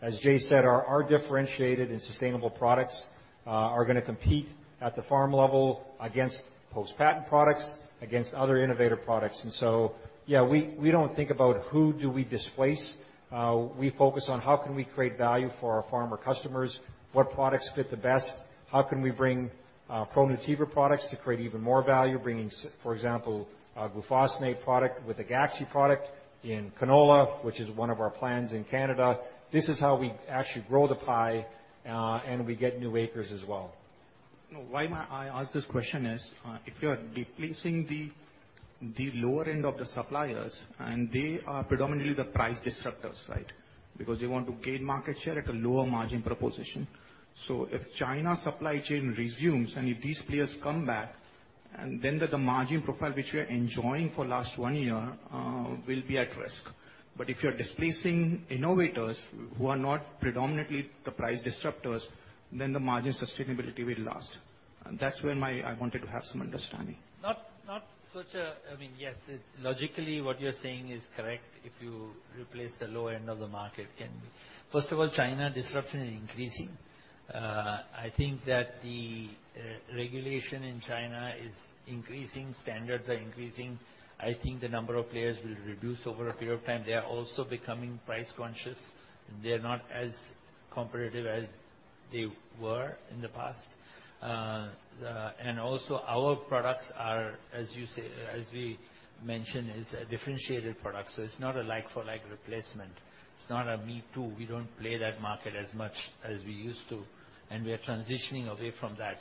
as Jay said, our differentiated and sustainable products are gonna compete at the farm level against post-patent products, against other innovative products. Yeah, we don't think about who do we displace. We focus on how can we create value for our farmer customers, what products fit the best, how can we bring ProNutiva products to create even more value, bringing, for example, a glufosinate product with a Gaxy product in canola, which is one of our plans in Canada. This is how we actually grow the pie, and we get new acres as well. No. Why I ask this question is, if you are replacing the lower end of the suppliers, and they are predominantly the price disruptors, right? Because they want to gain market share at a lower margin proposition. If China supply chain resumes, and if these players come back, and then the margin profile which we are enjoying for last one year, will be at risk. If you're displacing innovators who are not predominantly the price disruptors, then the margin sustainability will last. That's where I wanted to have some understanding. I mean, yes, logically, what you're saying is correct, if you replace the low end of the market. First of all, China disruption is increasing. I think that the regulation in China is increasing, standards are increasing. I think the number of players will reduce over a period of time. They are also becoming price conscious, and they are not as competitive as they were in the past. And also our products are, as you say, as we mentioned, is a differentiated product, so it's not a like for like replacement. It's not a me too. We don't play that market as much as we used to, and we are transitioning away from that.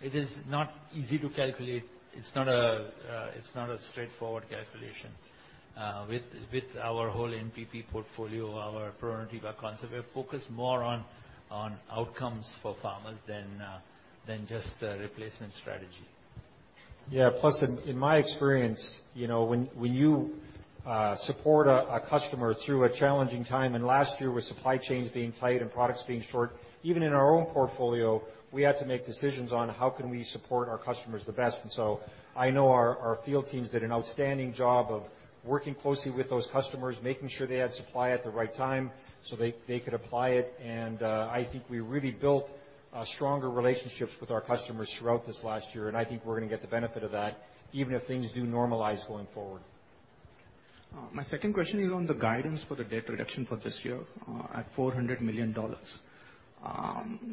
It is not easy to calculate. It's not a straightforward calculation. With our whole NPP portfolio, our ProNutiva concept, we're focused more on outcomes for farmers than just a replacement strategy. Yeah. Plus, in my experience, you know, when you support a customer through a challenging time, and last year with supply chains being tight and products being short, even in our own portfolio, we had to make decisions on how can we support our customers the best. I know our field teams did an outstanding job of working closely with those customers, making sure they had supply at the right time so they could apply it. I think we really built stronger relationships with our customers throughout this last year, and I think we're gonna get the benefit of that, even if things do normalize going forward. My second question is on the guidance for the debt reduction for this year at $400 million.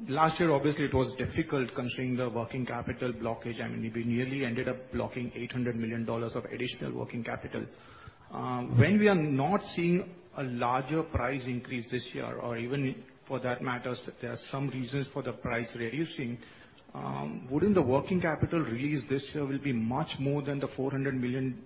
Last year, obviously, it was difficult considering the working capital blockage. I mean, we nearly ended up blocking $800 million of additional working capital. When we are not seeing a larger price increase this year or even for that matter, there are some reasons for the price reducing, wouldn't the working capital release this year will be much more than the $400 million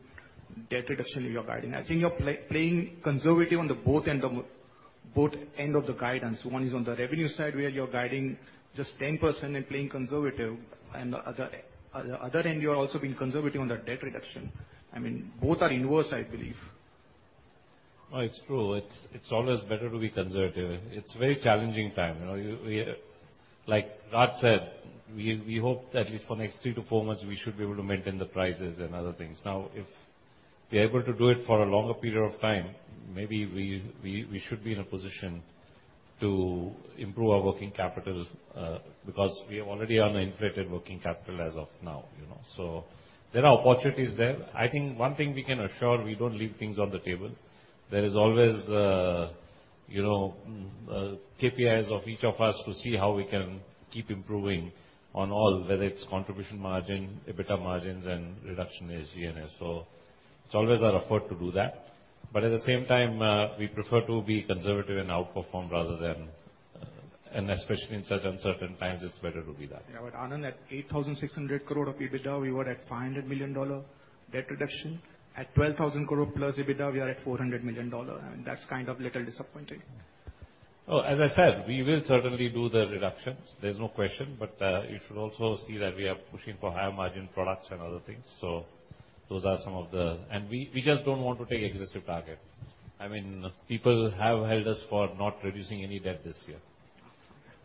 debt reduction you're guiding? I think you're playing conservative on the both ends of the guidance. One is on the revenue side, where you're guiding just 10% and playing conservative, and other end, you're also being conservative on the debt reduction. I mean, both are inverse, I believe. No, it's true. It's always better to be conservative. It's very challenging time. You know, like Raj said, we hope that at least for next three to four months, we should be able to maintain the prices and other things. Now, if we're able to do it for a longer period of time, maybe we should be in a position. To improve our working capital, because we are already on inflated working capital as of now, you know. So there are opportunities there. I think one thing we can assure, we don't leave things on the table. There is always, you know, KPIs of each of us to see how we can keep improving on all, whether it's contribution margin, EBITDA margins and reduction in SG&A. So it's always our effort to do that. But at the same time, we prefer to be conservative and outperform rather than. Especially in such uncertain times, it's better to be that. Yeah. Anand, at 8,600 crore of EBITDA, we were at $500 million dollar debt reduction. At 12,000 crore plus EBITDA, we are at $400 million dollar, and that's kind of a little disappointing. As I said, we will certainly do the reductions, there's no question. You should also see that we are pushing for higher margin products and other things. Those are some of the. We just don't want to take aggressive target. I mean, people have held us for not reducing any debt this year.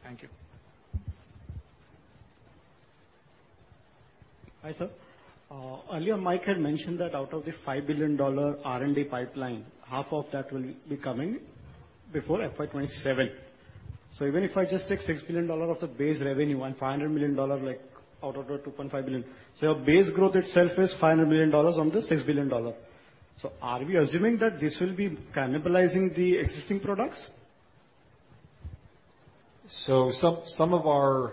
Thank you. Hi, sir. Earlier Mike had mentioned that out of the $5 billion R&D pipeline, half of that will be coming before FY 2027. Even if I just take $6 billion of the base revenue and $500 million, like out of the $2.5 billion, your base growth itself is $500 million on the $6 billion. Are we assuming that this will be cannibalizing the existing products? Some of our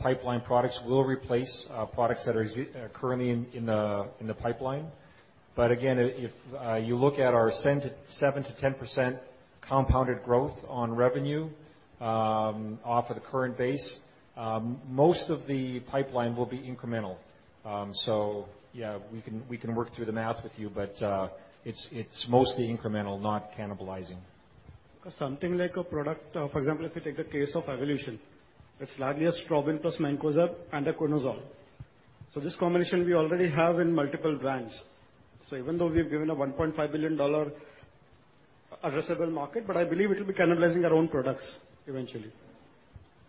pipeline products will replace products that are currently in the pipeline. But again, if you look at our 7%-10% compounded growth on revenue off of the current base, most of the pipeline will be incremental. Yeah, we can work through the math with you, but it's mostly incremental, not cannibalizing. Something like a product, for example, if you take the case of Evolution, it's largely a strobil plus mancozeb and a conazole. This combination we already have in multiple brands. Even though we've given a $1.5 billion addressable market, but I believe it'll be cannibalizing our own products eventually.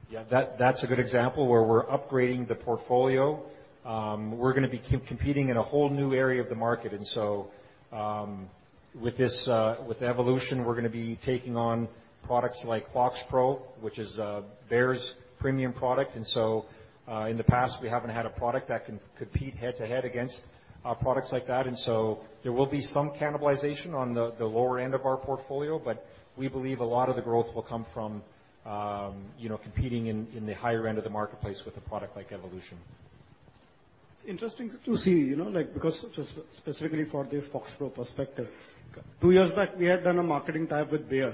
Yeah. That's a good example where we're upgrading the portfolio. We're gonna be competing in a whole new area of the market. With this, with Evolution, we're gonna be taking on products like Fox Xpro, which is Bayer's premium product. In the past, we haven't had a product that can compete head to head against products like that. There will be some cannibalization on the lower end of our portfolio, but we believe a lot of the growth will come from you know, competing in the higher end of the marketplace with a product like Evolution. It's interesting to see, you know, like, because just specifically for the Fox Xpro perspective, two years back, we had done a marketing tie-up with Bayer.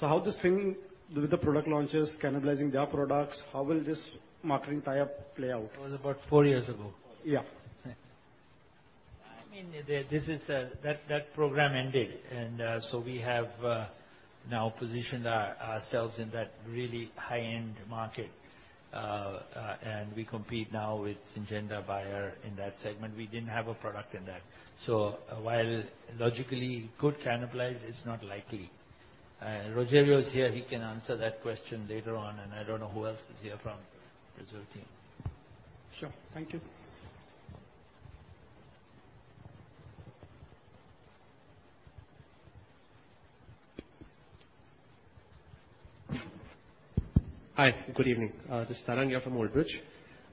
How this thing with the product launches cannibalizing their products, how will this marketing tie-up play out? It was about four years ago. Yeah. I mean, this is that program ended. We have now positioned ourselves in that really high-end market. We compete now with Syngenta, Bayer in that segment. We didn't have a product in that. So while logically it could cannibalize, it's not likely. Rogerio is here, he can answer that question later on, and I don't know who else is here from Brazil team. Sure. Thank you. Hi, good evening. This is Tarang here from Old Bridge.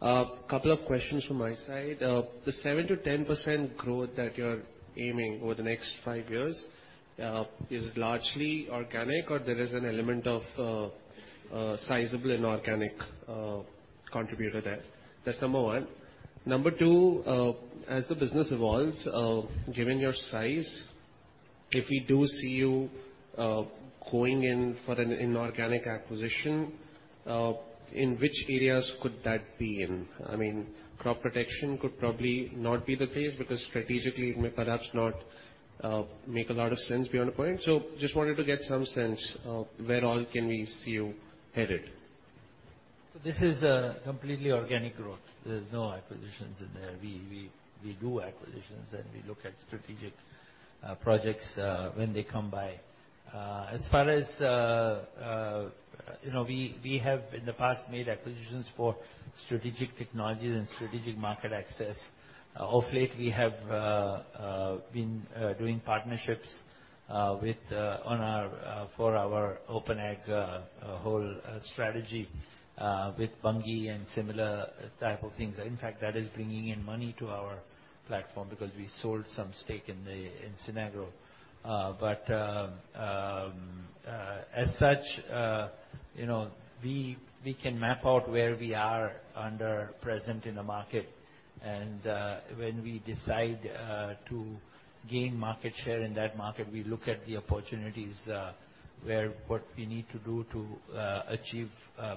A couple of questions from my side. The 7%-10% growth that you're aiming over the next 5 years, is it largely organic, or there is an element of sizable inorganic contributor there? That's number one. Number two, as the business evolves, given your size, if we do see you going in for an inorganic acquisition, in which areas could that be in? I mean, crop protection could probably not be the case because strategically it may perhaps not make a lot of sense beyond a point. Just wanted to get some sense of where all can we see you headed. This is a completely organic growth. There's no acquisitions in there. We do acquisitions, and we look at strategic projects when they come by. As far as you know, we have in the past made acquisitions for strategic technologies and strategic market access. Of late, we have been doing partnerships with on our for our OpenAg whole strategy with Bunge and similar type of things. In fact, that is bringing in money to our platform because we sold some stake in the in Sinagro. But as such, you know, we can map out where we are under present in the market. When we decide to gain market share in that market, we look at the opportunities where what we need to do to achieve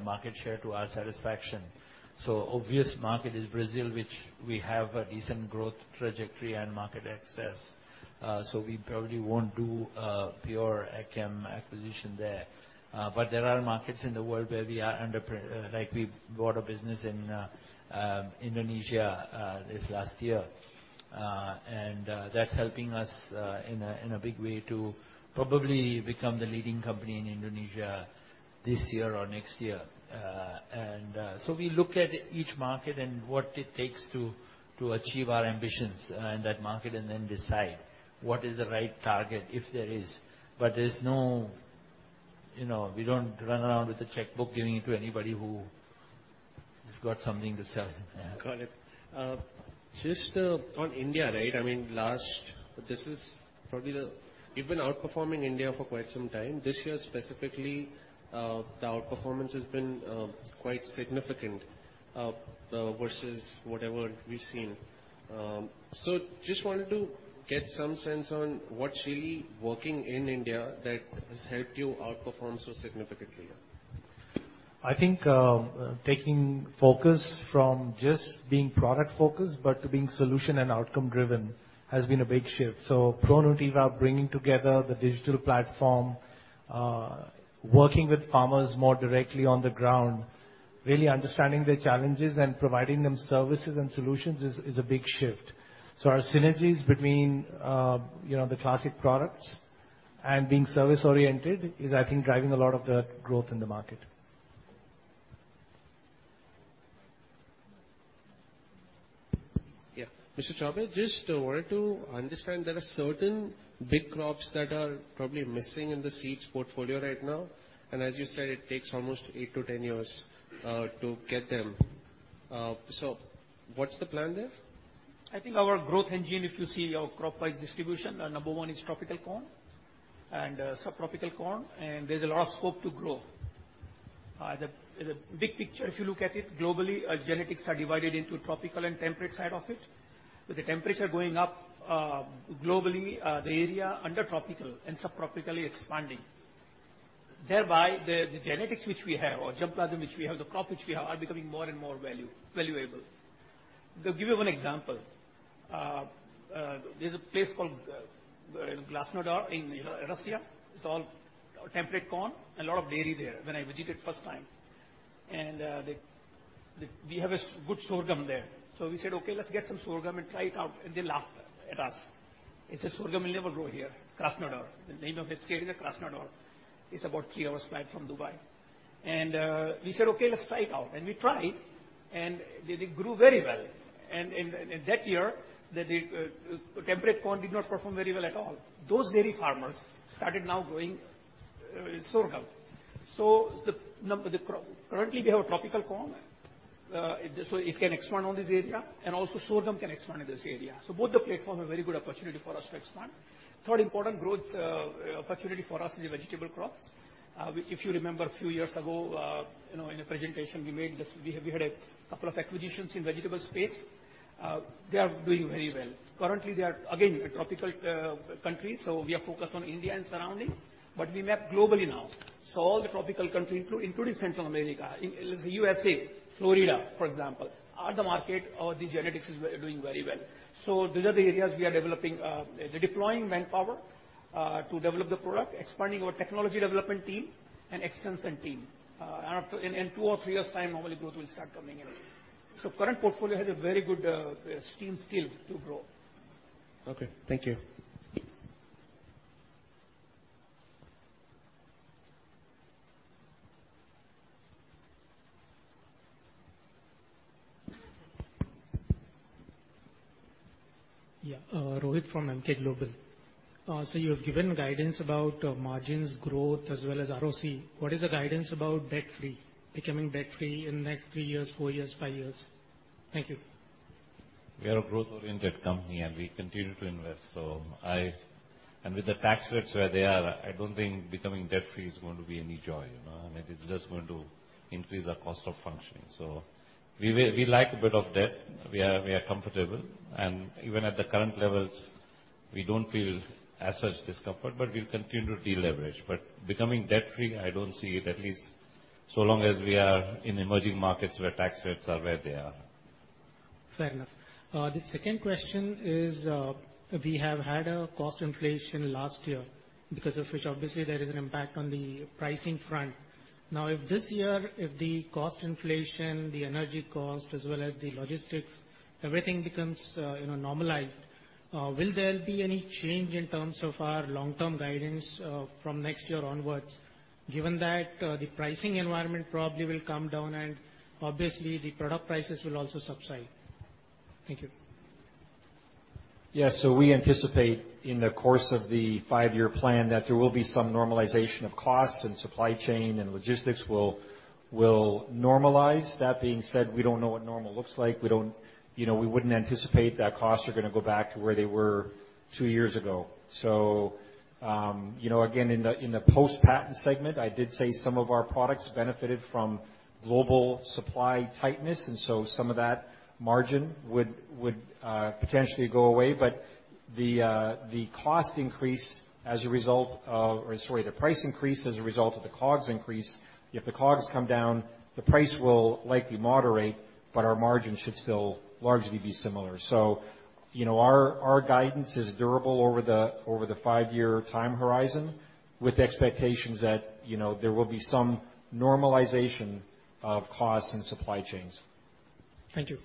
market share to our satisfaction. The obvious market is Brazil, which we have a decent growth trajectory and market access. We probably won't do a pure ag chem acquisition there. There are markets in the world where we are underpenetrated, like we bought a business in Indonesia this last year. That's helping us in a big way to probably become the leading company in Indonesia this year or next year. We look at each market and what it takes to achieve our ambitions in that market, and then decide what is the right target, if there is. There's no you know, we don't run around with a checkbook giving it to anybody who. He's got something to say. Got it. Just on India, right? I mean, you've been outperforming India for quite some time. This year specifically, the outperformance has been quite significant versus whatever we've seen. Just wanted to get some sense on what's really working in India that has helped you outperform so significantly. I think, taking focus from just being product focused, but to being solution and outcome driven has been a big shift. ProNutiva bringing together the digital platform, working with farmers more directly on the ground, really understanding their challenges and providing them services and solutions is a big shift. Our synergies between, you know, the classic products and being service-oriented is, I think, driving a lot of the growth in the market. Mr. Dubey, just wanted to understand there are certain big crops that are probably missing in the seeds portfolio right now, and as you said, it takes almost 8-10 years to get them. What's the plan there? I think our growth engine, if you see our crop-wise distribution, our number one is tropical corn and subtropical corn, and there's a lot of scope to grow. The big picture, if you look at it globally, genetics are divided into tropical and temperate side of it. With the temperature going up globally, the area under tropical and subtropical is expanding. Thereby, the genetics which we have or germplasm which we have, the crop which we have, are becoming more and more valuable. To give you one example, there's a place called Krasnodar in, you know, Russia. It's all temperate corn, a lot of dairy there, when I visited first time. We have a good sorghum there. So we said, "Okay, let's get some sorghum and try it out." They laughed at us. They said, "Sorghum will never grow here, Krasnodar." The name of state is Krasnodar. It's about 3 hours flight from Dubai. We said, "Okay, let's try it out." We tried, and they grew very well. In that year, the temperate corn did not perform very well at all. Those dairy farmers started now growing sorghum. So the crop. Currently we have a tropical corn, so it can expand on this area, and also sorghum can expand in this area. So both the platforms are very good opportunity for us to expand. Third important growth opportunity for us is a vegetable crop, which if you remember a few years ago, you know, in a presentation we made this, we had a couple of acquisitions in vegetable space. They are doing very well. Currently, they are again a tropical country, so we are focused on India and surrounding, but we map globally now. All the tropical country, including Central America, in the USA, Florida, for example, are the market, these genetics is doing very well. These are the areas we are developing, deploying manpower, to develop the product, expanding our technology development team and extension team. After, in 2 or 3 years' time, normally growth will start coming in. Current portfolio has a very good steam still to grow. Okay, thank you. Rohit from Emkay Global. You have given guidance about margins growth as well as ROC. What is the guidance about debt-free, becoming debt-free in the next three years, four years, five years? Thank you. We are a growth-oriented company, and we continue to invest. With the tax rates where they are, I don't think becoming debt-free is going to be any joy, you know. I mean, it's just going to increase our cost of functioning. We like a bit of debt. We are comfortable. Even at the current levels, we don't feel as such discomfort, but we'll continue to deleverage. Becoming debt-free, I don't see it, at least so long as we are in emerging markets where tax rates are where they are. Fair enough. The second question is, we have had a cost inflation last year because of which obviously there is an impact on the pricing front. Now, if this year, if the cost inflation, the energy cost, as well as the logistics, everything becomes, you know, normalized, will there be any change in terms of our long-term guidance, from next year onwards, given that, the pricing environment probably will come down and obviously the product prices will also subside? Thank you. Yes. We anticipate in the course of the five-year plan that there will be some normalization of costs and supply chain and logistics will normalize. That being said, we don't know what normal looks like. You know, we wouldn't anticipate that costs are gonna go back to where they were two years ago. You know, again, in the post-patent segment, I did say some of our products benefited from global supply tightness, and so some of that margin would potentially go away. The price increase as a result of the COGS increase, if the COGS come down, the price will likely moderate, but our margin should still largely be similar. you know, our guidance is durable over the five-year time horizon with expectations that, you know, there will be some normalization of costs and supply chains. Thank you.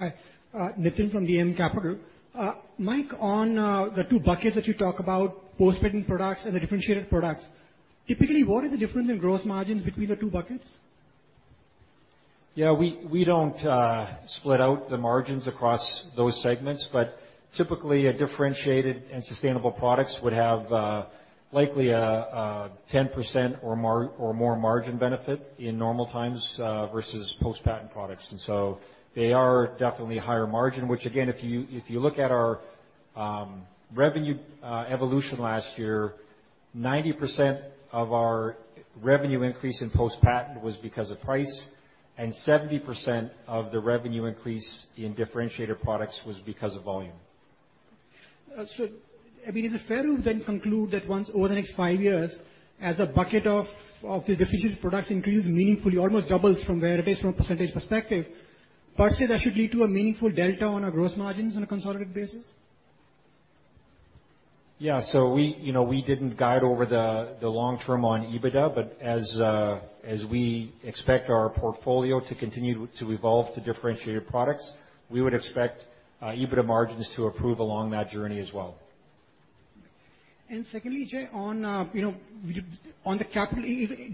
Hi. Nitin from DAM Capital. Mike, on the two buckets that you talk about, post-patent products and the differentiated products. Typically, what is the difference in gross margins between the two buckets? Yeah, we don't split out the margins across those segments. Typically, a differentiated and sustainable products would have likely a 10% or more margin benefit in normal times versus post-patent products. They are definitely higher margin, which again, if you look at our revenue evolution last year, 90% of our revenue increase in post-patent was because of price, and 70% of the revenue increase in differentiated products was because of volume. I mean, is it fair to then conclude that once over the next five years as a bucket of the differentiated products increase meaningfully, almost doubles from there based on a percentage perspective, per se, that should lead to a meaningful delta on our gross margins on a consolidated basis? Yeah. We, you know, we didn't guide over the long term on EBITDA. As we expect our portfolio to continue to evolve to differentiated products, we would expect EBITDA margins to improve along that journey as well. Secondly, Jai, on, you know, on the capital,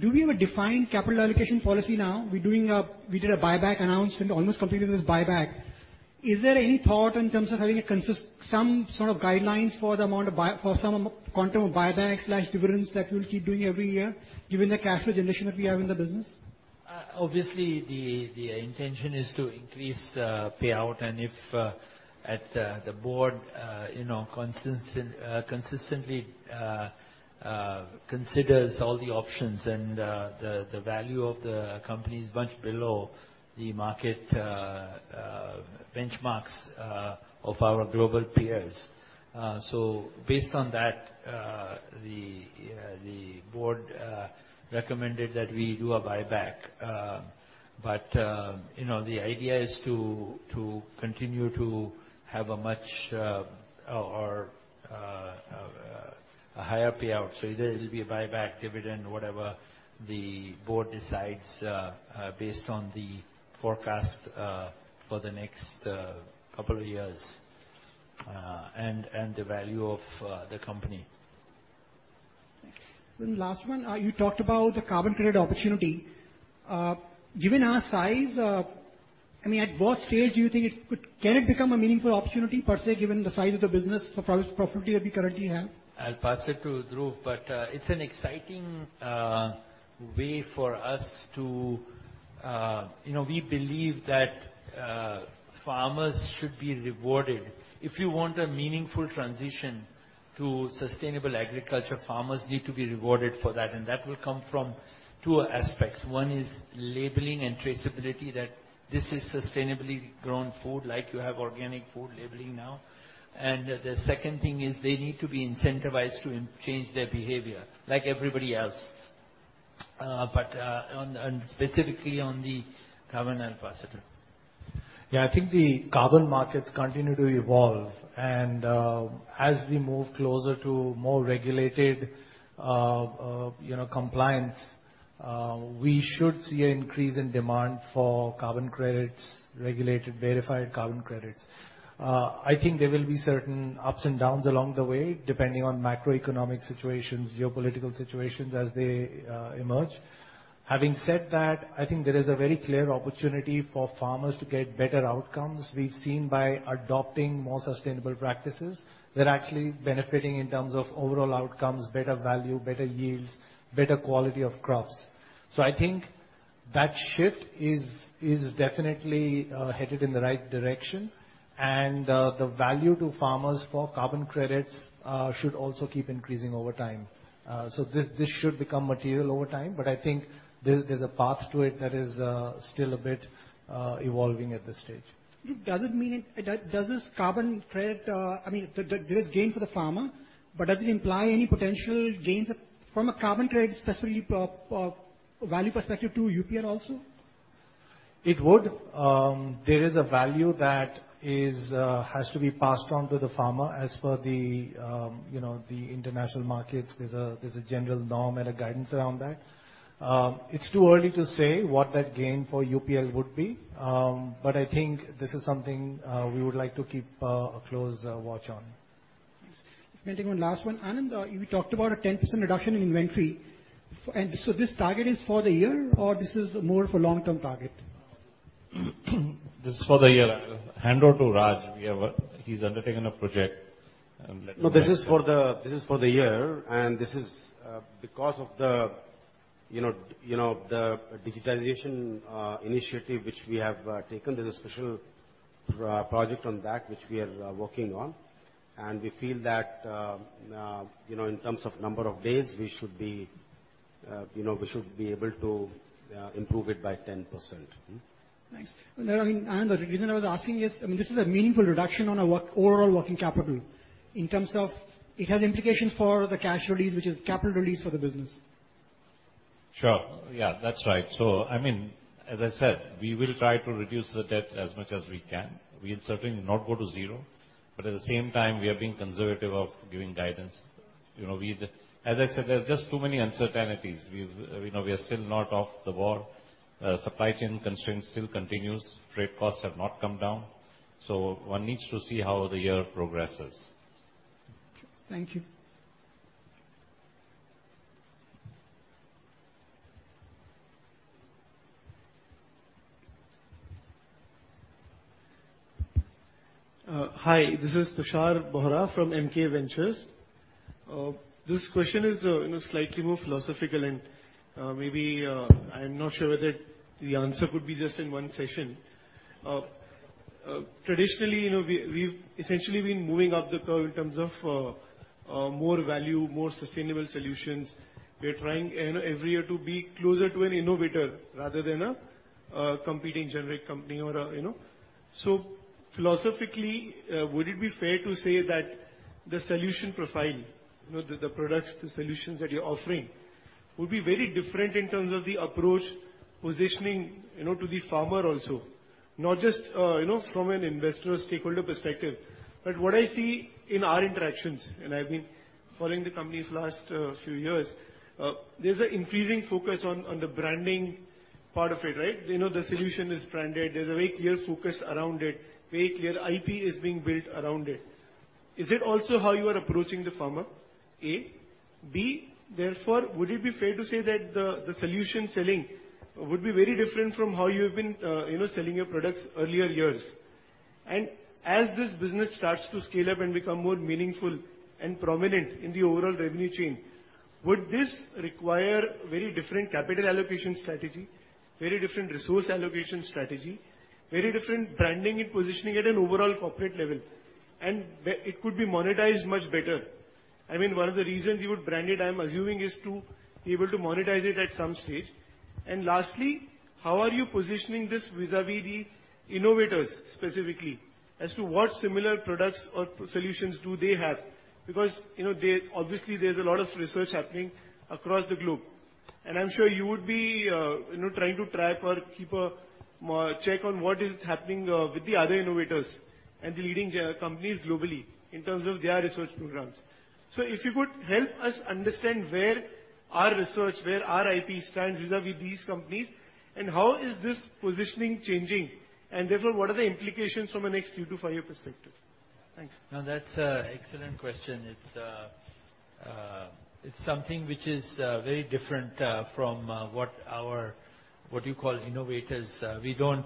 do we have a defined capital allocation policy now? We did a buyback announcement, almost completed this buyback. Is there any thought in terms of having some sort of guidelines for some quantum of buyback/dividends that we'll keep doing every year given the cash generation that we have in the business? Obviously, the intention is to increase payout. If at the board, you know, consistently considers all the options and the value of the company is much below the market benchmarks of our global peers. Based on that, the board recommended that we do a buyback. You know, the idea is to continue to have a much or a higher payout. Either it'll be a buyback dividend, whatever the board decides, based on the forecast for the next couple of years, and the value of the company. Last one. You talked about the carbon credit opportunity. Given our size, I mean, at what stage do you think it can become a meaningful opportunity per se given the size of the business, the profitability that we currently have? I'll pass it to Dhruv. It's an exciting way for us to we believe that farmers should be rewarded. If you want a meaningful transition to sustainable agriculture, farmers need to be rewarded for that. That will come from two aspects. One is labeling and traceability, that this is sustainably grown food, like you have organic food labeling now. The second thing is they need to be incentivized to change their behavior like everybody else. On specifically on the carbon, I'll pass it to Dhruv. Yeah. I think the carbon markets continue to evolve. As we move closer to more regulated, you know, compliance, we should see an increase in demand for carbon credits, regulated, verified carbon credits. I think there will be certain ups and downs along the way, depending on macroeconomic situations, geopolitical situations as they emerge. Having said that, I think there is a very clear opportunity for farmers to get better outcomes. We've seen by adopting more sustainable practices, they're actually benefiting in terms of overall outcomes, better value, better yields, better quality of crops. I think that shift is definitely headed in the right direction. The value to farmers for carbon credits should also keep increasing over time. This should become material over time, but I think there's a path to it that is still a bit evolving at this stage. Does this carbon credit, I mean, there is gain for the farmer, but does it imply any potential gains from a carbon credit specifically per value perspective to UPL also? It would. There is a value that is, has to be passed on to the farmer. As per the, you know, the international markets, there's a general norm and a guidance around that. It's too early to say what that gain for UPL would be. I think this is something we would like to keep a close watch on. Thanks. Maybe one last one. Anand, you talked about a 10% reduction in inventory. This target is for the year, or this is more of a long-term target? This is for the year. I'll hand over to Raj. He's undertaken a project and let him. No, this is for the year. This is because of, you know, the digitalization initiative which we have taken. There's a special project on that which we are working on. We feel that, you know, in terms of number of days, we should be able to improve it by 10%. Thanks. I mean, Anand, the reason I was asking is, I mean, this is a meaningful reduction on our overall working capital in terms of it has implications for the cash release, which is capital release for the business. Sure. Yeah, that's right. I mean, as I said, we will try to reduce the debt as much as we can. We will certainly not go to zero, but at the same time we are being conservative of giving guidance. You know, as I said, there's just too many uncertainties. We know we are still not off the war. Supply chain constraints still continues. Freight costs have not come down. One needs to see how the year progresses. Thank you. Hi, this is Tushar Bohra from MK Ventures. This question is, you know, slightly more philosophical and, maybe, I'm not sure whether the answer could be just in one session. Traditionally, you know, we've essentially been moving up the curve in terms of, more value, more sustainable solutions. We're trying, and every year to be closer to an innovator rather than a, competing generic company or a, you know. Philosophically, would it be fair to say that the solution profile, you know, the products, the solutions that you're offering would be very different in terms of the approach positioning, you know, to the farmer also. Not just, you know, from an investor stakeholder perspective. What I see in our interactions, and I've been following the company's last few years, there's an increasing focus on the branding part of it, right? You know, the solution is branded. There's a very clear focus around it. Very clear IP is being built around it. Is it also how you are approaching the farmer? A to B, therefore, would it be fair to say that the solution selling would be very different from how you have been, you know, selling your products earlier years? As this business starts to scale up and become more meaningful and prominent in the overall revenue chain, would this require very different capital allocation strategy, very different resource allocation strategy, very different branding and positioning at an overall corporate level, and where it could be monetized much better? I mean, one of the reasons you would brand it, I'm assuming, is to be able to monetize it at some stage. Lastly, how are you positioning this vis-à-vis the innovators specifically as to what similar products or solutions do they have? Because, you know, obviously there's a lot of research happening across the globe, and I'm sure you would be, you know, trying to track or keep a check on what is happening, with the other innovators and the leading companies globally in terms of their research programs. If you could help us understand where our research, where our IP stands vis-à-vis these companies, and how is this positioning changing, and therefore what are the implications from a next 3-5 year perspective? Thanks. No, that's an excellent question. It's something which is very different from what you call innovators. We don't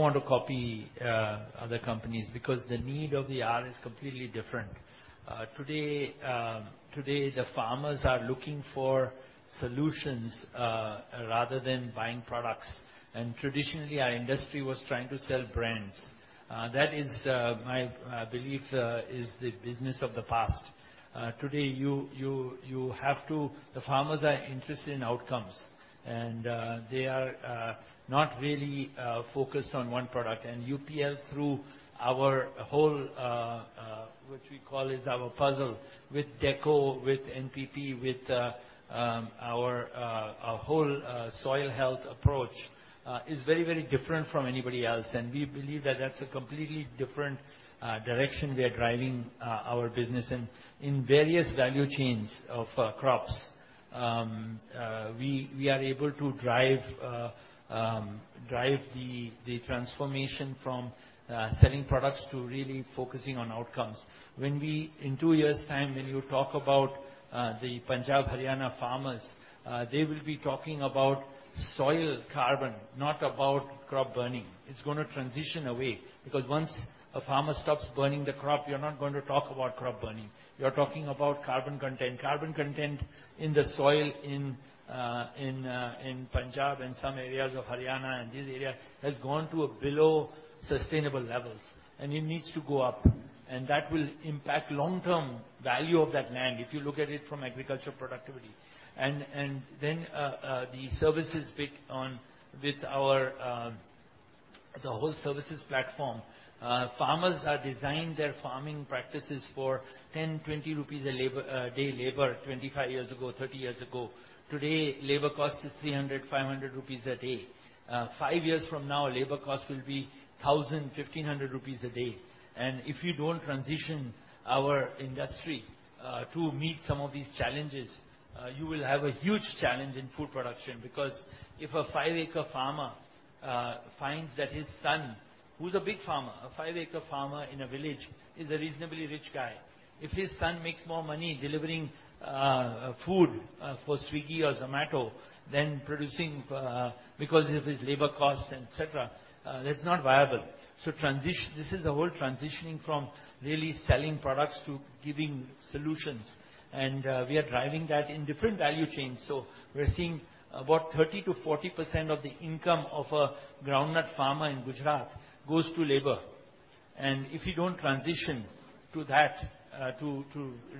want to copy other companies because the need of the hour is completely different. Today, the farmers are looking for solutions rather than buying products. Traditionally, our industry was trying to sell brands. That is my belief is the business of the past. Today, you have to. The farmers are interested in outcomes, and they are not really focused on one product. UPL through our whole, which we call our puzzle with DECCO, with NPP, with our soil health approach, is very, very different from anybody else. We believe that that's a completely different direction we are driving our business. In various value chains of crops, we are able to drive the transformation from selling products to really focusing on outcomes. In two years' time, when you talk about the Punjab, Haryana farmers, they will be talking about soil carbon, not about crop burning. It's gonna transition away, because once a farmer stops burning the crop, you're not going to talk about crop burning. You're talking about carbon content. Carbon content in the soil in Punjab and some areas of Haryana and this area has gone to below sustainable levels, and it needs to go up, and that will impact long-term value of that land if you look at it from agricultural productivity. The services built on our whole services platform, farmers designed their farming practices for 10-20 rupees a labor, a day labor 25 years ago, 30 years ago. Today, labor cost is 300-500 rupees a day. Five years from now, labor cost will be 1,000-1,500 rupees a day. If you don't transition our industry to meet some of these challenges, you will have a huge challenge in food production. Because if a 5-acre farmer finds that his son, who's a big farmer, a 5-acre farmer in a village is a reasonably rich guy. If his son makes more money delivering food for Swiggy or Zomato than producing because of his labor costs, et cetera, that's not viable. Transition. This is a whole transitioning from really selling products to giving solutions. We are driving that in different value chains. We're seeing about 30%-40% of the income of a groundnut farmer in Gujarat goes to labor. If you don't transition to that, to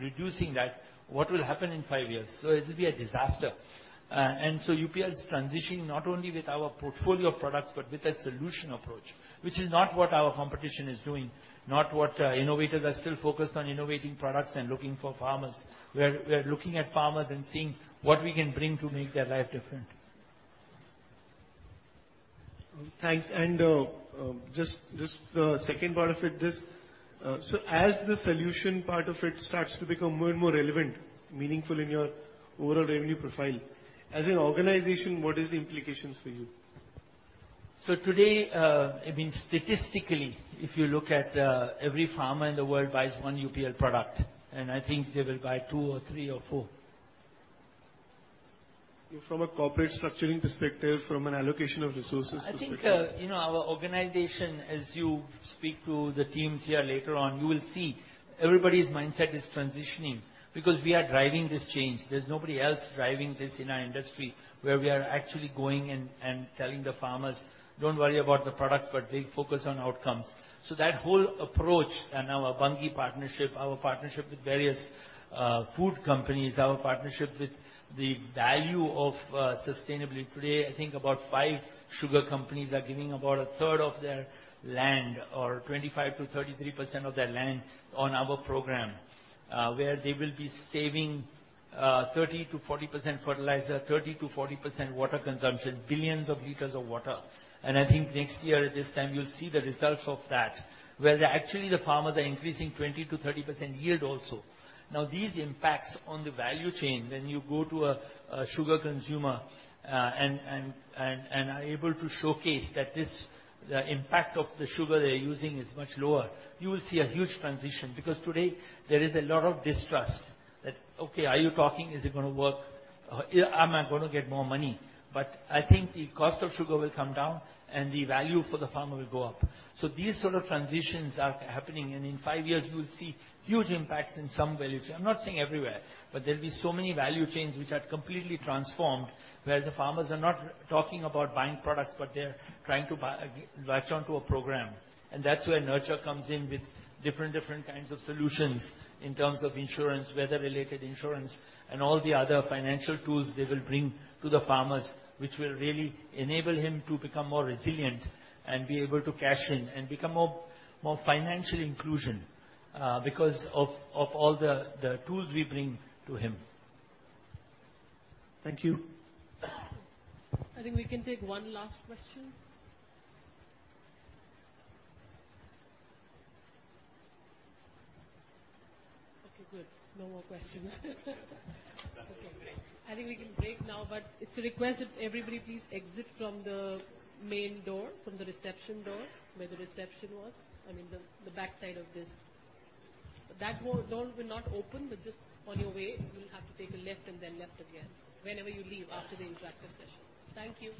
reducing that, what will happen in five years? It'll be a disaster. UPL is transitioning not only with our portfolio of products, but with a solution approach, which is not what our competition is doing, not what innovators are still focused on innovating products and looking for farmers. We are looking at farmers and seeing what we can bring to make their life different. Thanks. Just the second part of it, so as the solution part of it starts to become more and more relevant, meaningful in your overall revenue profile, as an organization, what is the implications for you? Today, I mean, statistically, if you look at every farmer in the world buys one UPL product, and I think they will buy two or three or four. From a corporate structuring perspective, from an allocation of resources perspective? I think, you know, our organization, as you speak to the teams here later on, you will see everybody's mindset is transitioning because we are driving this change. There's nobody else driving this in our industry, where we are actually going and telling the farmers, "Don't worry about the products, but really focus on outcomes." That whole approach and our Bunge partnership, our partnership with various food companies, our partnership with the value of sustainability. Today, I think about five sugar companies are giving about a third of their land or 25%-33% of their land on our program, where they will be saving 30%-40% fertilizer, 30%-40% water consumption, billions of liters of water. I think next year at this time you'll see the results of that, where actually the farmers are increasing 20%-30% yield also. Now, these impacts on the value chain, when you go to a sugar consumer and are able to showcase that the impact of the sugar they're using is much lower, you will see a huge transition. Because today there is a lot of distrust that, "Okay, are you talking? Is it gonna work? Am I gonna get more money?" I think the cost of sugar will come down and the value for the farmer will go up. These sort of transitions are happening, and in five years you will see huge impacts in some value chain. I'm not saying everywhere, but there'll be so many value chains which are completely transformed, where the farmers are not talking about buying products, but they're trying to latch onto a program. That's where Nurture comes in with different kinds of solutions in terms of insurance, weather-related insurance, and all the other financial tools they will bring to the farmers, which will really enable him to become more resilient and be able to cash in and become more financial inclusion, because of all the tools we bring to him. Thank you. I think we can take one last question. Okay, good. No more questions. Definitely break. I think we can break now, but it's a request that everybody please exit from the main door, from the reception door where the reception was and in the backside of this. That door will not open, but just on your way, you'll have to take a left and then left again whenever you leave after the interactive session. Thank you.